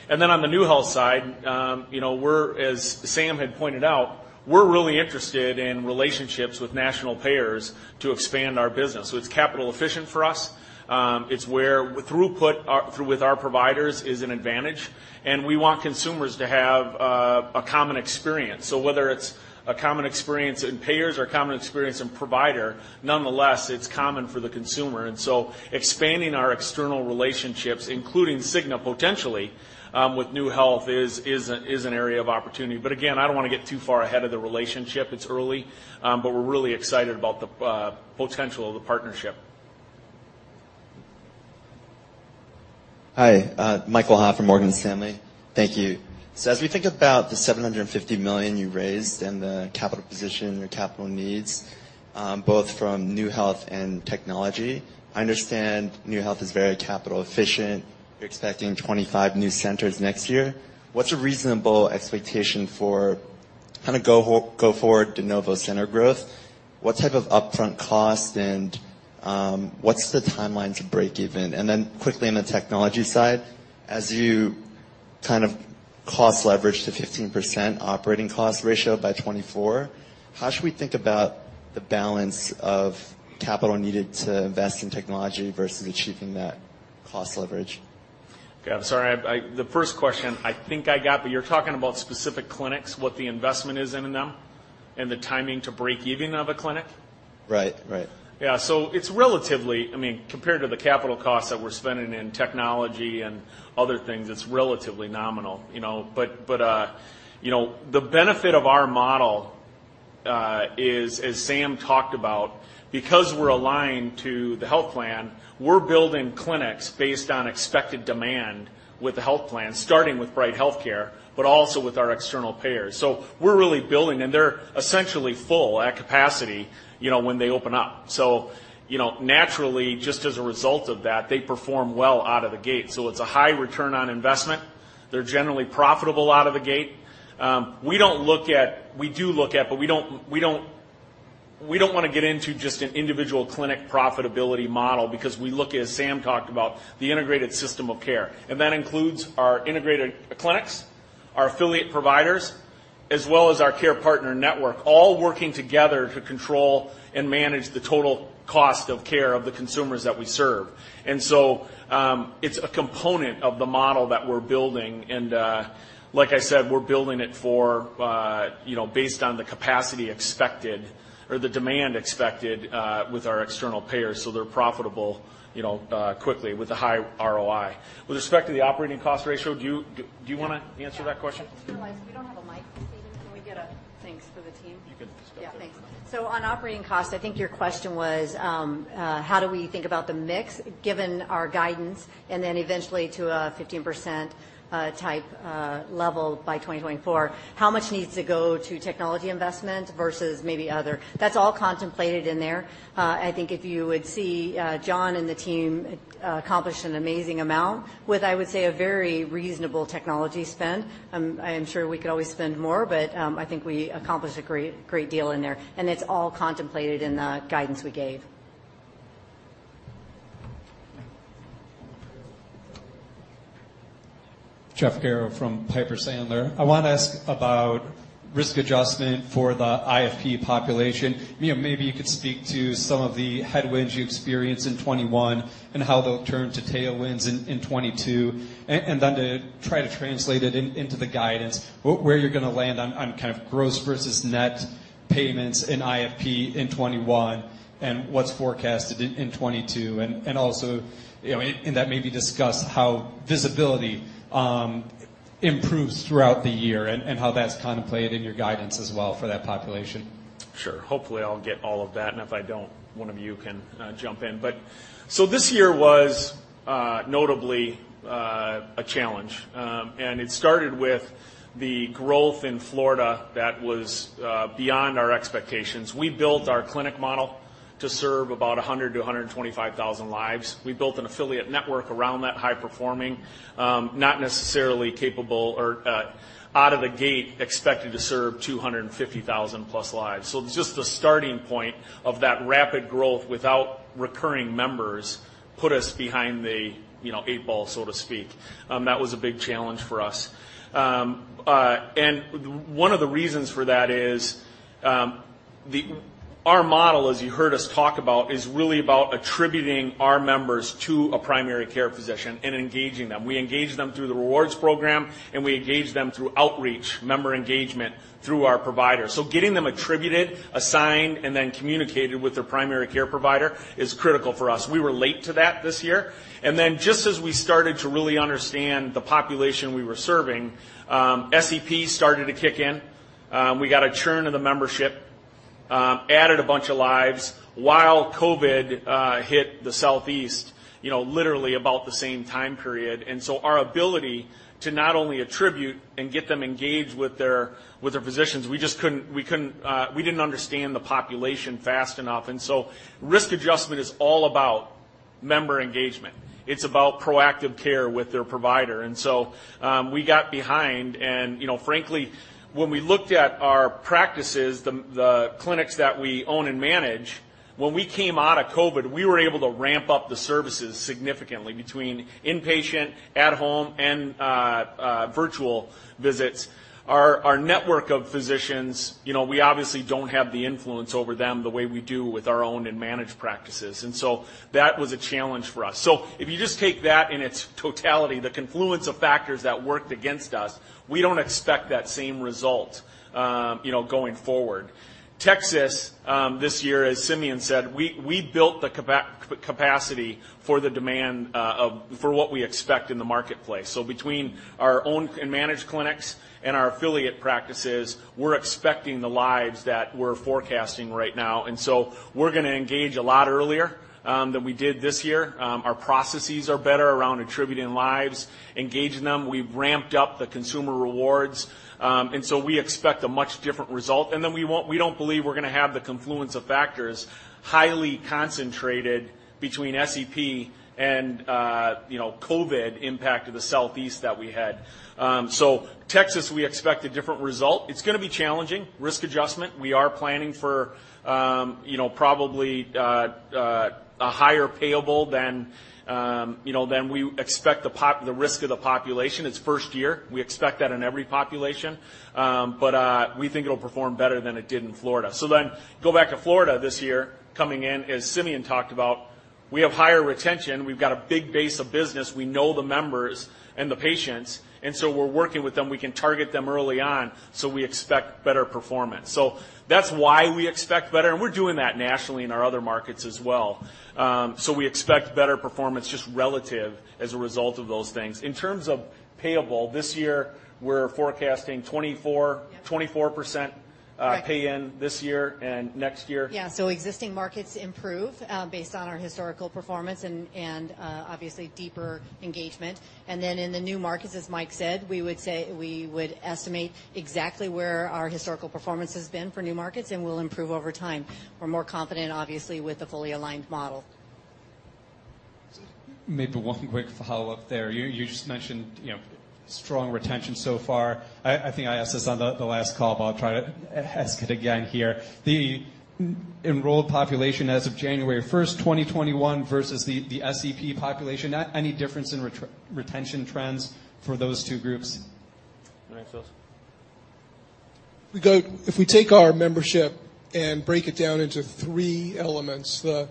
and then on the NeueHealth side, you know, we're as Sam had pointed out, we're really interested in relationships with national payers to expand our business. It's capital efficient for us. It's where through with our providers is an advantage, and we want consumers to have a common experience. Whether it's a common experience in payers or common experience in provider, nonetheless, it's common for the consumer. Expanding our external relationships, including Cigna potentially, with NeueHealth is an area of opportunity. Again, I don't wanna get too far ahead of the relationship. It's early, but we're really excited about the potential of the partnership. Hi, Michael Ha from Morgan Stanley. Thank you. As we think about the $750 million you raised and the capital position, your capital needs, both from NeueHealth and technology, I understand NeueHealth is very capital efficient. You're expecting 25 new centers next year. What's a reasonable expectation for kinda go-forward de novo center growth? What type of upfront cost and, what's the timeline to break even? Then quickly on the technology side, as you kind of cost leverage to 15% operating cost ratio by 2024, how should we think about the balance of capital needed to invest in technology versus achieving that cost leverage? Okay. I'm sorry. The first question I think I got, but you're talking about specific clinics, what the investment is in them, and the timing to breakeven of a clinic? Right. Right. Yeah. It's relatively, I mean, compared to the capital costs that we're spending in technology and other things, it's relatively nominal, you know. But you know, the benefit of our model is, as Sam talked about, because we're aligned to the health plan, we're building clinics based on expected demand with the health plan, starting with Bright HealthCare, but also with our external payers. We're really building, and they're essentially full at capacity, you know, when they open up. You know, naturally, just as a result of that, they perform well out of the gate. It's a high return on investment. They're generally profitable out of the gate. We don't look at We do look at, but we don't wanna get into just an individual clinic profitability model because we look at, as Sam talked about, the integrated system of care, and that includes our integrated clinics, our affiliate providers, as well as our care partner network, all working together to control and manage the total cost of care of the consumers that we serve. It's a component of the model that we're building and, like I said, we're building it for, you know, based on the capacity expected or the demand expected, with our external payers, so they're profitable, you know, quickly with a high ROI. With respect to the operating cost ratio, do you wanna answer that question? Yeah. I just realized we don't have a mic for Steve. Can we get a mic. Thanks to the team. You could step up. Yeah. Thanks. On operating costs, I think your question was, how do we think about the mix given our guidance and then eventually to a 15% type level by 2024. How much needs to go to technology investment versus maybe other? That's all contemplated in there. I think if you would see, Jon and the team, accomplished an amazing amount with, I would say, a very reasonable technology spend. I am sure we could always spend more, but, I think we accomplished a great deal in there. It's all contemplated in the guidance we gave. Jeff Garro from Piper Sandler. I wanna ask about risk adjustment for the IFP population. You know, maybe you could speak to some of the headwinds you experienced in 2021 and how they'll turn to tailwinds in 2022 and then to try to translate it into the guidance, where you're gonna land on kind of gross versus net payments in IFP in 2021 and what's forecasted in 2022. Also, you know, in that maybe discuss how visibility improves throughout the year and how that's contemplated in your guidance as well for that population. Sure. Hopefully, I'll get all of that. If I don't, one of you can jump in. This year was notably a challenge. It started with the growth in Florida that was beyond our expectations. We built our clinic model to serve about 100-125,000 lives. We built an affiliate network around that high-performing, not necessarily capable or out of the gate expected to serve 250,000+ lives. Just the starting point of that rapid growth without recurring members put us behind the, you know, eight ball, so to speak. That was a big challenge for us. One of the reasons for that is the... Our model, as you heard us talk about, is really about attributing our members to a primary care physician and engaging them. We engage them through the rewards program, and we engage them through outreach, member engagement through our providers. Getting them attributed, assigned, and then communicated with their primary care provider is critical for us. We were late to that this year. Just as we started to really understand the population we were serving, SEP started to kick in. We got a churn in the membership, added a bunch of lives while COVID hit the Southeast, you know, literally about the same time period. Our ability to not only attribute and get them engaged with their physicians, we just couldn't. We didn't understand the population fast enough. Risk adjustment is all about member engagement. It's about proactive care with their provider. We got behind and, you know, frankly, when we looked at our practices, the clinics that we own and manage, when we came out of COVID, we were able to ramp up the services significantly between inpatient, at home, and virtual visits. Our network of physicians, you know, we obviously don't have the influence over them the way we do with our own and managed practices. That was a challenge for us. If you just take that in its totality, the confluence of factors that worked against us, we don't expect that same result, you know, going forward. Texas, this year, as Simeon said, we built the capacity for the demand for what we expect in the marketplace. Between our owned and managed clinics and our affiliate practices, we're expecting the lives that we're forecasting right now. We're gonna engage a lot earlier than we did this year. Our processes are better around attributing lives, engaging them. We've ramped up the consumer rewards. We expect a much different result. We don't believe we're gonna have the confluence of factors highly concentrated between SEP and COVID impact to the Southeast that we had. Texas, we expect a different result. It's gonna be challenging. Risk adjustment, we are planning for a higher payable than we expect the risk of the population. It's first year. We expect that in every population. We think it'll perform better than it did in Florida. Going back to Florida this year, coming in, as Simeon talked about, we have higher retention. We've got a big base of business. We know the members and the patients, and so we're working with them. We can target them early on, so we expect better performance. That's why we expect better, and we're doing that nationally in our other markets as well. We expect better performance just relative as a result of those things. In terms of payables, this year we're forecasting 24- 24% pay in this year and next year. Existing markets improve based on our historical performance and obviously deeper engagement. Then in the new markets, as Mike said, we would say we estimate exactly where our historical performance has been for new markets, and we'll improve over time. We're more confident, obviously, with the fully aligned model. Maybe one quick follow-up there. You just mentioned, you know, strong retention so far. I think I asked this on the last call, but I'll try to ask it again here. The enrolled population as of January 1, 2021 versus the SEP population. Any difference in retention trends for those two groups? You wanna answer this? If we take our membership and break it down into 3 elements, the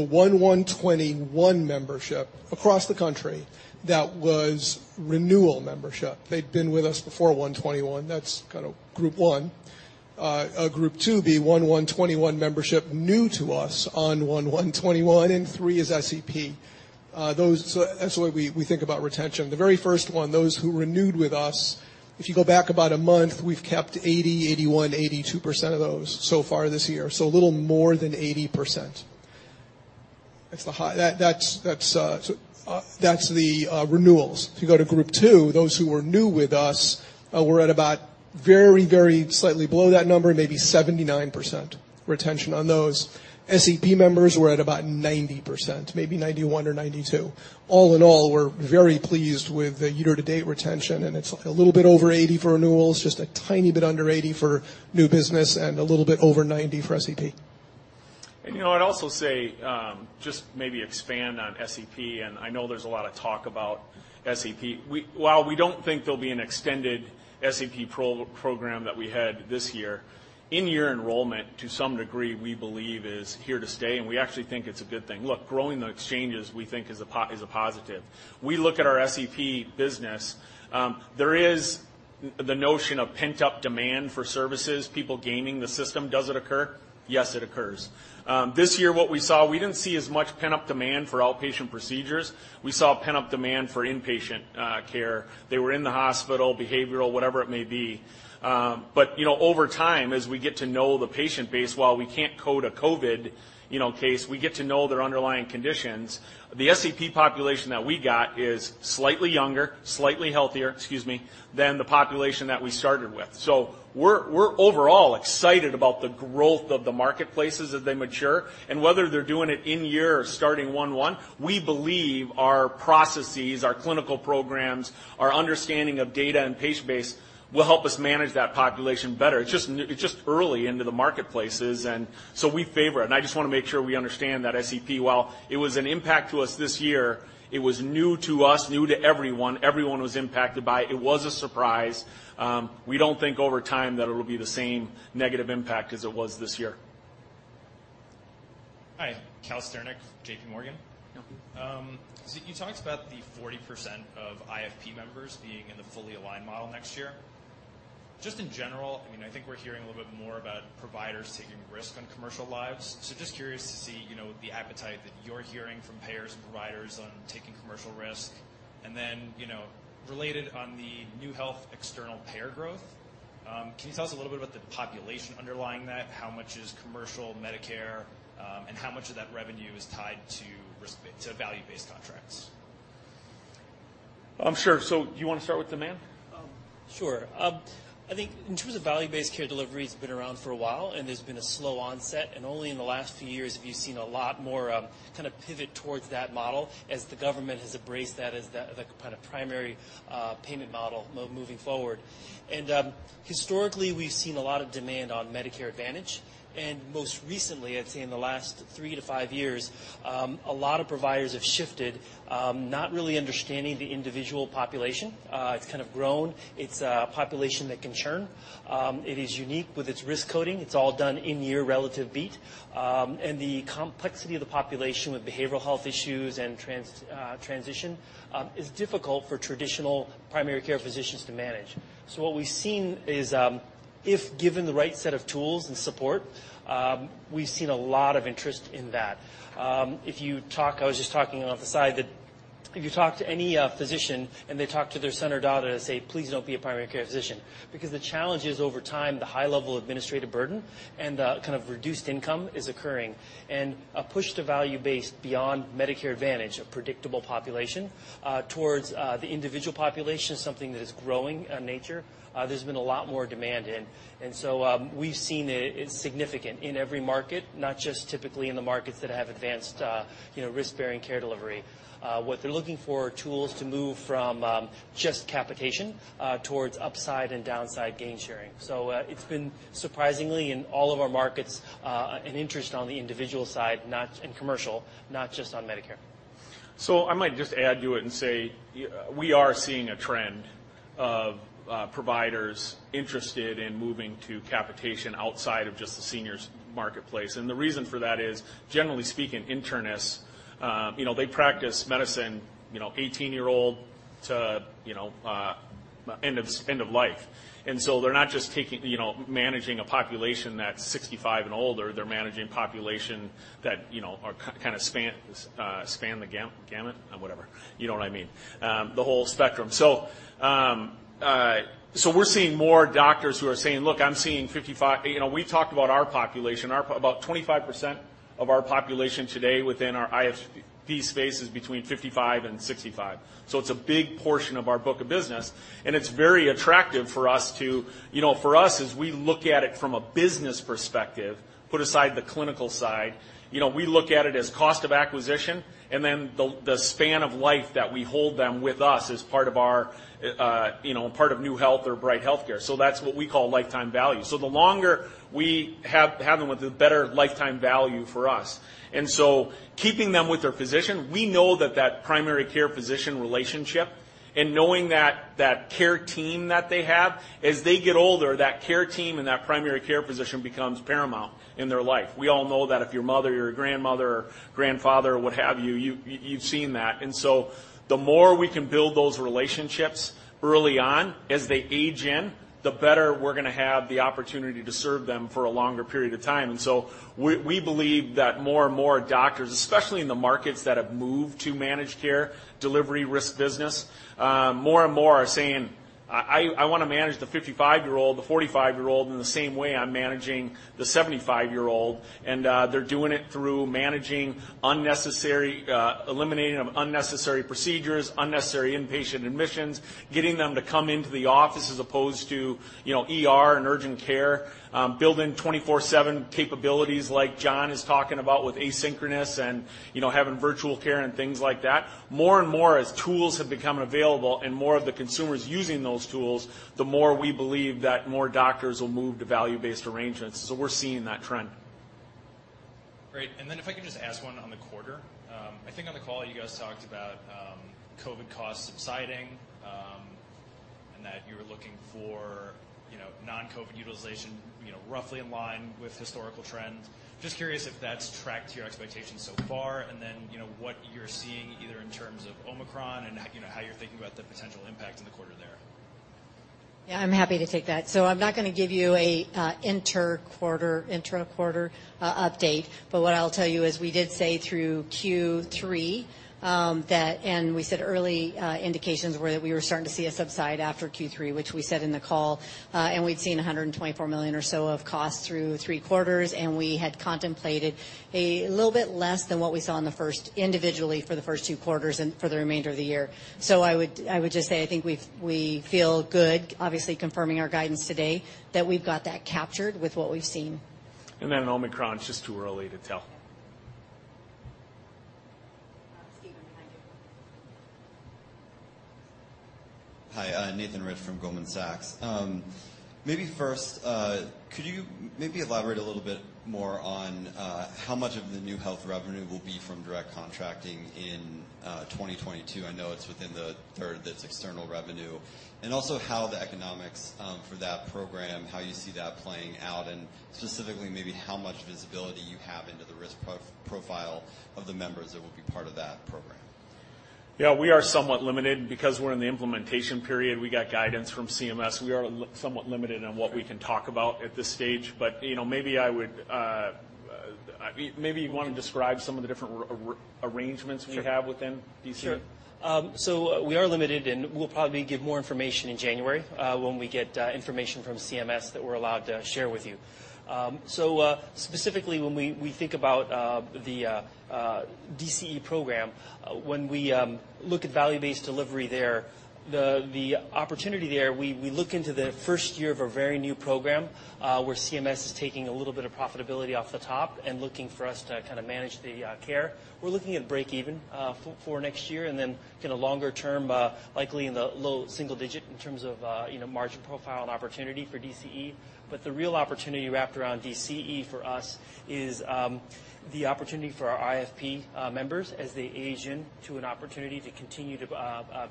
1/1/2021 membership across the country, that was renewal membership. They'd been with us before 1/1/2021. That's kinda group 1. Group 2 will be 1/1/2021 membership new to us on 1/1/2021, and 3 is SEP. That's the way we think about retention. The very first one, those who renewed with us, if you go back about a month, we've kept 80%-82% of those so far this year, so a little more than 80%. That's the renewals. If you go to group 2, those who are new with us, we're at about very, very slightly below that number, maybe 79% retention on those. SEP members, we're at about 90%, maybe 91 or 92. All in all, we're very pleased with the year-to-date retention, and it's a little bit over 80% for renewals, just a tiny bit under 80% for new business and a little bit over 90% for SEP. You know, I'd also say, just maybe expand on SEP, and I know there's a lot of talk about SEP. While we don't think there'll be an extended SEP proposed program that we had this year, in-year enrollment, to some degree, we believe is here to stay, and we actually think it's a good thing. Look, growing the exchanges, we think is a positive. We look at our SEP business. There is the notion of pent-up demand for services, people gaming the system. Does it occur? Yes, it occurs. This year what we saw, we didn't see as much pent-up demand for outpatient procedures. We saw pent-up demand for inpatient, care. They were in the hospital, behavioral, whatever it may be. You know, over time, as we get to know the patient base, while we can't code a COVID, you know, case, we get to know their underlying conditions. The SEP population that we got is slightly younger, slightly healthier, excuse me, than the population that we started with. We're overall excited about the growth of the marketplaces as they mature. Whether they're doing it in-year or starting 1/1, we believe our processes, our clinical programs, our understanding of data and patient base will help us manage that population better. It's just early into the marketplaces, so we favor it. I just wanna make sure we understand that SEP, while it was an impact to us this year, it was new to us, new to everyone was impacted by it. It was a surprise. We don't think over time that it'll be the same negative impact as it was this year. Hi. Cal Sternick, JPMorgan. Yep. You talked about the 40% of IFP members being in the fully aligned model next year. Just in general, I mean, I think we're hearing a little bit more about providers taking risk on commercial lives. Just curious to see, you know, the appetite that you're hearing from payers and providers on taking commercial risk. Related on the NeueHealth external payer growth, can you tell us a little bit about the population underlying that? How much is commercial Medicare, and how much of that revenue is tied to value-based contracts? Sure. Do you wanna start with demand? Sure. I think in terms of value-based care delivery, it's been around for a while, and there's been a slow onset, and only in the last few years have you seen a lot more, kinda pivot towards that model as the government has embraced that as the kinda primary payment model moving forward. Historically, we've seen a lot of demand on Medicare Advantage, and most recently, I'd say in the last three to five years, a lot of providers have shifted, not really understanding the individual population. It's kind of grown. It's a population that can churn. It is unique with its risk coding. It's all done in-year relative beat. And the complexity of the population with behavioral health issues and transition is difficult for traditional primary care physicians to manage. What we've seen is, if given the right set of tools and support, we've seen a lot of interest in that. I was just talking off the side that if you talk to any physician, and they talk to their son or daughter, they say, "Please don't be a primary care physician." Because the challenge is over time, the high-level administrative burden and the kind of reduced income is occurring. A push to value-based beyond Medicare Advantage, a predictable population, towards the individual population is something that is growing in nature. There's been a lot more demand. We've seen it's significant in every market, not just typically in the markets that have advanced, you know, risk-bearing care delivery. What they're looking for are tools to move from just capitation towards upside and downside gain sharing. It's been surprisingly in all of our markets an interest on the individual side, not in commercial, not just on Medicare. I might just add to it and say we are seeing a trend of providers interested in moving to capitation outside of just the seniors marketplace. The reason for that is, generally speaking, internists, you know, they practice medicine, you know, eighteen-year-old to, you know, end of life. They're not just taking you know, managing a population that's 65 and older. They're managing population that, you know, are kinda span the gamut. Whatever. You know what I mean. The whole spectrum. We're seeing more doctors who are saying, "Look, I'm seeing fifty-five..." You know, we talked about our population. About 25% of our population today within our IFP space is between 55 and 65. It's a big portion of our book of business, and it's very attractive for us to... You know, for us, as we look at it from a business perspective, put aside the clinical side, you know, we look at it as cost of acquisition and then the span of life that we hold them with us as part of our, you know, part of NeueHealth or Bright HealthCare. So that's what we call lifetime value. So the longer we have them with us, the better lifetime value for us. Keeping them with their physician, we know that primary care physician relationship and knowing that care team that they have, as they get older, that care team and that primary care physician becomes paramount in their life. We all know that if your mother, your grandmother or grandfather, what have you've seen that. The more we can build those relationships early on as they age in, the better we're gonna have the opportunity to serve them for a longer period of time. We believe that more and more doctors, especially in the markets that have moved to managed care, delivery risk business, more and more are saying, "I wanna manage the 55-year-old, the 45-year-old in the same way I'm managing the 75-year-old." They're doing it through managing unnecessary, eliminating of unnecessary procedures, unnecessary inpatient admissions, getting them to come into the office as opposed to, you know, ER and urgent care, building 24/7 capabilities like John is talking about with asynchronous and, you know, having virtual care and things like that. More and more, as tools have become available and more of the consumers using those tools, the more we believe that more doctors will move to value-based arrangements. We're seeing that trend. Great. If I can just ask one on the quarter. I think on the call you guys talked about COVID costs subsiding, and that you were looking for, you know, non-COVID utilization, you know, roughly in line with historical trends. Just curious if that's tracked to your expectations so far, and then, you know, what you're seeing either in terms of Omicron and, you know, how you're thinking about the potential impact in the quarter there. Yeah, I'm happy to take that. I'm not gonna give you a inter-quarter, intra-quarter update, but what I'll tell you is we did say through Q3 that we said early indications were that we were starting to see a subside after Q3, which we said in the call. We'd seen $124 million or so of costs through three quarters, and we had contemplated a little bit less than what we saw in the first individually for the first two quarters and for the remainder of the year. I would just say, I think we feel good, obviously confirming our guidance today, that we've got that captured with what we've seen. Omicron, it's just too early to tell. Stephen, behind you. Hi, Nathan Rich from Goldman Sachs. Maybe first, could you maybe elaborate a little bit more on how much of the NeueHealth revenue will be from Direct Contracting in 2022? I know it's within a third that's external revenue. Also how the economics for that program, how you see that playing out, and specifically maybe how much visibility you have into the risk profile of the members that will be part of that program. Yeah, we are somewhat limited. Because we're in the implementation period, we got guidance from CMS. We are somewhat limited on what we can talk about at this stage. You know, maybe I would, maybe you wanna describe some of the different arrangements we have within DCE. Sure. We are limited, and we'll probably give more information in January, when we get information from CMS that we're allowed to share with you. Specifically when we think about the DCE program, when we look at value-based delivery there, the opportunity there, we look into the first year of a very new program, where CMS is taking a little bit of profitability off the top and looking for us to kind of manage the care. We're looking at break even for next year, and then kinda longer term, likely in the low single digit in terms of you know, margin profile and opportunity for DCE. The real opportunity wrapped around DCE for us is the opportunity for our IFP members as they age in to an opportunity to continue to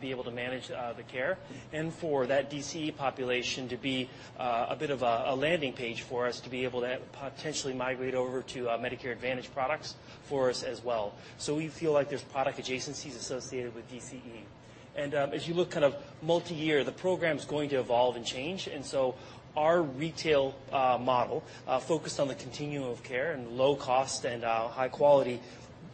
be able to manage the care, and for that DCE population to be a bit of a landing page for us to be able to potentially migrate over to Medicare Advantage products for us as well. We feel like there's product adjacencies associated with DCE. As you look kind of multi-year, the program's going to evolve and change. Our retail model focused on the continuum of care and low cost and high quality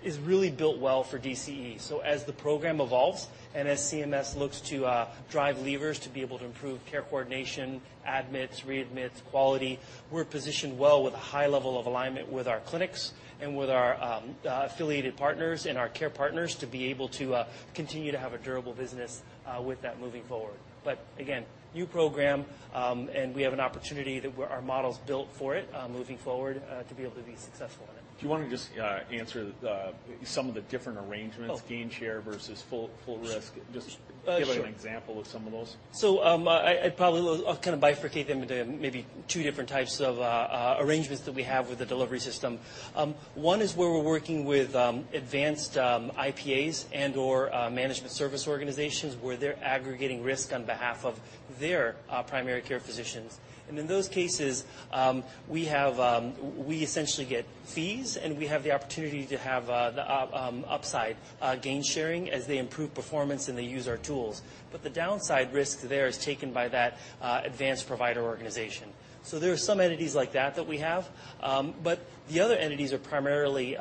is really built well for DCE. As the program evolves and as CMS looks to drive levers to be able to improve care coordination, admits, readmits, quality, we're positioned well with a high level of alignment with our clinics and with our affiliated partners and our care partners to be able to continue to have a durable business with that moving forward. Again, new program, and we have an opportunity that our model's built for it moving forward to be able to be successful in it. Do you wanna just answer some of the different arrangements, gain share versus full risk? Just give an example of some of those. I probably will, I'll kind of bifurcate them into maybe two different types of arrangements that we have with the delivery system. One is where we're working with advanced IPAs and/or management service organizations where they're aggregating risk on behalf of their primary care physicians. In those cases, we essentially get fees, and we have the opportunity to have the upside gain sharing as they improve performance and they use our tools. The downside risk there is taken by that advanced provider organization. There are some entities like that that we have. The other entities are primarily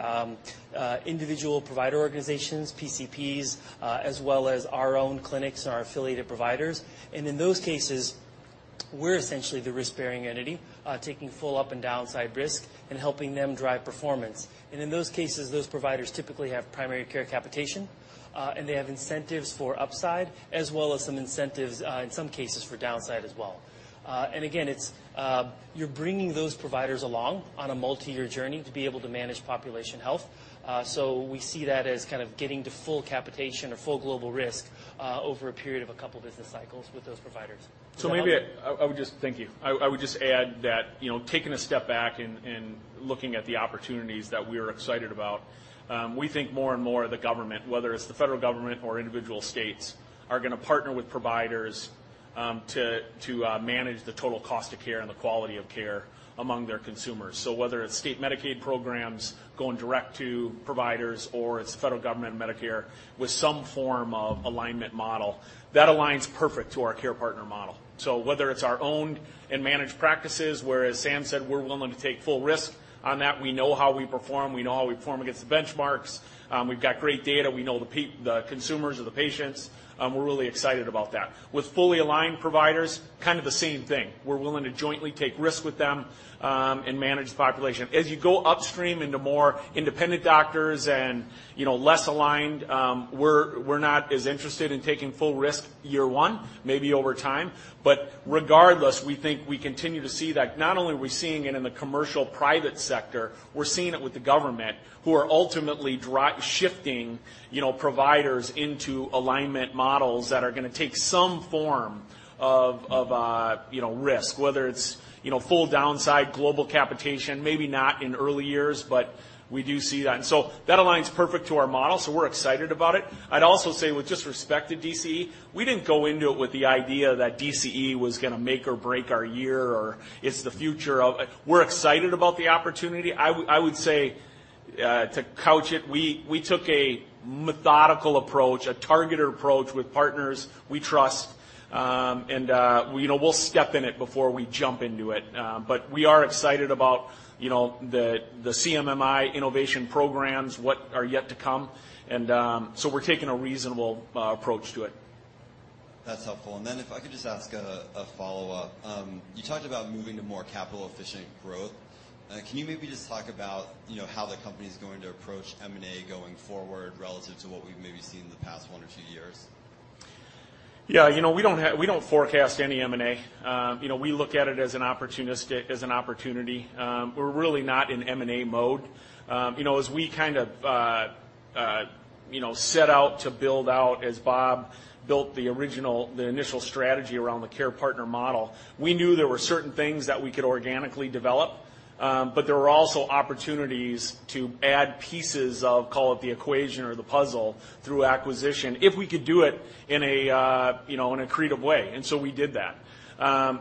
individual provider organizations, PCPs, as well as our own clinics and our affiliated providers. In those cases- We're essentially the risk-bearing entity, taking full up and downside risk and helping them drive performance. In those cases, those providers typically have primary care capitation, and they have incentives for upside as well as some incentives, in some cases for downside as well. Again, it's, you're bringing those providers along on a multi-year journey to be able to manage population health. We see that as kind of getting to full capitation or full global risk, over a period of a couple business cycles with those providers. Thank you. I would just add that, you know, taking a step back and looking at the opportunities that we are excited about, we think more and more the government, whether it's the federal government or individual states, are gonna partner with providers, to manage the total cost of care and the quality of care among their consumers. Whether it's state Medicaid programs going direct to providers or it's the federal government Medicare with some form of alignment model, that aligns perfect to our care partner model. Whether it's our owned and managed practices where, as Sam said, we're willing to take full risk on that. We know how we perform against the benchmarks. We've got great data. We know the consumers or the patients. We're really excited about that. With fully aligned providers, kind of the same thing. We're willing to jointly take risks with them and manage the population. As you go upstream into more independent doctors and, you know, less aligned, we're not as interested in taking full risk year one, maybe over time. Regardless, we think we continue to see that. Not only are we seeing it in the commercial private sector, we're seeing it with the government, who are ultimately shifting, you know, providers into alignment models that are gonna take some form of risk, whether it's, you know, full downside, global capitation, maybe not in early years, but we do see that. That aligns perfect to our model, so we're excited about it. I'd also say with just respect to DCE, we didn't go into it with the idea that DCE was gonna make or break our year or it's the future of. We're excited about the opportunity. I would say, to couch it, we took a methodical approach, a targeted approach with partners we trust. You know, we'll step in it before we jump into it. But we are excited about, you know, the CMMI innovation programs, what are yet to come, so we're taking a reasonable approach to it. That's helpful. If I could just ask a follow-up. You talked about moving to more capital-efficient growth. Can you maybe just talk about, you know, how the company's going to approach M&A going forward relative to what we've maybe seen in the past 1 or 2 years? You know, we don't forecast any M&A. You know, we look at it as an opportunity. We're really not in M&A mode. You know, as we kind of set out to build out, as Bob built the original, the initial strategy around the care partner model, we knew there were certain things that we could organically develop, but there were also opportunities to add pieces of, call it the equation or the puzzle, through acquisition if we could do it in a creative way, and so we did that.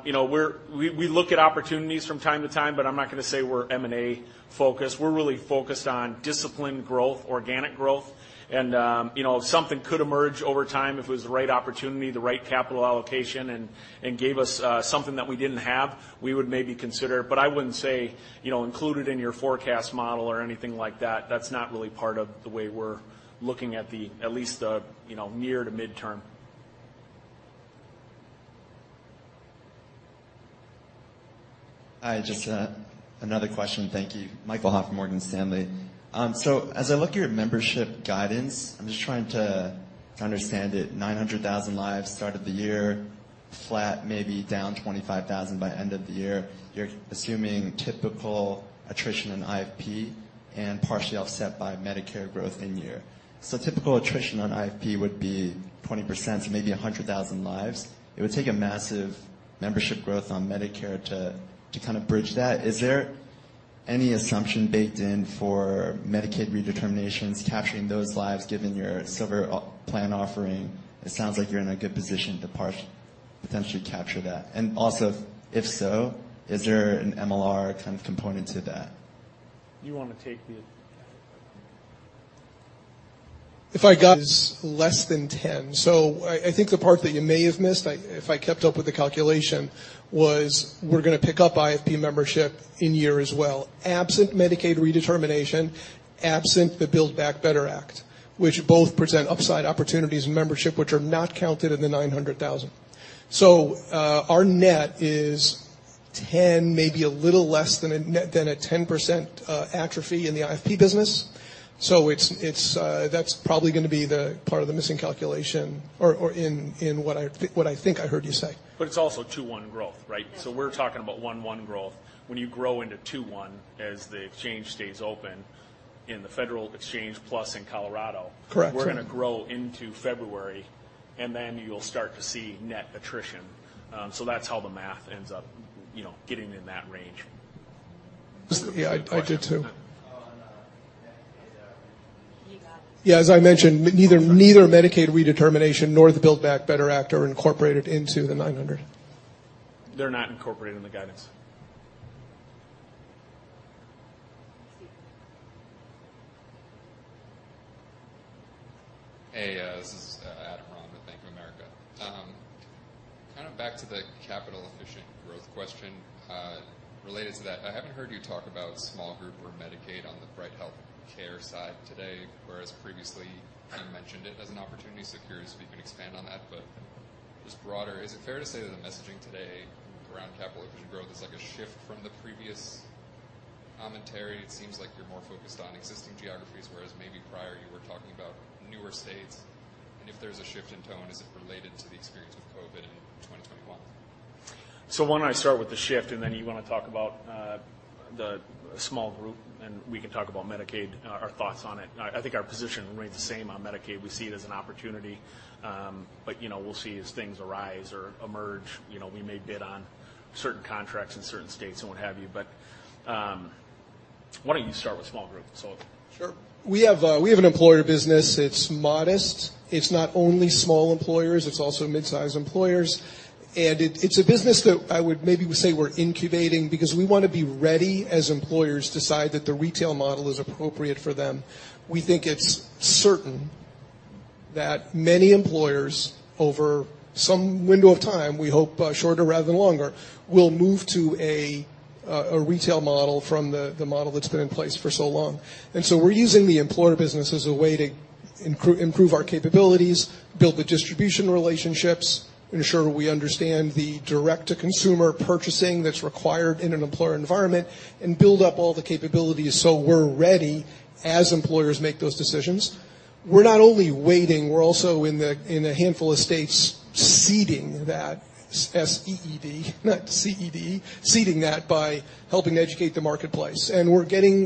You know, we look at opportunities from time to time, but I'm not gonna say we're M&A-focused. We're really focused on disciplined growth, organic growth. You know, something could emerge over time if it was the right opportunity, the right capital allocation, and gave us something that we didn't have, we would maybe consider it. But I wouldn't say, you know, include it in your forecast model or anything like that. That's not really part of the way we're looking at least the, you know, near to midterm. Hi, just another question. Thank you. Michael Ha from Morgan Stanley. So as I look at your membership guidance, I'm just trying to understand it. 900,000 lives start of the year, flat, maybe down 25,000 by end of the year. You're assuming typical attrition in IFP and partially offset by Medicare growth in year. Typical attrition on IFP would be 20%, so maybe 100,000 lives. It would take a massive membership growth on Medicare to kind of bridge that. Is there any assumption baked in for Medicaid redeterminations capturing those lives given your Silver plan offering? It sounds like you're in a good position to potentially capture that. If so, is there an MLR kind of component to that? You wanna take the. If I got this less than 10. I think the part that you may have missed, if I kept up with the calculation, was we're gonna pick up IFP membership in year as well, absent Medicaid redetermination, absent the Build Back Better Act, which both present upside opportunities in membership which are not counted in the 900,000. Our net is 10, maybe a little less than a 10%, atrophy in the IFP business. It's probably gonna be the part of the missing calculation or in what I think I heard you say. It's also 21% growth, right? We're talking about 11% growth. When you grow into 21% as the exchange stays open in the federal exchange plus in Colorado- Correct. We're gonna grow into February, and then you'll start to see net attrition. That's how the math ends up, you know, getting in that range. Yeah, I did too. Yeah, as I mentioned, neither Medicaid redetermination nor the Build Back Better Act are incorporated into the $900. They're not incorporated in the guidance. Hey, this is Adam Ron with Bank of America. Kind of back to the capital efficient question. Related to that, I haven't heard you talk about small group or Medicaid on the Bright HealthCare side today, whereas previously you mentioned it as an opportunity. Curious if you could expand on that. Just broader, is it fair to say that the messaging today around capital efficient growth is like a shift from the previous commentary? It seems like you're more focused on existing geographies, whereas maybe prior you were talking about newer states. If there's a shift in tone, is it related to the experience with COVID in 2021? Why don't I start with the shift, and then you wanna talk about the small group, and we can talk about Medicaid our thoughts on it. I think our position remains the same on Medicaid. We see it as an opportunity, but, you know, we'll see as things arise or emerge. You know, we may bid on certain contracts in certain states and what have you. But why don't you start with small group? Sure. We have an employer business. It's modest. It's not only small employers, it's also mid-size employers. It's a business that I would maybe say we're incubating because we wanna be ready as employers decide that the retail model is appropriate for them. We think it's certain that many employers over some window of time, we hope, shorter rather than longer, will move to a retail model from the model that's been in place for so long. We're using the employer business as a way to improve our capabilities, build the distribution relationships, ensure we understand the direct-to-consumer purchasing that's required in an employer environment, and build up all the capabilities so we're ready as employers make those decisions. We're not only waiting, we're also in a handful of states seeding that, S-E-E-D, not C-E-D, seeding that by helping educate the marketplace. We're getting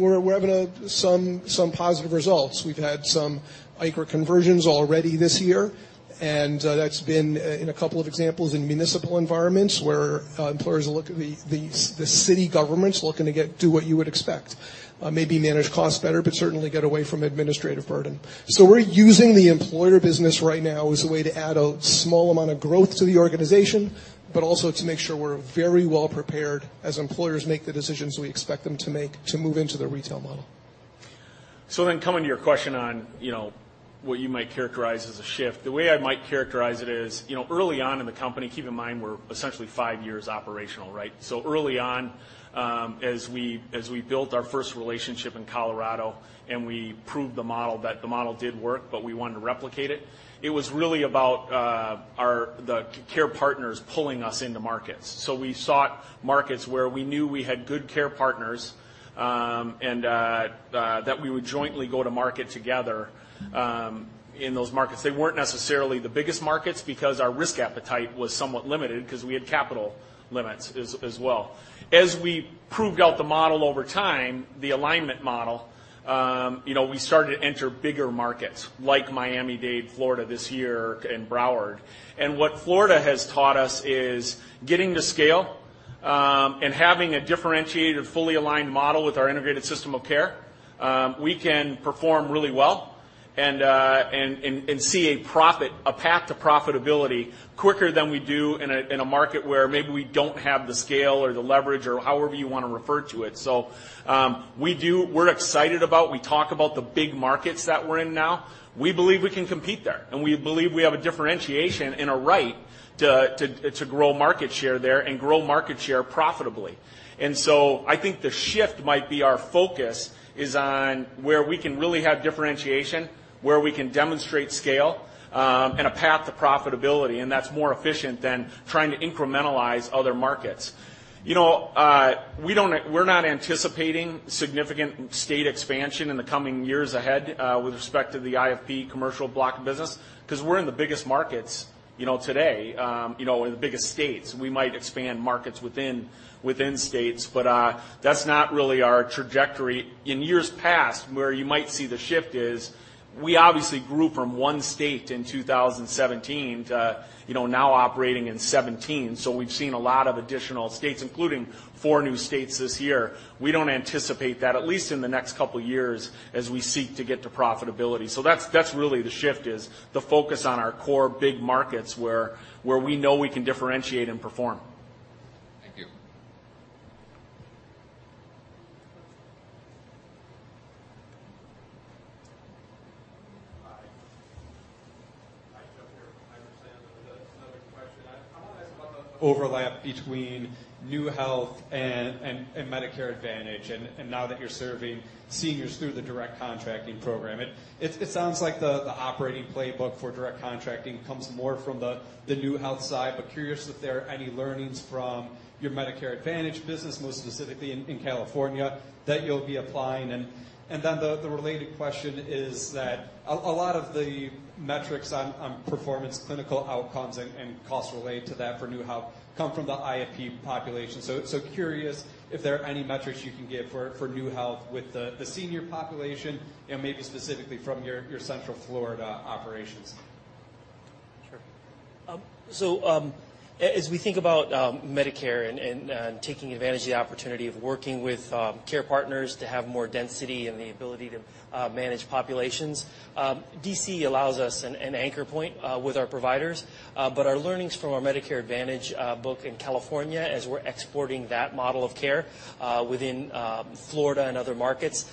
some positive results. We've had some ICHRA conversions already this year, and that's been in a couple of examples in municipal environments where the city government's looking to do what you would expect. Maybe manage costs better, but certainly get away from administrative burden. We're using the employer business right now as a way to add a small amount of growth to the organization, but also to make sure we're very well prepared as employers make the decisions we expect them to make to move into the retail model. Coming to your question on, you know, what you might characterize as a shift. The way I might characterize it is, you know, early on in the company, keep in mind, we're essentially five years operational, right? Early on, as we built our first relationship in Colorado, and we proved the model that did work, but we wanted to replicate it was really about, our care partners pulling us into markets. We sought markets where we knew we had good care partners, and that we would jointly go to market together, in those markets. They weren't necessarily the biggest markets because our risk appetite was somewhat limited 'cause we had capital limits as well. As we proved out the model over time, the alignment model, you know, we started to enter bigger markets like Miami-Dade, Florida this year and Broward. What Florida has taught us is getting to scale, and having a differentiated, fully aligned model with our integrated system of care, we can perform really well and see a path to profitability quicker than we do in a market where maybe we don't have the scale or the leverage or however you wanna refer to it. We're excited about, we talk about the big markets that we're in now. We believe we can compete there, and we believe we have a differentiation and a right to grow market share there and grow market share profitably. I think the shift might be our focus is on where we can really have differentiation, where we can demonstrate scale, and a path to profitability, and that's more efficient than trying to incrementalize other markets. You know, we're not anticipating significant state expansion in the coming years ahead, with respect to the IFP commercial block business 'cause we're in the biggest markets, you know, today, you know, in the biggest states. We might expand markets within states, but that's not really our trajectory. In years past, where you might see the shift is we obviously grew from one state in 2017 to, you know, now operating in 17. We've seen a lot of additional states, including four new states this year. We don't anticipate that at least in the next couple years as we seek to get to profitability. That's really the shift, is the focus on our core big markets where we know we can differentiate and perform. Thank you. Hi. Mike Tucker with Piper Sandler with another question. I'm curious about the overlap between NeueHealth and Medicare Advantage and now that you're serving seniors through the Direct Contracting program. It sounds like the operating playbook for Direct Contracting comes more from the NeueHealth side, but curious if there are any learnings from your Medicare Advantage business, more specifically in California, that you'll be applying. Then the related question is that a lot of the metrics on performance clinical outcomes and costs related to that for NeueHealth come from the IFP population. Curious if there are any metrics you can give for NeueHealth with the senior population and maybe specifically from your Central Florida operations. Sure. As we think about Medicare and taking advantage of the opportunity of working with care partners to have more density and the ability to manage populations, DCE allows us an anchor point with our providers, our learnings from our Medicare Advantage book in California as we're exporting that model of care within Florida and other markets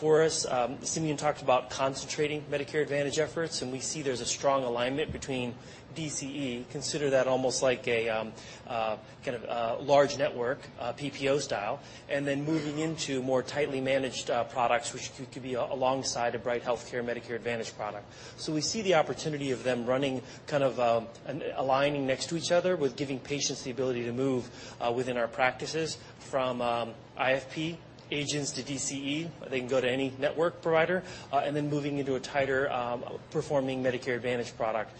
for us. Simeon talked about concentrating Medicare Advantage efforts, and we see there's a strong alignment between DCE. Consider that almost like a kind of large network PPO style, and then moving into more tightly managed products, which could be alongside a Bright HealthCare Medicare Advantage product. We see the opportunity of them running kind of and aligning next to each other with giving patients the ability to move within our practices from IFP agents to DCE. They can go to any network provider and then moving into a tighter performing Medicare Advantage product.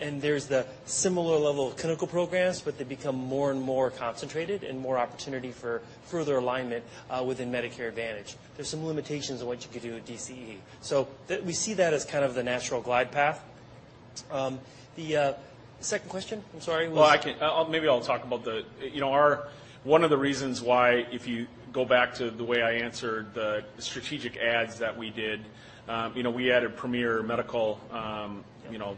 There's the similar level of clinical programs, but they become more and more concentrated and more opportunity for further alignment within Medicare Advantage. There's some limitations on what you could do with DCE. We see that as kind of the natural glide path. The second question. I'm sorry. What was- One of the reasons why, if you go back to the way I answered the strategic adds that we did, you know, we added Premier Medical, you know,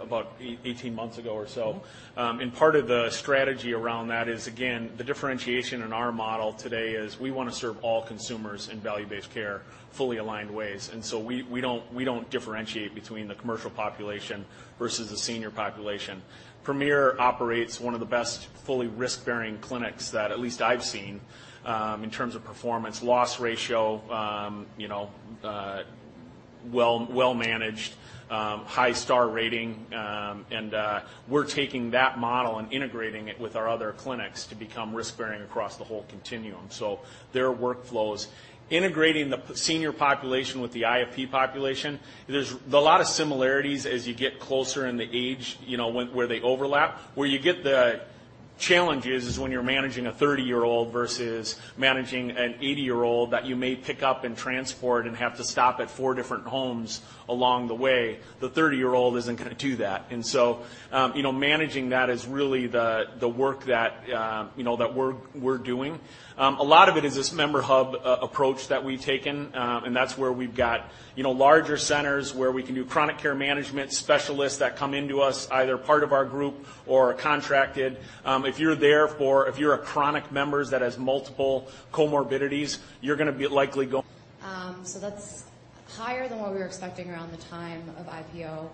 about 18 months ago or so. Mm-hmm. Part of the strategy around that is again, the differentiation in our model today is we wanna serve all consumers in value-based care, fully aligned ways. We don't differentiate between the commercial population versus the senior population. Premier operates one of the best fully risk-bearing clinics that at least I've seen, in terms of performance, loss ratio, you know, well managed, high star rating. We're taking that model and integrating it with our other clinics to become risk-bearing across the whole continuum. Their workflows integrating the senior population with the IFP population, there's a lot of similarities as you get closer in the age, you know, where they overlap. Where you get the challenge is when you're managing a 30-year-old versus managing an 80-year-old that you may pick up and transport and have to stop at 4 different homes along the way. The 30-year-old isn't gonna do that. You know, managing that is really the work that you know that we're doing. A lot of it is this member hub approach that we've taken. That's where we've got you know larger centers where we can do chronic care management, specialists that come into us, either part of our group or are contracted. If you're a chronic member that has multiple comorbidities, you're gonna be likely go- That's higher than what we were expecting around the time of IPO.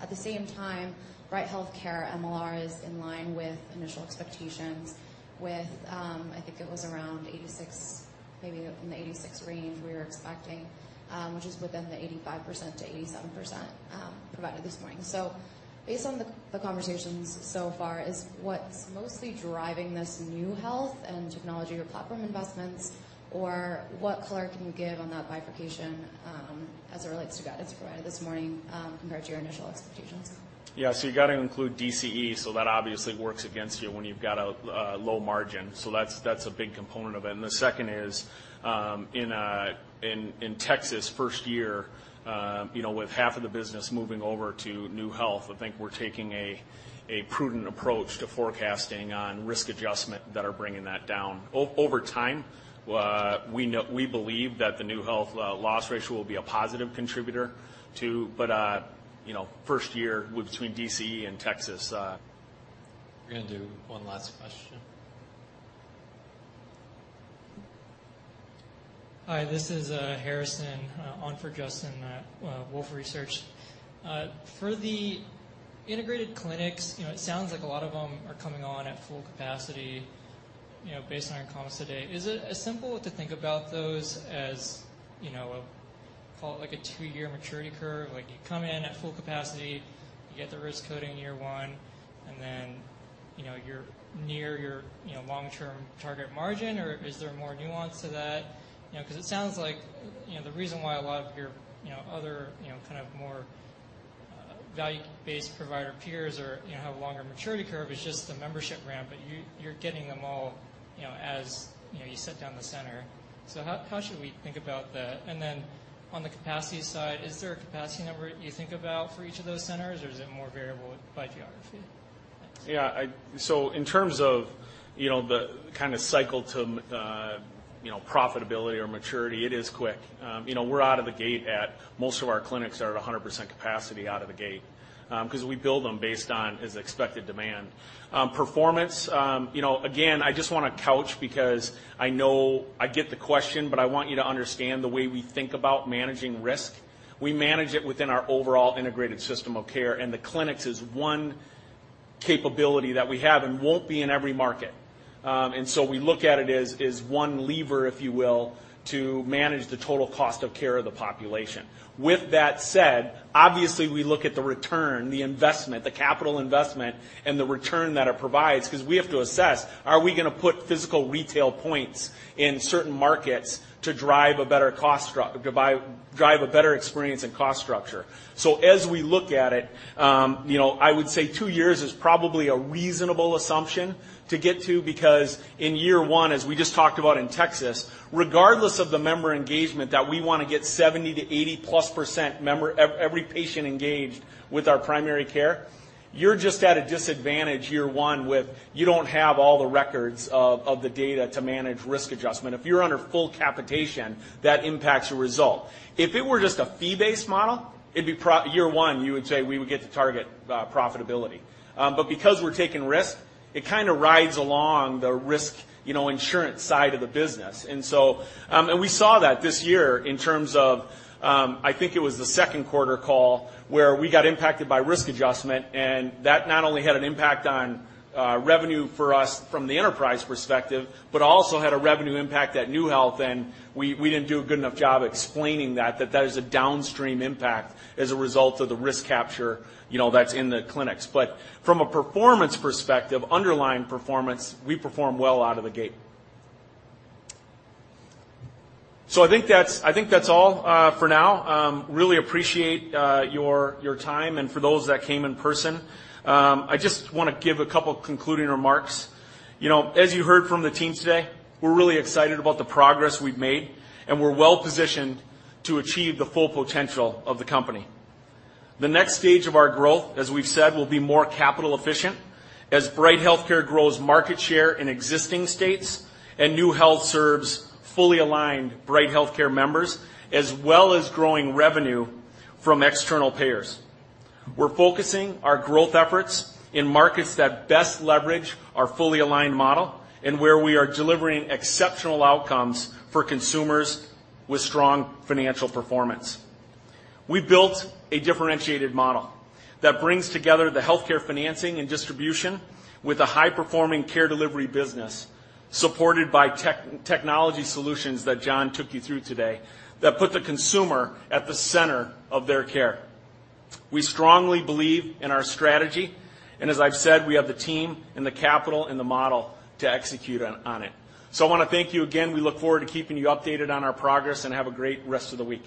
At the same time, Bright HealthCare MLR is in line with initial expectations with, I think it was around 86, maybe in the 86 range we were expecting, which is within the 85%-87%, provided this morning. Based on the conversations so far, is what's mostly driving this NeueHealth and technology or platform investments, or what color can you give on that bifurcation, as it relates to guidance provided this morning, compared to your initial expectations? Yeah. You gotta include DCE, so that obviously works against you when you've got a low margin. That's a big component of it. The second is in Texas first year, you know, with half of the business moving over to NeueHealth. I think we're taking a prudent approach to forecasting on risk adjustment that's bringing that down. Over time, we believe that the NeueHealth loss ratio will be a positive contributor. You know, first year with between DCE and Texas. We're gonna do one last question. Hi, this is Harrison on for Justin at Wolfe Research. For the integrated clinics, you know, it sounds like a lot of them are coming on at full capacity, you know, based on your comments today. Is it as simple to think about those as, you know, a, call it like a two-year maturity curve? Like, you come in at full capacity, you get the risk code in year one, and then, you know, you're near your, you know, long-term target margin? Or is there more nuance to that? You know, 'cause it sounds like, you know, the reason why a lot of your, you know, other, you know, kind of more value-based provider peers or, you know, have a longer maturity curve is just the membership ramp, but you're getting them all, you know, as, you know, you set down the center. How should we think about that? On the capacity side, is there a capacity number you think about for each of those centers, or is it more variable by geography? Thanks. Yeah. In terms of, you know, the kinda cycle to profitability or maturity, it is quick. You know, we're out of the gate at most of our clinics are at 100% capacity out of the gate, 'cause we build them based on expected demand. Performance, you know, again, I just wanna couch because I know I get the question, but I want you to understand the way we think about managing risk. We manage it within our overall integrated system of care, and the clinics is one capability that we have and won't be in every market. And so we look at it as one lever, if you will, to manage the total cost of care of the population. With that said, obviously, we look at the return, the investment, the capital investment, and the return that it provides 'cause we have to assess are we gonna put physical retail points in certain markets to drive a better experience and cost structure. As we look at it, you know, I would say two years is probably a reasonable assumption to get to because in year one, as we just talked about in Texas, regardless of the member engagement that we wanna get 70% to 80% plus percent every patient engaged with our primary care. You're just at a disadvantage year one with you don't have all the records of the data to manage risk adjustment. If you're under full capitation, that impacts your result. If it were just a fee-based model, it'd be year one, you would say we would get to target profitability. Because we're taking risk, it kinda rides along the risk, you know, insurance side of the business. We saw that this year in terms of, I think it was the second quarter call where we got impacted by risk adjustment, and that not only had an impact on revenue for us from the enterprise perspective, but also had a revenue impact at NeueHealth, and we didn't do a good enough job explaining that that is a downstream impact as a result of the risk capture, you know, that's in the clinics. From a performance perspective, underlying performance, we perform well out of the gate. I think that's all for now. I really appreciate your time and for those that came in person. I just wanna give a couple concluding remarks. You know, as you heard from the team today, we're really excited about the progress we've made, and we're well-positioned to achieve the full potential of the company. The next stage of our growth, as we've said, will be more capital efficient as Bright HealthCare grows market share in existing states and NeueHealth serves fully aligned Bright HealthCare members, as well as growing revenue from external payers. We're focusing our growth efforts in markets that best leverage our fully aligned model and where we are delivering exceptional outcomes for consumers with strong financial performance. We built a differentiated model that brings together the healthcare financing and distribution with a high-performing care delivery business supported by technology solutions that Jon took you through today that put the consumer at the center of their care. We strongly believe in our strategy, and as I've said, we have the team and the capital and the model to execute on it. I wanna thank you again. We look forward to keeping you updated on our progress and have a great rest of the week.